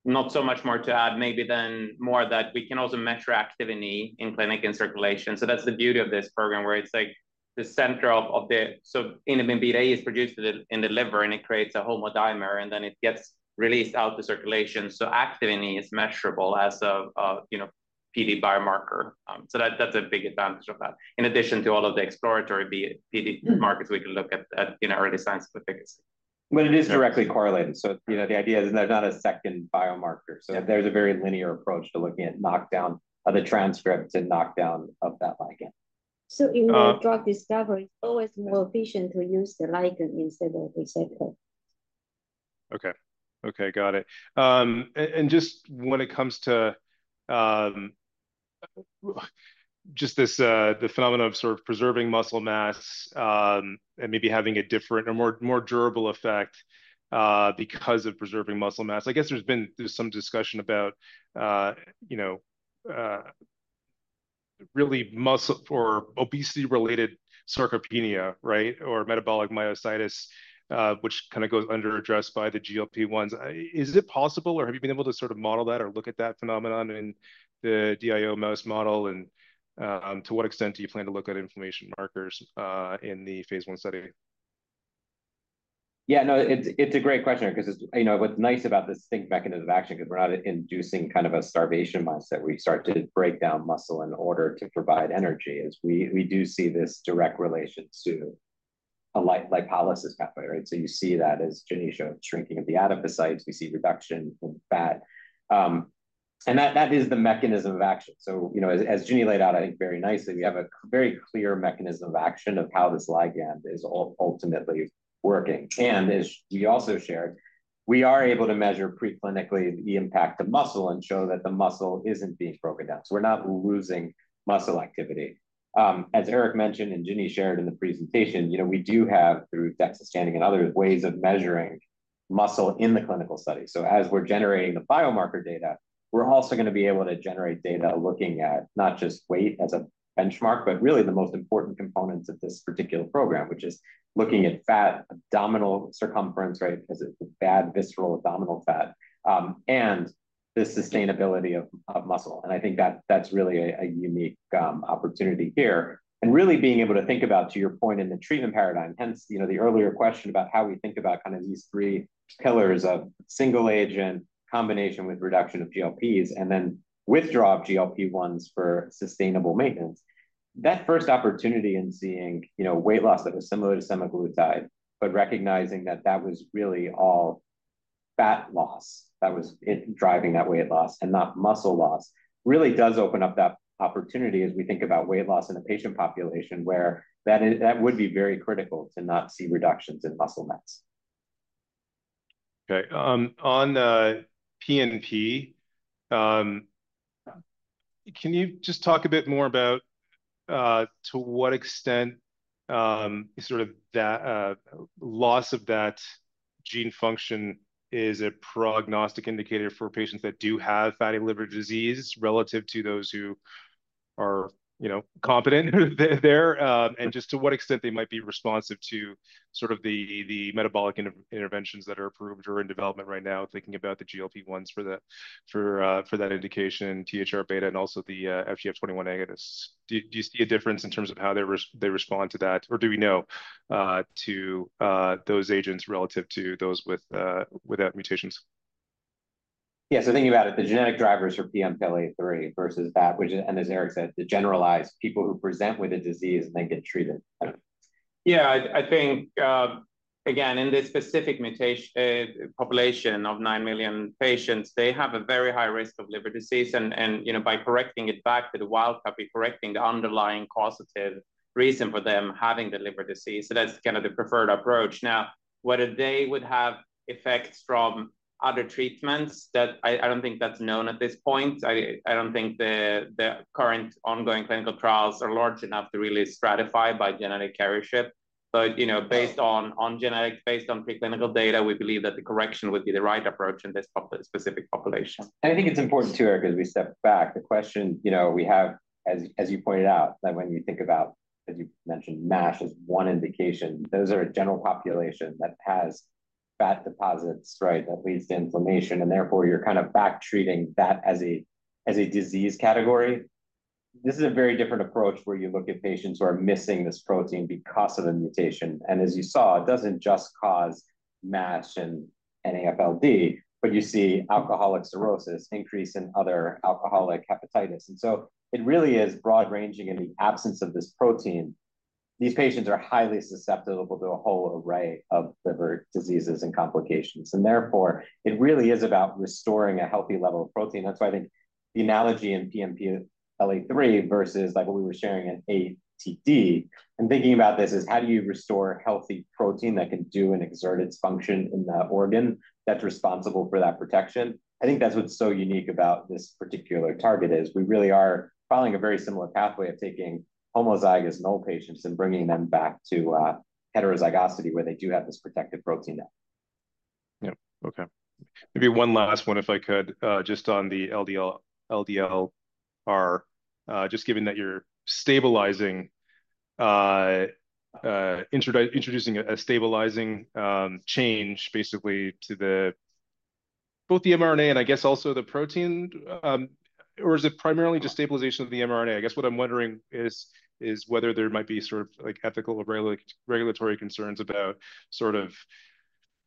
not so much more to add maybe than more that we can also measure activity in clinic in circulation. That's the beauty of this program where it's like the center of the so Inhibin beta E is produced in the liver, and it creates a homodimer, and then it gets released out to circulation. Activity is measurable as a PD biomarker. So that's a big advantage of that, in addition to all of the exploratory PD markers we can look at in early signs of efficacy. But it is directly correlated. So the idea is there's not a second biomarker. So there's a very linear approach to looking at knockdown of the transcript and knockdown of that ligand. So in drug discovery, it's always more efficient to use the ligand instead of the receptor. Okay. Okay. Got it. And just when it comes to just the phenomenon of sort of preserving muscle mass and maybe having a different or more durable effect because of preserving muscle mass, I guess there's been some discussion about really muscle- or obesity-related sarcopenia, right, or metabolic myositis, which kind of goes under-addressed by the GLP-1s. Is it possible, or have you been able to sort of model that or look at that phenomenon in the DIO mouse model? And to what extent do you plan to look at inflammation markers in the Phase 1 study? Yeah. No, it's a great question because what's nice about this unique mechanism of action because we're not inducing kind of a starvation mode that we start to break down muscle in order to provide energy is we do see this direct relation to a lipolysis pathway, right? So you see that as Ginnie showed shrinking of the adipocytes. We see reduction in fat. And that is the mechanism of action. So as Ginnie laid out, I think very nicely, we have a very clear mechanism of action of how this ligand is ultimately working. As we also shared, we are able to measure preclinically the impact of muscle and show that the muscle isn't being broken down. We're not losing muscle activity. As Erik mentioned and Ginnie shared in the presentation, we do have, through DEXA scanning and other ways of measuring muscle in the clinical study. As we're generating the biomarker data, we're also going to be able to generate data looking at not just weight as a benchmark, but really the most important components of this particular program, which is looking at fat, abdominal circumference, right, because it's bad visceral abdominal fat, and the sustainability of muscle. I think that's really a unique opportunity here. Really being able to think about, to your point, in the treatment paradigm, hence the earlier question about how we think about kind of these three pillars of single agent combination with reduction of GLPs and then withdraw of GLP-1s for sustainable maintenance, that first opportunity in seeing weight loss that was similar to Semaglutide, but recognizing that that was really all fat loss that was driving that weight loss and not muscle loss really does open up that opportunity as we think about weight loss in a patient population where that would be very critical to not see reductions in muscle mass. Okay. On PNPLA3, can you just talk a bit more about to what extent sort of loss of that gene function is a prognostic indicator for patients that do have fatty liver disease relative to those who are competent there? And just to what extent they might be responsive to sort of the metabolic interventions that are approved or in development right now, thinking about the GLP-1s for that indication, THR beta, and also the FGF21 agonists? Do you see a difference in terms of how they respond to that, or do we know to those agents relative to those without mutations? Yeah. So thinking about it, the genetic drivers for PNPLA3 versus that, which is, and as Erik said, the generalized people who present with a disease and then get treated. Yeah. I think, again, in this specific population of nine million patients, they have a very high risk of liver disease. And by correcting it back to the wild copy, correcting the underlying causative reason for them having the liver disease, so that's kind of the preferred approach. Now, whether they would have effects from other treatments, I don't think that's known at this point. I don't think the current ongoing clinical trials are large enough to really stratify by genetic carrier status. But based on genetics, based on preclinical data, we believe that the correction would be the right approach in this specific population. And I think it's important too, Erik, as we step back, the question we have, as you pointed out, that when you think about, as you mentioned, MASH as one indication, those are a general population that has fat deposits, right, that leads to inflammation. And therefore, you're kind of back treating that as a disease category. This is a very different approach where you look at patients who are missing this protein because of a mutation. As you saw, it doesn't just cause MASH and NAFLD, but you see alcoholic cirrhosis, increase in other alcoholic hepatitis. So it really is broad ranging in the absence of this protein. These patients are highly susceptible to a whole array of liver diseases and complications. Therefore, it really is about restoring a healthy level of protein. That's why I think the analogy in PNPLA3 versus what we were sharing in AATD, and thinking about this is how do you restore healthy protein that can do an exerted function in the organ that's responsible for that protection. I think that's what's so unique about this particular target is we really are following a very similar pathway of taking homozygous null patients and bringing them back to heterozygosity where they do have this protective protein there. Yeah. Okay. Maybe one last one, if I could, just on the LDLR, just given that you're introducing a stabilizing change basically to both the mRNA and I guess also the protein, or is it primarily just stabilization of the mRNA? I guess what I'm wondering is whether there might be sort of ethical or regulatory concerns about sort of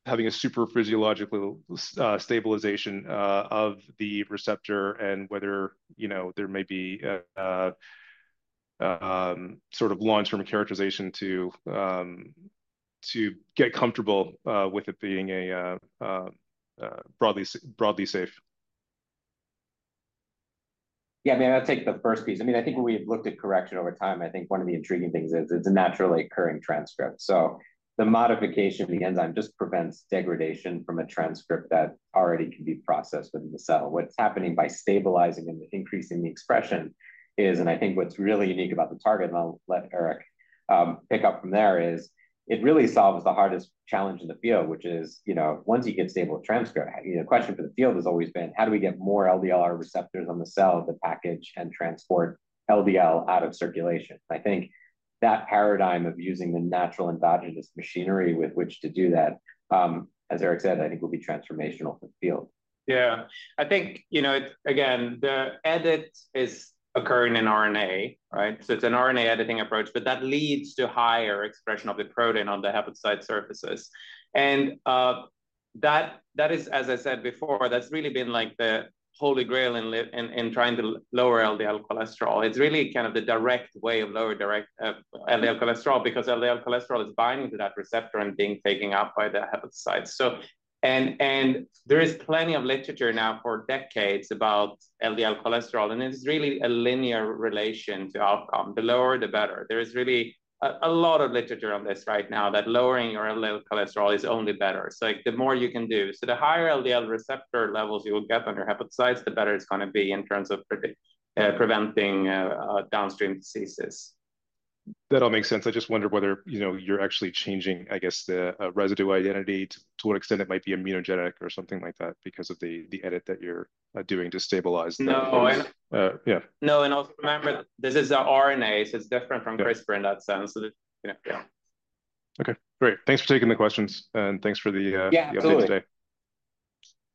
having a super physiological stabilization of the receptor and whether there may be sort of long-term characterization to get comfortable with it being broadly safe. Yeah. I mean, I'll take the first piece. I mean, I think when we've looked at correction over time, I think one of the intriguing things is it's a naturally occurring transcript. So the modification of the enzyme just prevents degradation from a transcript that already can be processed within the cell. What's happening by stabilizing and increasing the expression is, and I think what's really unique about the target, and I'll let Erik pick up from there, is it really solves the hardest challenge in the field, which is once you get stable transcript, the question for the field has always been, how do we get more LDLR receptors on the cell to package and transport LDL out of circulation? And I think that paradigm of using the natural endogenous machinery with which to do that, as Erik said, I think will be transformational for the field. Yeah. I think, again, the edit is occurring in RNA, right? So it's an RNA editing approach, but that leads to higher expression of the protein on the hepatocyte surfaces. And that is, as I said before, that's really been like the Holy Grail in trying to lower LDL cholesterol. It's really kind of the direct way of lowering LDL cholesterol because LDL cholesterol is binding to that receptor and being taken up by the hepatocytes. And there is plenty of literature now for decades about LDL cholesterol, and it's really a linear relation to outcome. The lower, the better. There is really a lot of literature on this right now that lowering your LDL cholesterol is only better. So the more you can do, so the higher LDL receptor levels you will get on your hepatocytes, the better it's going to be in terms of preventing downstream diseases. That all makes sense. I just wonder whether you're actually changing, I guess, the residue identity to what extent it might be immunogenic or something like that because of the edit that you're doing to stabilize the. No. And. Yeah. No. And also remember, this is an RNA, so it's different from CRISPR in that sense. Okay. Great. Thanks for taking the questions, and thanks for the update today.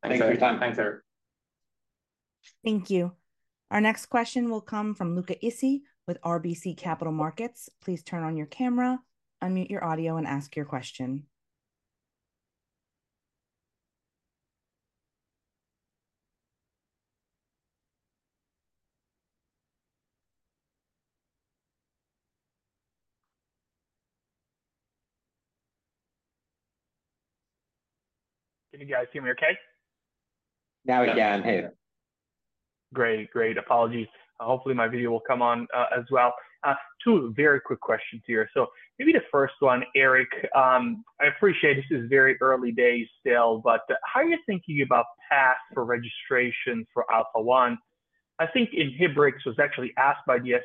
Thanks for your time. Thanks, Erik. Thank you. Our next question will come from Luca Issi with RBC Capital Markets. Please turn on your camera, unmute your audio, and ask your question. Can you guys hear me okay? Now we can. Hey. Great. Great. Apologies. Hopefully, my video will come on as well. Two very quick questions here. So maybe the first one, Erik, I appreciate this is very early days still, but how are you thinking about paths for registration for Alpha-1? I think Inhibrx was actually asked by the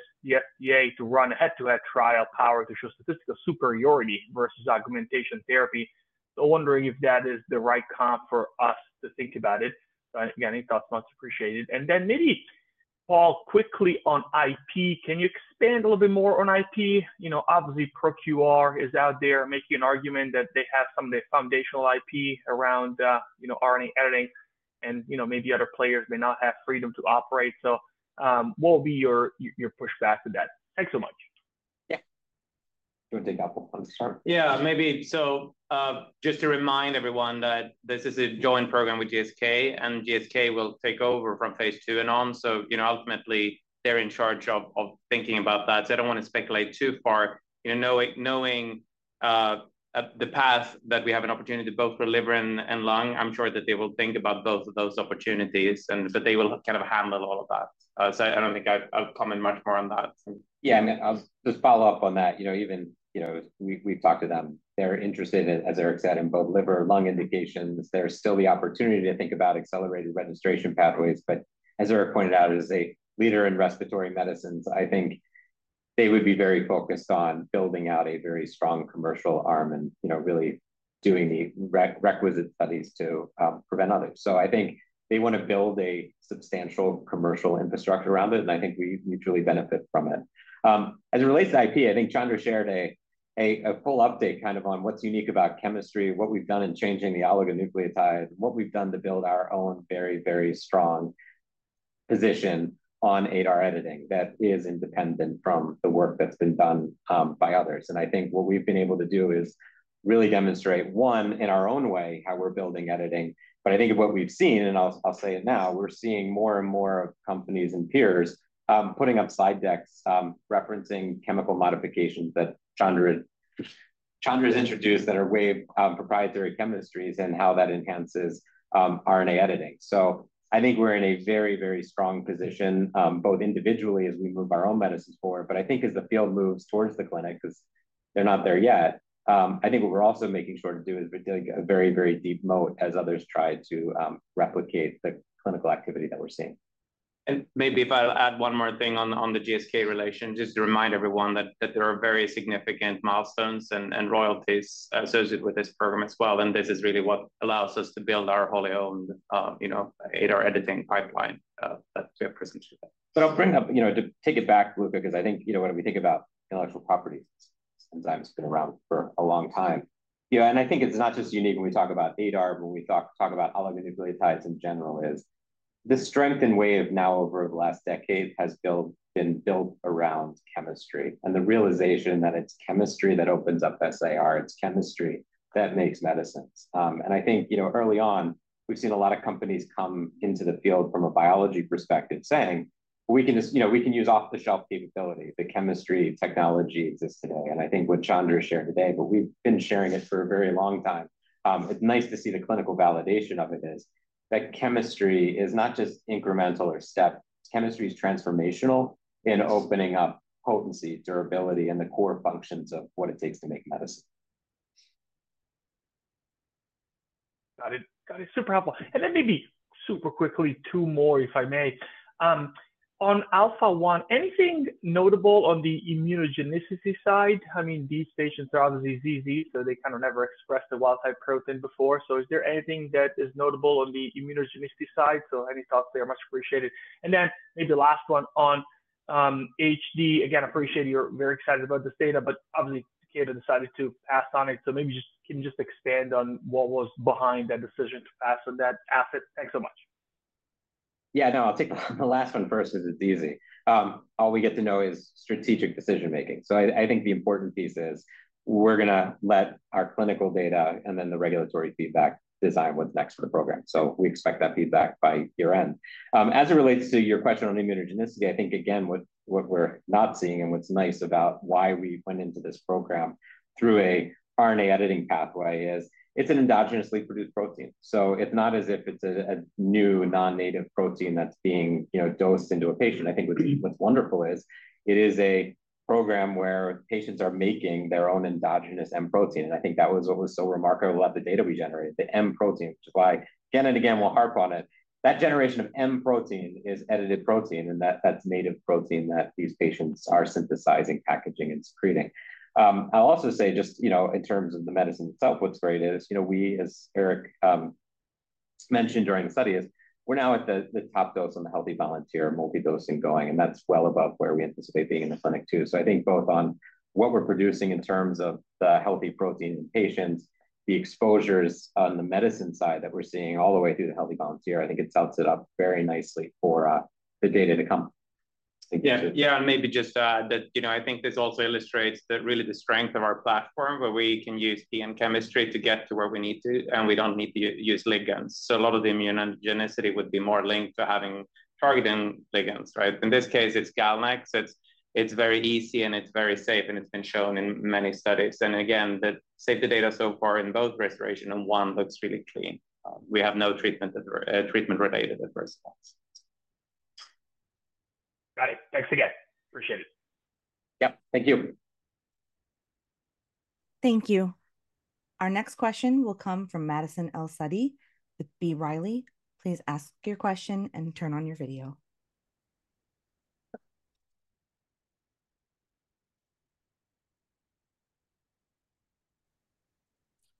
FDA to run a head-to-head trial powered to show statistical superiority versus augmentation therapy. So wondering if that is the right comp for us to think about it. Again, any thoughts? Much appreciated. And then maybe Paul, quickly on IP, can you expand a little bit more on IP? Obviously, ProQR is out there making an argument that they have some of the foundational IP around RNA editing, and maybe other players may not have freedom to operate. So what will be your pushback to that? Thanks so much. Yeah. Do you want to take that one? Yeah. So just to remind everyone that this is a joint program with GSK, and GSK will take over from Phase 2 and on. So ultimately, they're in charge of thinking about that. So I don't want to speculate too far. Knowing the path that we have an opportunity to both for liver and lung, I'm sure that they will think about both of those opportunities, but they will kind of handle all of that. So I don't think I'll comment much more on that. Yeah. And I'll just follow up on that. Even we've talked to them. They're interested, as Erik said, in both liver and lung indications. There's still the opportunity to think about accelerated registration pathways. But as Erik pointed out, as a leader in respiratory medicines, I think they would be very focused on building out a very strong commercial arm and really doing the requisite studies to prevent others. So I think they want to build a substantial commercial infrastructure around it, and I think we mutually benefit from it. As it relates to IP, I think Chandra shared a full update kind of on what's unique about chemistry, what we've done in changing the oligonucleotide, what we've done to build our own very, very strong position on ADAR editing that is independent from the work that's been done by others, and I think what we've been able to do is really demonstrate, one, in our own way, how we're building editing. But I think what we've seen, and I'll say it now, we're seeing more and more of companies and peers putting up slide decks referencing chemical modifications that Chandra has introduced that are way proprietary chemistries and how that enhances RNA editing. So I think we're in a very, very strong position both individually as we move our own medicines forward, but I think as the field moves towards the clinic, because they're not there yet, I think what we're also making sure to do is we're doing a very, very deep moat as others try to replicate the clinical activity that we're seeing. And maybe if I'll add one more thing on the GSK relation, just to remind everyone that there are very significant milestones and royalties associated with this program as well. And this is really what allows us to build our wholly owned ADAR editing pipeline that we have presented. But I'll turn it back to Luca, because I think when we think about intellectual properties, enzymes have been around for a long time. And I think it's not just unique when we talk about ADAR, but when we talk about oligonucleotides in general, is the strength and Wave now over the last decade has been built around chemistry and the realization that it's chemistry that opens up SAR, it's chemistry that makes medicines. And I think early on, we've seen a lot of companies come into the field from a biology perspective saying, "We can use off-the-shelf capability. The chemistry technology exists today." And I think what Chandra shared today, but we've been sharing it for a very long time. It's nice to see the clinical validation of it is that chemistry is not just incremental or step. Chemistry is transformational in opening up potency, durability, and the core functions of what it takes to make medicine. Got it. Got it. Super helpful. And then maybe super quickly, two more, if I may. On Alpha-1, anything notable on the immunogenicity side? I mean, these patients are obviously diseased, so they kind of never expressed the wild-type protein before. So is there anything that is notable on the immunogenicity side? So any thoughts there? Much appreciated. And then maybe the last one on HD, again, appreciate you're very excited about this data, but obviously, Kate decided to pass on it. So maybe can you just expand on what was behind that decision to pass on that asset? Thanks so much. Yeah. No, I'll take the last one first because it's easy. All we get to know is strategic decision-making. So I think the important piece is we're going to let our clinical data and then the regulatory feedback design what's next for the program. So we expect that feedback by year-end. As it relates to your question on immunogenicity, I think, again, what we're not seeing and what's nice about why we went into this program through an RNA editing pathway is it's an endogenously produced protein. So it's not as if it's a new non-native protein that's being dosed into a patient. I think what's wonderful is it is a program where patients are making their own endogenous M protein. And I think that was what was so remarkable about the data we generated, the M protein, which is why again and again, we'll harp on it. That generation of M protein is edited protein, and that's native protein that these patients are synthesizing, packaging, and secreting. I'll also say just in terms of the medicine itself, what's great is we, as EriK mentioned during the study, is we're now at the top dose on the healthy volunteer multi-dosing going, and that's well above where we anticipate being in the clinic too. So I think both on what we're producing in terms of the healthy protein in patients, the exposures on the medicine side that we're seeing all the way through the healthy volunteer, I think it sets it up very nicely for the data to come. Yeah. And maybe just that I think this also illustrates that really the strength of our platform, where we can use PN chemistry to get to where we need to, and we don't need to use ligands. So a lot of the immunogenicity would be more linked to having targeting ligands, right? In this case, it's GalNAc. It's very easy, and it's very safe, and it's been shown in many studies. And again, the safety data so far in both respiration and one looks really clean. We have no treatment-related adverse effects. Got it. Thanks again. Appreciate it. Yep. Thank you. Thank you. Our next question will come from Madison El-Saadi with B. Riley. Please ask your question and turn on your video.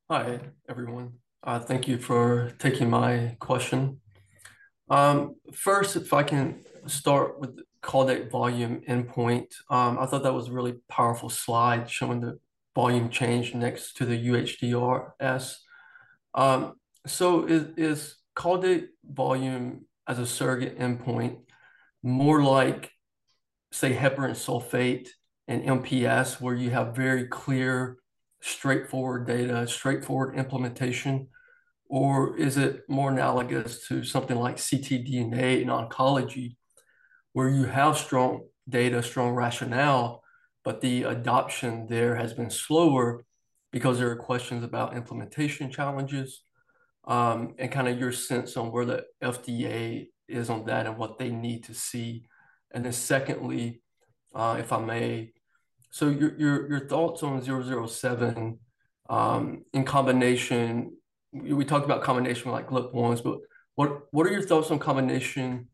Hi, everyone. Thank you for taking my question. First, if I can start with the caudate volume endpoint, I thought that was a really powerful slide showing the volume change next to the UHDRS. So is caudate volume as a surrogate endpoint more like, say, heparan sulfate and MPS, where you have very clear, straightforward data, straightforward implementation? Or is it more analogous to something like ctDNA in oncology, where you have strong data, strong rationale, but the adoption there has been slower because there are questions about implementation challenges? And kind of your sense on where the FDA is on that and what they need to see. And then secondly, if I may, so your thoughts on 007 in combination? We talked about combination with GLP-1s, but what are your thoughts on combination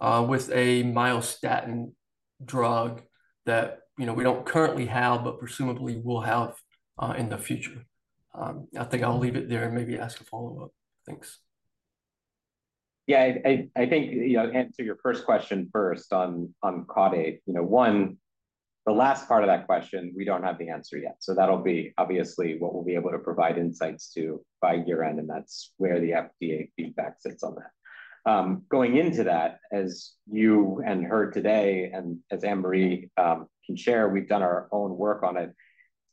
with a myostatin drug that we don't currently have but presumably will have in the future? I think I'll leave it there and maybe ask a follow-up. Thanks. Yeah. I think to answer your first question first on caudate, one, the last part of that question, we don't have the answer yet. So that'll be obviously what we'll be able to provide insights to by year-end, and that's where the FDA feedback sits on that. Going into that, as you and her today and as Anne-Marie can share, we've done our own work on it.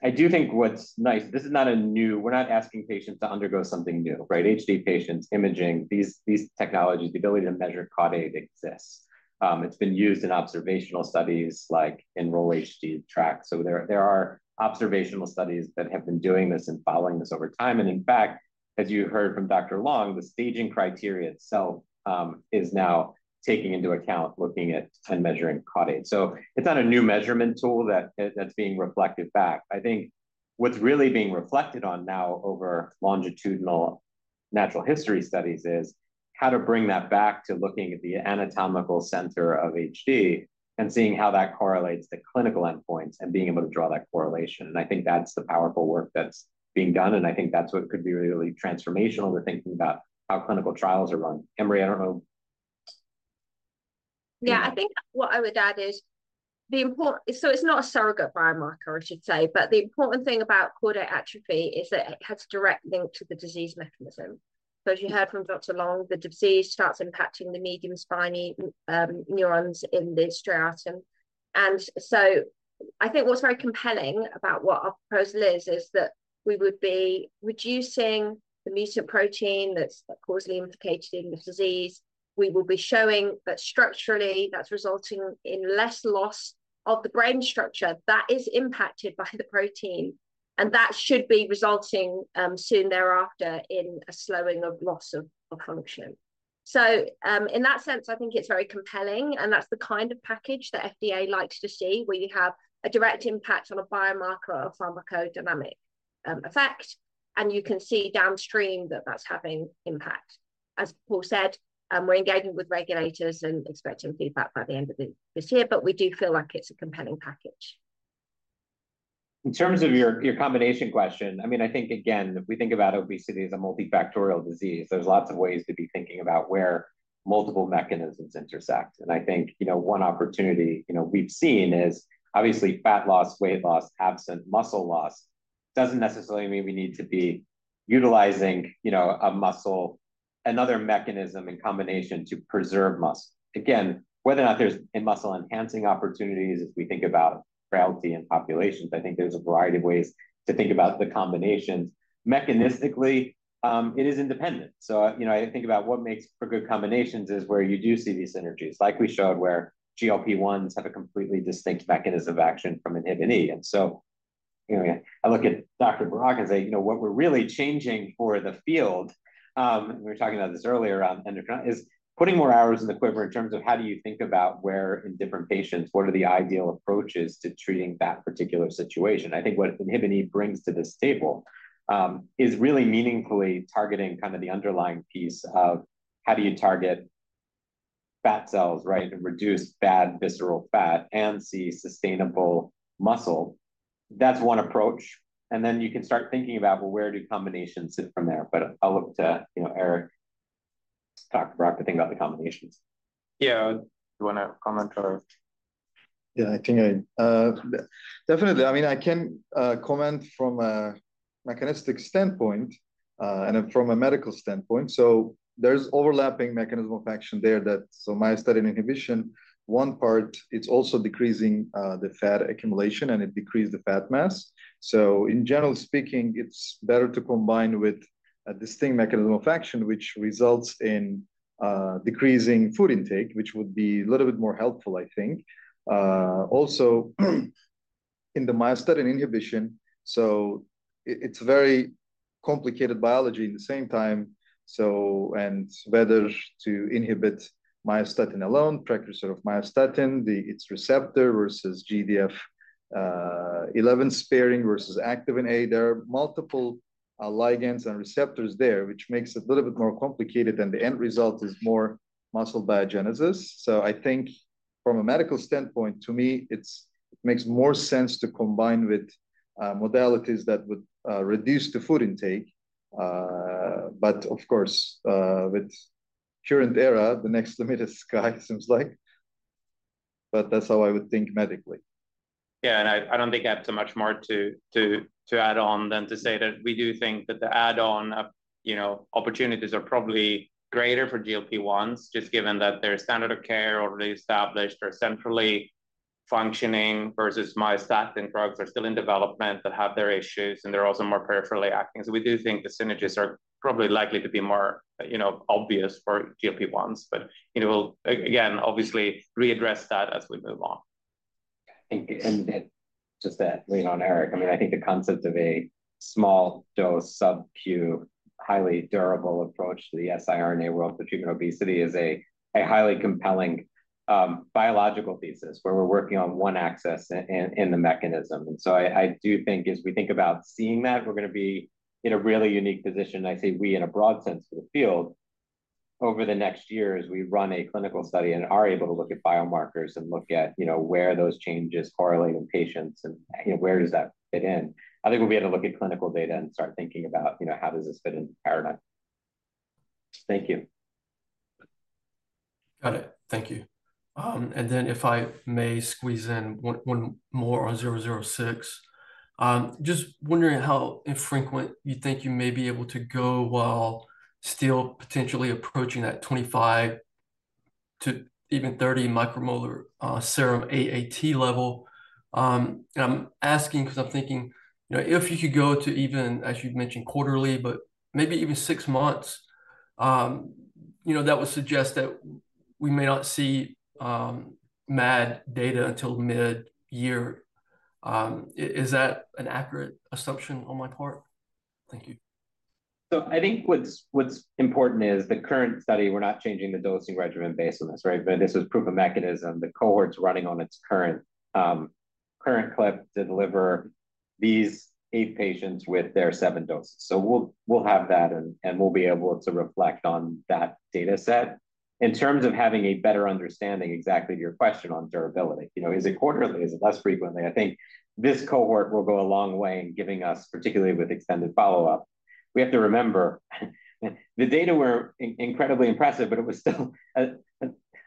I do think what's nice, this is not a new we're not asking patients to undergo something new, right? HD patients, imaging, these technologies, the ability to measure caudate exists. It's been used in observational studies like in TRACK-HD. So there are observational studies that have been doing this and following this over time. And in fact, as you heard from Dr. Long, the staging criteria itself is now taking into account looking at and measuring caudate. So it's not a new measurement tool that's being reflected back. I think what's really being reflected on now over longitudinal natural history studies is how to bring that back to looking at the anatomical center of HD and seeing how that correlates to clinical endpoints and being able to draw that correlation. I think that's the powerful work that's being done. I think that's what could be really transformational to thinking about how clinical trials are run. Anne-Marie, I don't know. Yeah. I think what I would add is the important so it's not a surrogate biomarker, I should say, but the important thing about caudate atrophy is that it has a direct link to the disease mechanism. So as you heard from Dr. Long, the disease starts impacting the medium spiny neurons in the striatum. And so I think what's very compelling about what our proposal is, is that we would be reducing the mutant protein that's causally implicated in the disease. We will be showing that structurally, that's resulting in less loss of the brain structure that is impacted by the protein. And that should be resulting soon thereafter in a slowing of loss of function. So in that sense, I think it's very compelling. And that's the kind of package that FDA likes to see where you have a direct impact on a biomarker or pharmacodynamic effect. And you can see downstream that that's having impact. As Paul said, we're engaging with regulators and expecting feedback by the end of this year, but we do feel like it's a compelling package. In terms of your combination question, I mean, I think, again, if we think about obesity as a multifactorial disease, there's lots of ways to be thinking about where multiple mechanisms intersect, and I think one opportunity we've seen is obviously fat loss, weight loss, absent muscle loss doesn't necessarily mean we need to be utilizing a muscle, another mechanism in combination to preserve muscle. Again, whether or not there's muscle-enhancing opportunities, if we think about frailty in populations, I think there's a variety of ways to think about the combinations. Mechanistically, it is independent, so I think about what makes for good combinations is where you do see these synergies like we showed where GLP-1s have a completely distinct mechanism of action from INHBE, and so I look at Dr.Burak and say, "What we're really changing for the field," and we were talking about this earlier on endocrinology, "is putting more horsepower into the equation in terms of how do you think about where in different patients, what are the ideal approaches to treating that particular situation." I think what INHBE brings to this table is really meaningfully targeting kind of the underlying piece of how do you target fat cells, right, and reduce bad visceral fat and preserve sustainable muscle. That's one approach. And then you can start thinking about, "Well, where do combinations sit from there?" But I'll look to Erik to talk about thinking about the combinations. Yeah. Do you want to comment, or? Yeah. I can definitely. I mean, I can comment from a mechanistic standpoint and from a medical standpoint. So, there's overlapping mechanism of action there that so myostatin inhibition, one part, it's also decreasing the fat accumulation, and it decreased the fat mass. In general speaking, it's better to combine with a distinct mechanism of action, which results in decreasing food intake, which would be a little bit more helpful, I think. Also, in the myostatin inhibition, so it's a very complicated biology at the same time. And whether to inhibit myostatin alone, precursor of myostatin, its receptor versus GDF11 sparing versus activin A, there are multiple ligands and receptors there, which makes it a little bit more complicated, and the end result is more muscle biogenesis. I think from a medical standpoint, to me, it makes more sense to combine with modalities that would reduce the food intake. But of course, in the current era, the sky's the limit, it seems like. But that's how I would think medically. Yeah. And I don't think I have so much more to add on than to say that we do think that the add-on opportunities are probably greater for GLP-1s, just given that their standard of care already established or centrally functioning versus myostatin drugs are still in development that have their issues, and they're also more peripherally acting. So we do think the synergies are probably likely to be more obvious for GLP-1s. But we'll, again, obviously readdress that as we move on. And just to lean on EriK, I mean, I think the concept of a small dose, sub-Q, highly durable approach to the siRNA world for treatment of obesity is a highly compelling biological thesis where we're working on one axis in the mechanism. And so I do think as we think about seeing that, we're going to be in a really unique position, and I say we in a broad sense for the field, over the next year as we run a clinical study and are able to look at biomarkers and look at where those changes correlate in patients and where does that fit in. I think we'll be able to look at clinical data and start thinking about how does this fit into paradigm. Thank you. Got it. Thank you. And then if I may squeeze in one more on 006, just wondering how infrequent you think you may be able to go while still potentially approaching that 25-30 micromolar serum AAT level. I'm asking because I'm thinking if you could go to even, as you mentioned, quarterly, but maybe even six months, that would suggest that we may not see MAD data until mid-year. Is that an accurate assumption on my part? Thank you. I think what's important is the current study, we're not changing the dosing regimen based on this, right? But this is proof of mechanism. The cohort's running on its current clip to deliver these eight patients with their seven doses. We'll have that, and we'll be able to reflect on that data set in terms of having a better understanding exactly of your question on durability. Is it quarterly? Is it less frequently? I think this cohort will go a long way in giving us, particularly with extended follow-up. We have to remember the data were incredibly impressive, but it was still a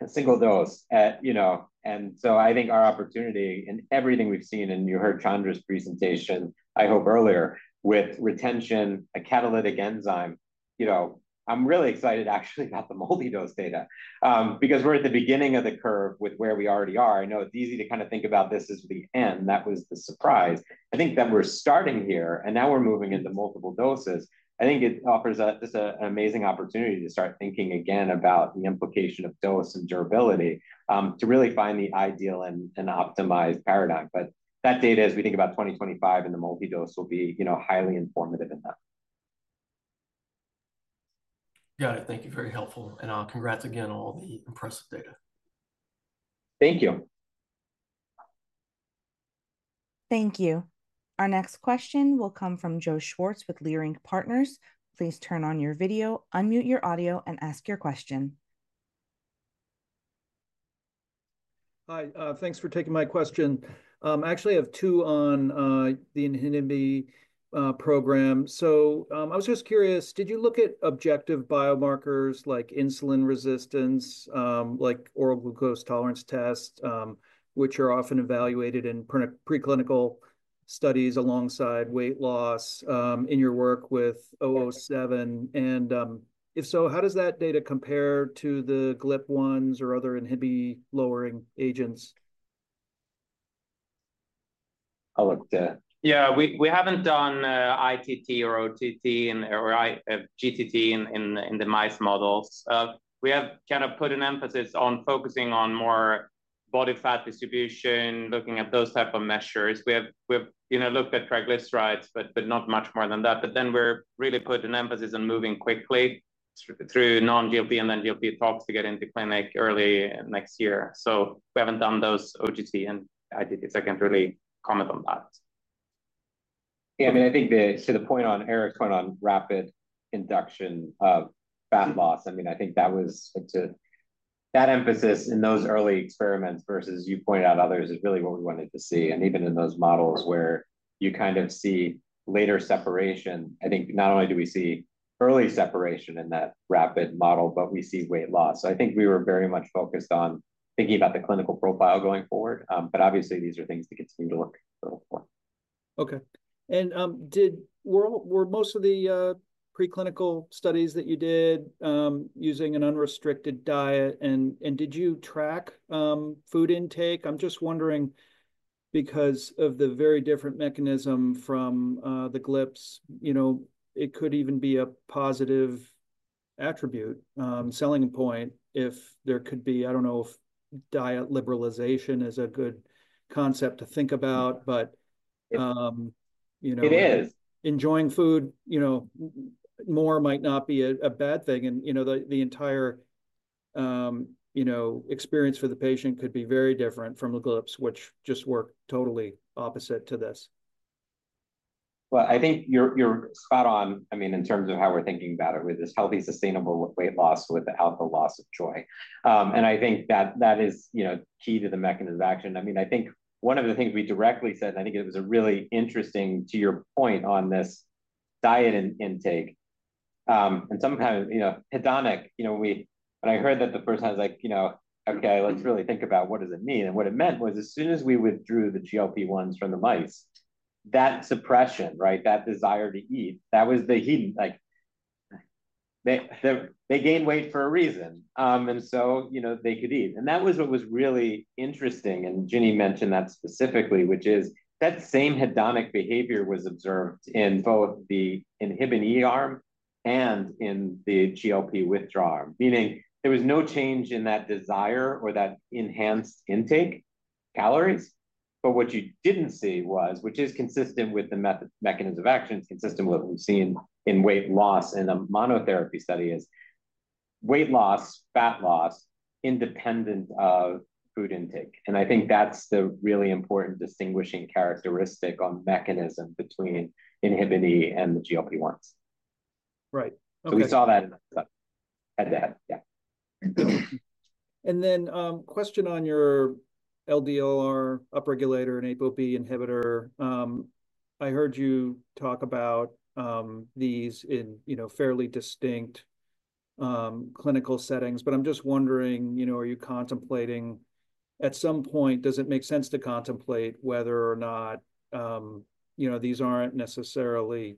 single dose. And so I think our opportunity in everything we've seen, and you heard Chandra's presentation, I hope earlier with PRISM, a catalytic enzyme. I'm really excited actually about the multi-dose data because we're at the beginning of the curve with where we already are. I know it's easy to kind of think about this as the end. That was the surprise. I think that we're starting here, and now we're moving into multiple doses. I think it offers us an amazing opportunity to start thinking again about the implication of dose and durability to really find the ideal and optimized paradigm. But that data, as we think about 2025 and the multi-dose, will be highly informative in that. Got it. Thank you. Very helpful. And congrats again on all the impressive data. Thank you. Thank you. Our next question will come from Joe Schwartz with Leerink Partners. Please turn on your video, unmute your audio, and ask your question. Hi. Thanks for taking my question. Actually, I have two on the INHBE program. So I was just curious, did you look at objective biomarkers like insulin resistance, like oral glucose tolerance test, which are often evaluated in preclinical studies alongside weight loss in your work with 007? And if so, how does that data compare to the GLP-1s or other INHBE lowering agents? I'll look to. Yeah. We haven't done ITT or GTT in the mice models. We have kind of put an emphasis on focusing on more body fat distribution, looking at those type of measures. We have looked at triglycerides, but not much more than that. But then we're really putting emphasis on moving quickly through non-GLP and then GLP tox to get into clinic early next year. So, we haven't done those OGTT and ITTs. I can't really comment on that. Yeah. I mean, I think to the point on Erik's point on rapid induction of fat loss, I mean, I think that was that emphasis in those early experiments versus, as you pointed out, others is really what we wanted to see. And even in those models where you kind of see later separation, I think not only do we see early separation in that rapid model, but we see weight loss. So, I think we were very much focused on thinking about the clinical profile going forward. But obviously, these are things to continue to look for. Okay. And were most of the preclinical studies that you did using an unrestricted diet, and did you track food intake? I'm just wondering because of the very different mechanism from the GLP-1s, it could even be a positive attribute, selling point if there could be—I don't know if diet liberalization is a good concept to think about, but it is. Enjoying food more might not be a bad thing. And the entire experience for the patient could be very different from the GLP-1s, which just work totally opposite to this. Well, I think you're spot on. I mean, in terms of how we're thinking about it with this healthy, sustainable weight loss without loss of joy. And I think that is key to the mechanism of action. I mean, I think one of the things we directly said, and I think it was really interesting to your point on this diet intake. And sometimes hedonic. When I heard that the first time, I was like, "Okay, let's really think about what does it mean?" And what it meant was as soon as we withdrew the GLP-1s from the mice, that suppression, right, that desire to eat, that was why they gained weight for a reason. And so they could eat. And that was what was really interesting. And Ginnie mentioned that specifically, which is that same hedonic behavior was observed in both the INHBE arm and in the GLP-1 withdrawal, meaning there was no change in that desire or that enhanced intake calories. But what you didn't see was, which is consistent with the mechanism of action, consistent with what we've seen in weight loss in a monotherapy study, is weight loss, fat loss independent of food intake. I think that's the really important distinguishing characteristic on mechanism between INHBE and the GLP-1s. Right. We saw that in the study. Yeah. Then question on your LDLR upregulator and ApoB inhibitor. I heard you talk about these in fairly distinct clinical settings, but I'm just wondering, are you contemplating at some point, does it make sense to contemplate whether or not these aren't necessarily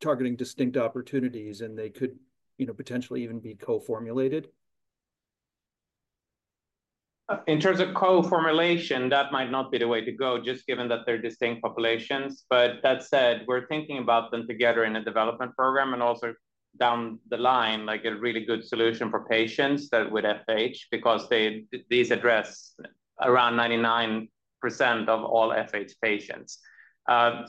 targeting distinct opportunities and they could potentially even be co-formulated? In terms of co-formulation, that might not be the way to go, just given that they're distinct populations. That said, we're thinking about them together in a development program and also down the line, like a really good solution for patients that would FH because these address around 99% of all FH patients. In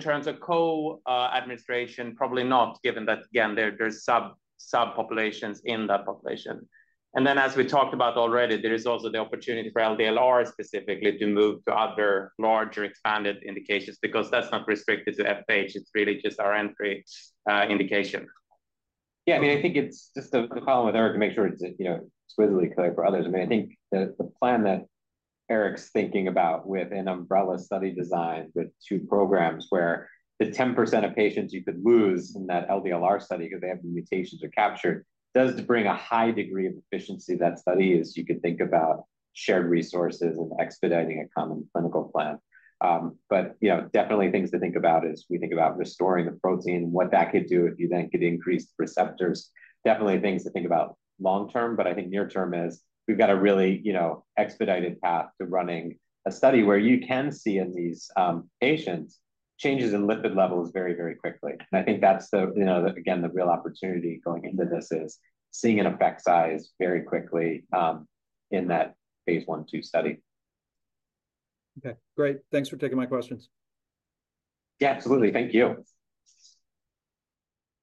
terms of co-administration, probably not, given that, again, there's subpopulations in that population. And then, as we talked about already, there is also the opportunity for LDLR specifically to move to other larger expanded indications because that's not restricted to FH. It's really just our entry indication. Yeah. I mean, I think it's just a problem with Erik to make sure it's exquisitely clear for others. I mean, I think the plan that Erik's thinking about with an umbrella study design with two programs where the 10% of patients you could lose in that LDLR study because they have the mutations are captured, does bring a high degree of efficiency to that study as you could think about shared resources and expediting a common clinical plan. But definitely things to think about as we think about restoring the protein and what that could do if you then could increase the receptors. Definitely things to think about long term, but I think near term is we've got a really expedited path to running a study where you can see in these patients changes in lipid levels very, very quickly. And I think that's, again, the real opportunity going into this is seeing an effect size very quickly in that Phase 1/2 study. Okay. Great. Thanks for taking my questions. Yeah. Absolutely. Thank you.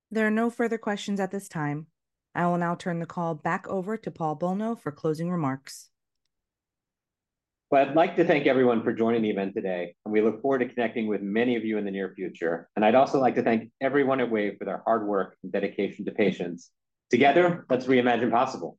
There are no further questions at this time. I will now turn the call back over to Paul Bolno for closing remarks. Well, I'd like to thank everyone for joining the event today. And we look forward to connecting with many of you in the near future. And I'd also like to thank everyone at Wave for their hard work and dedication to patients. Together, let's reimagine possible.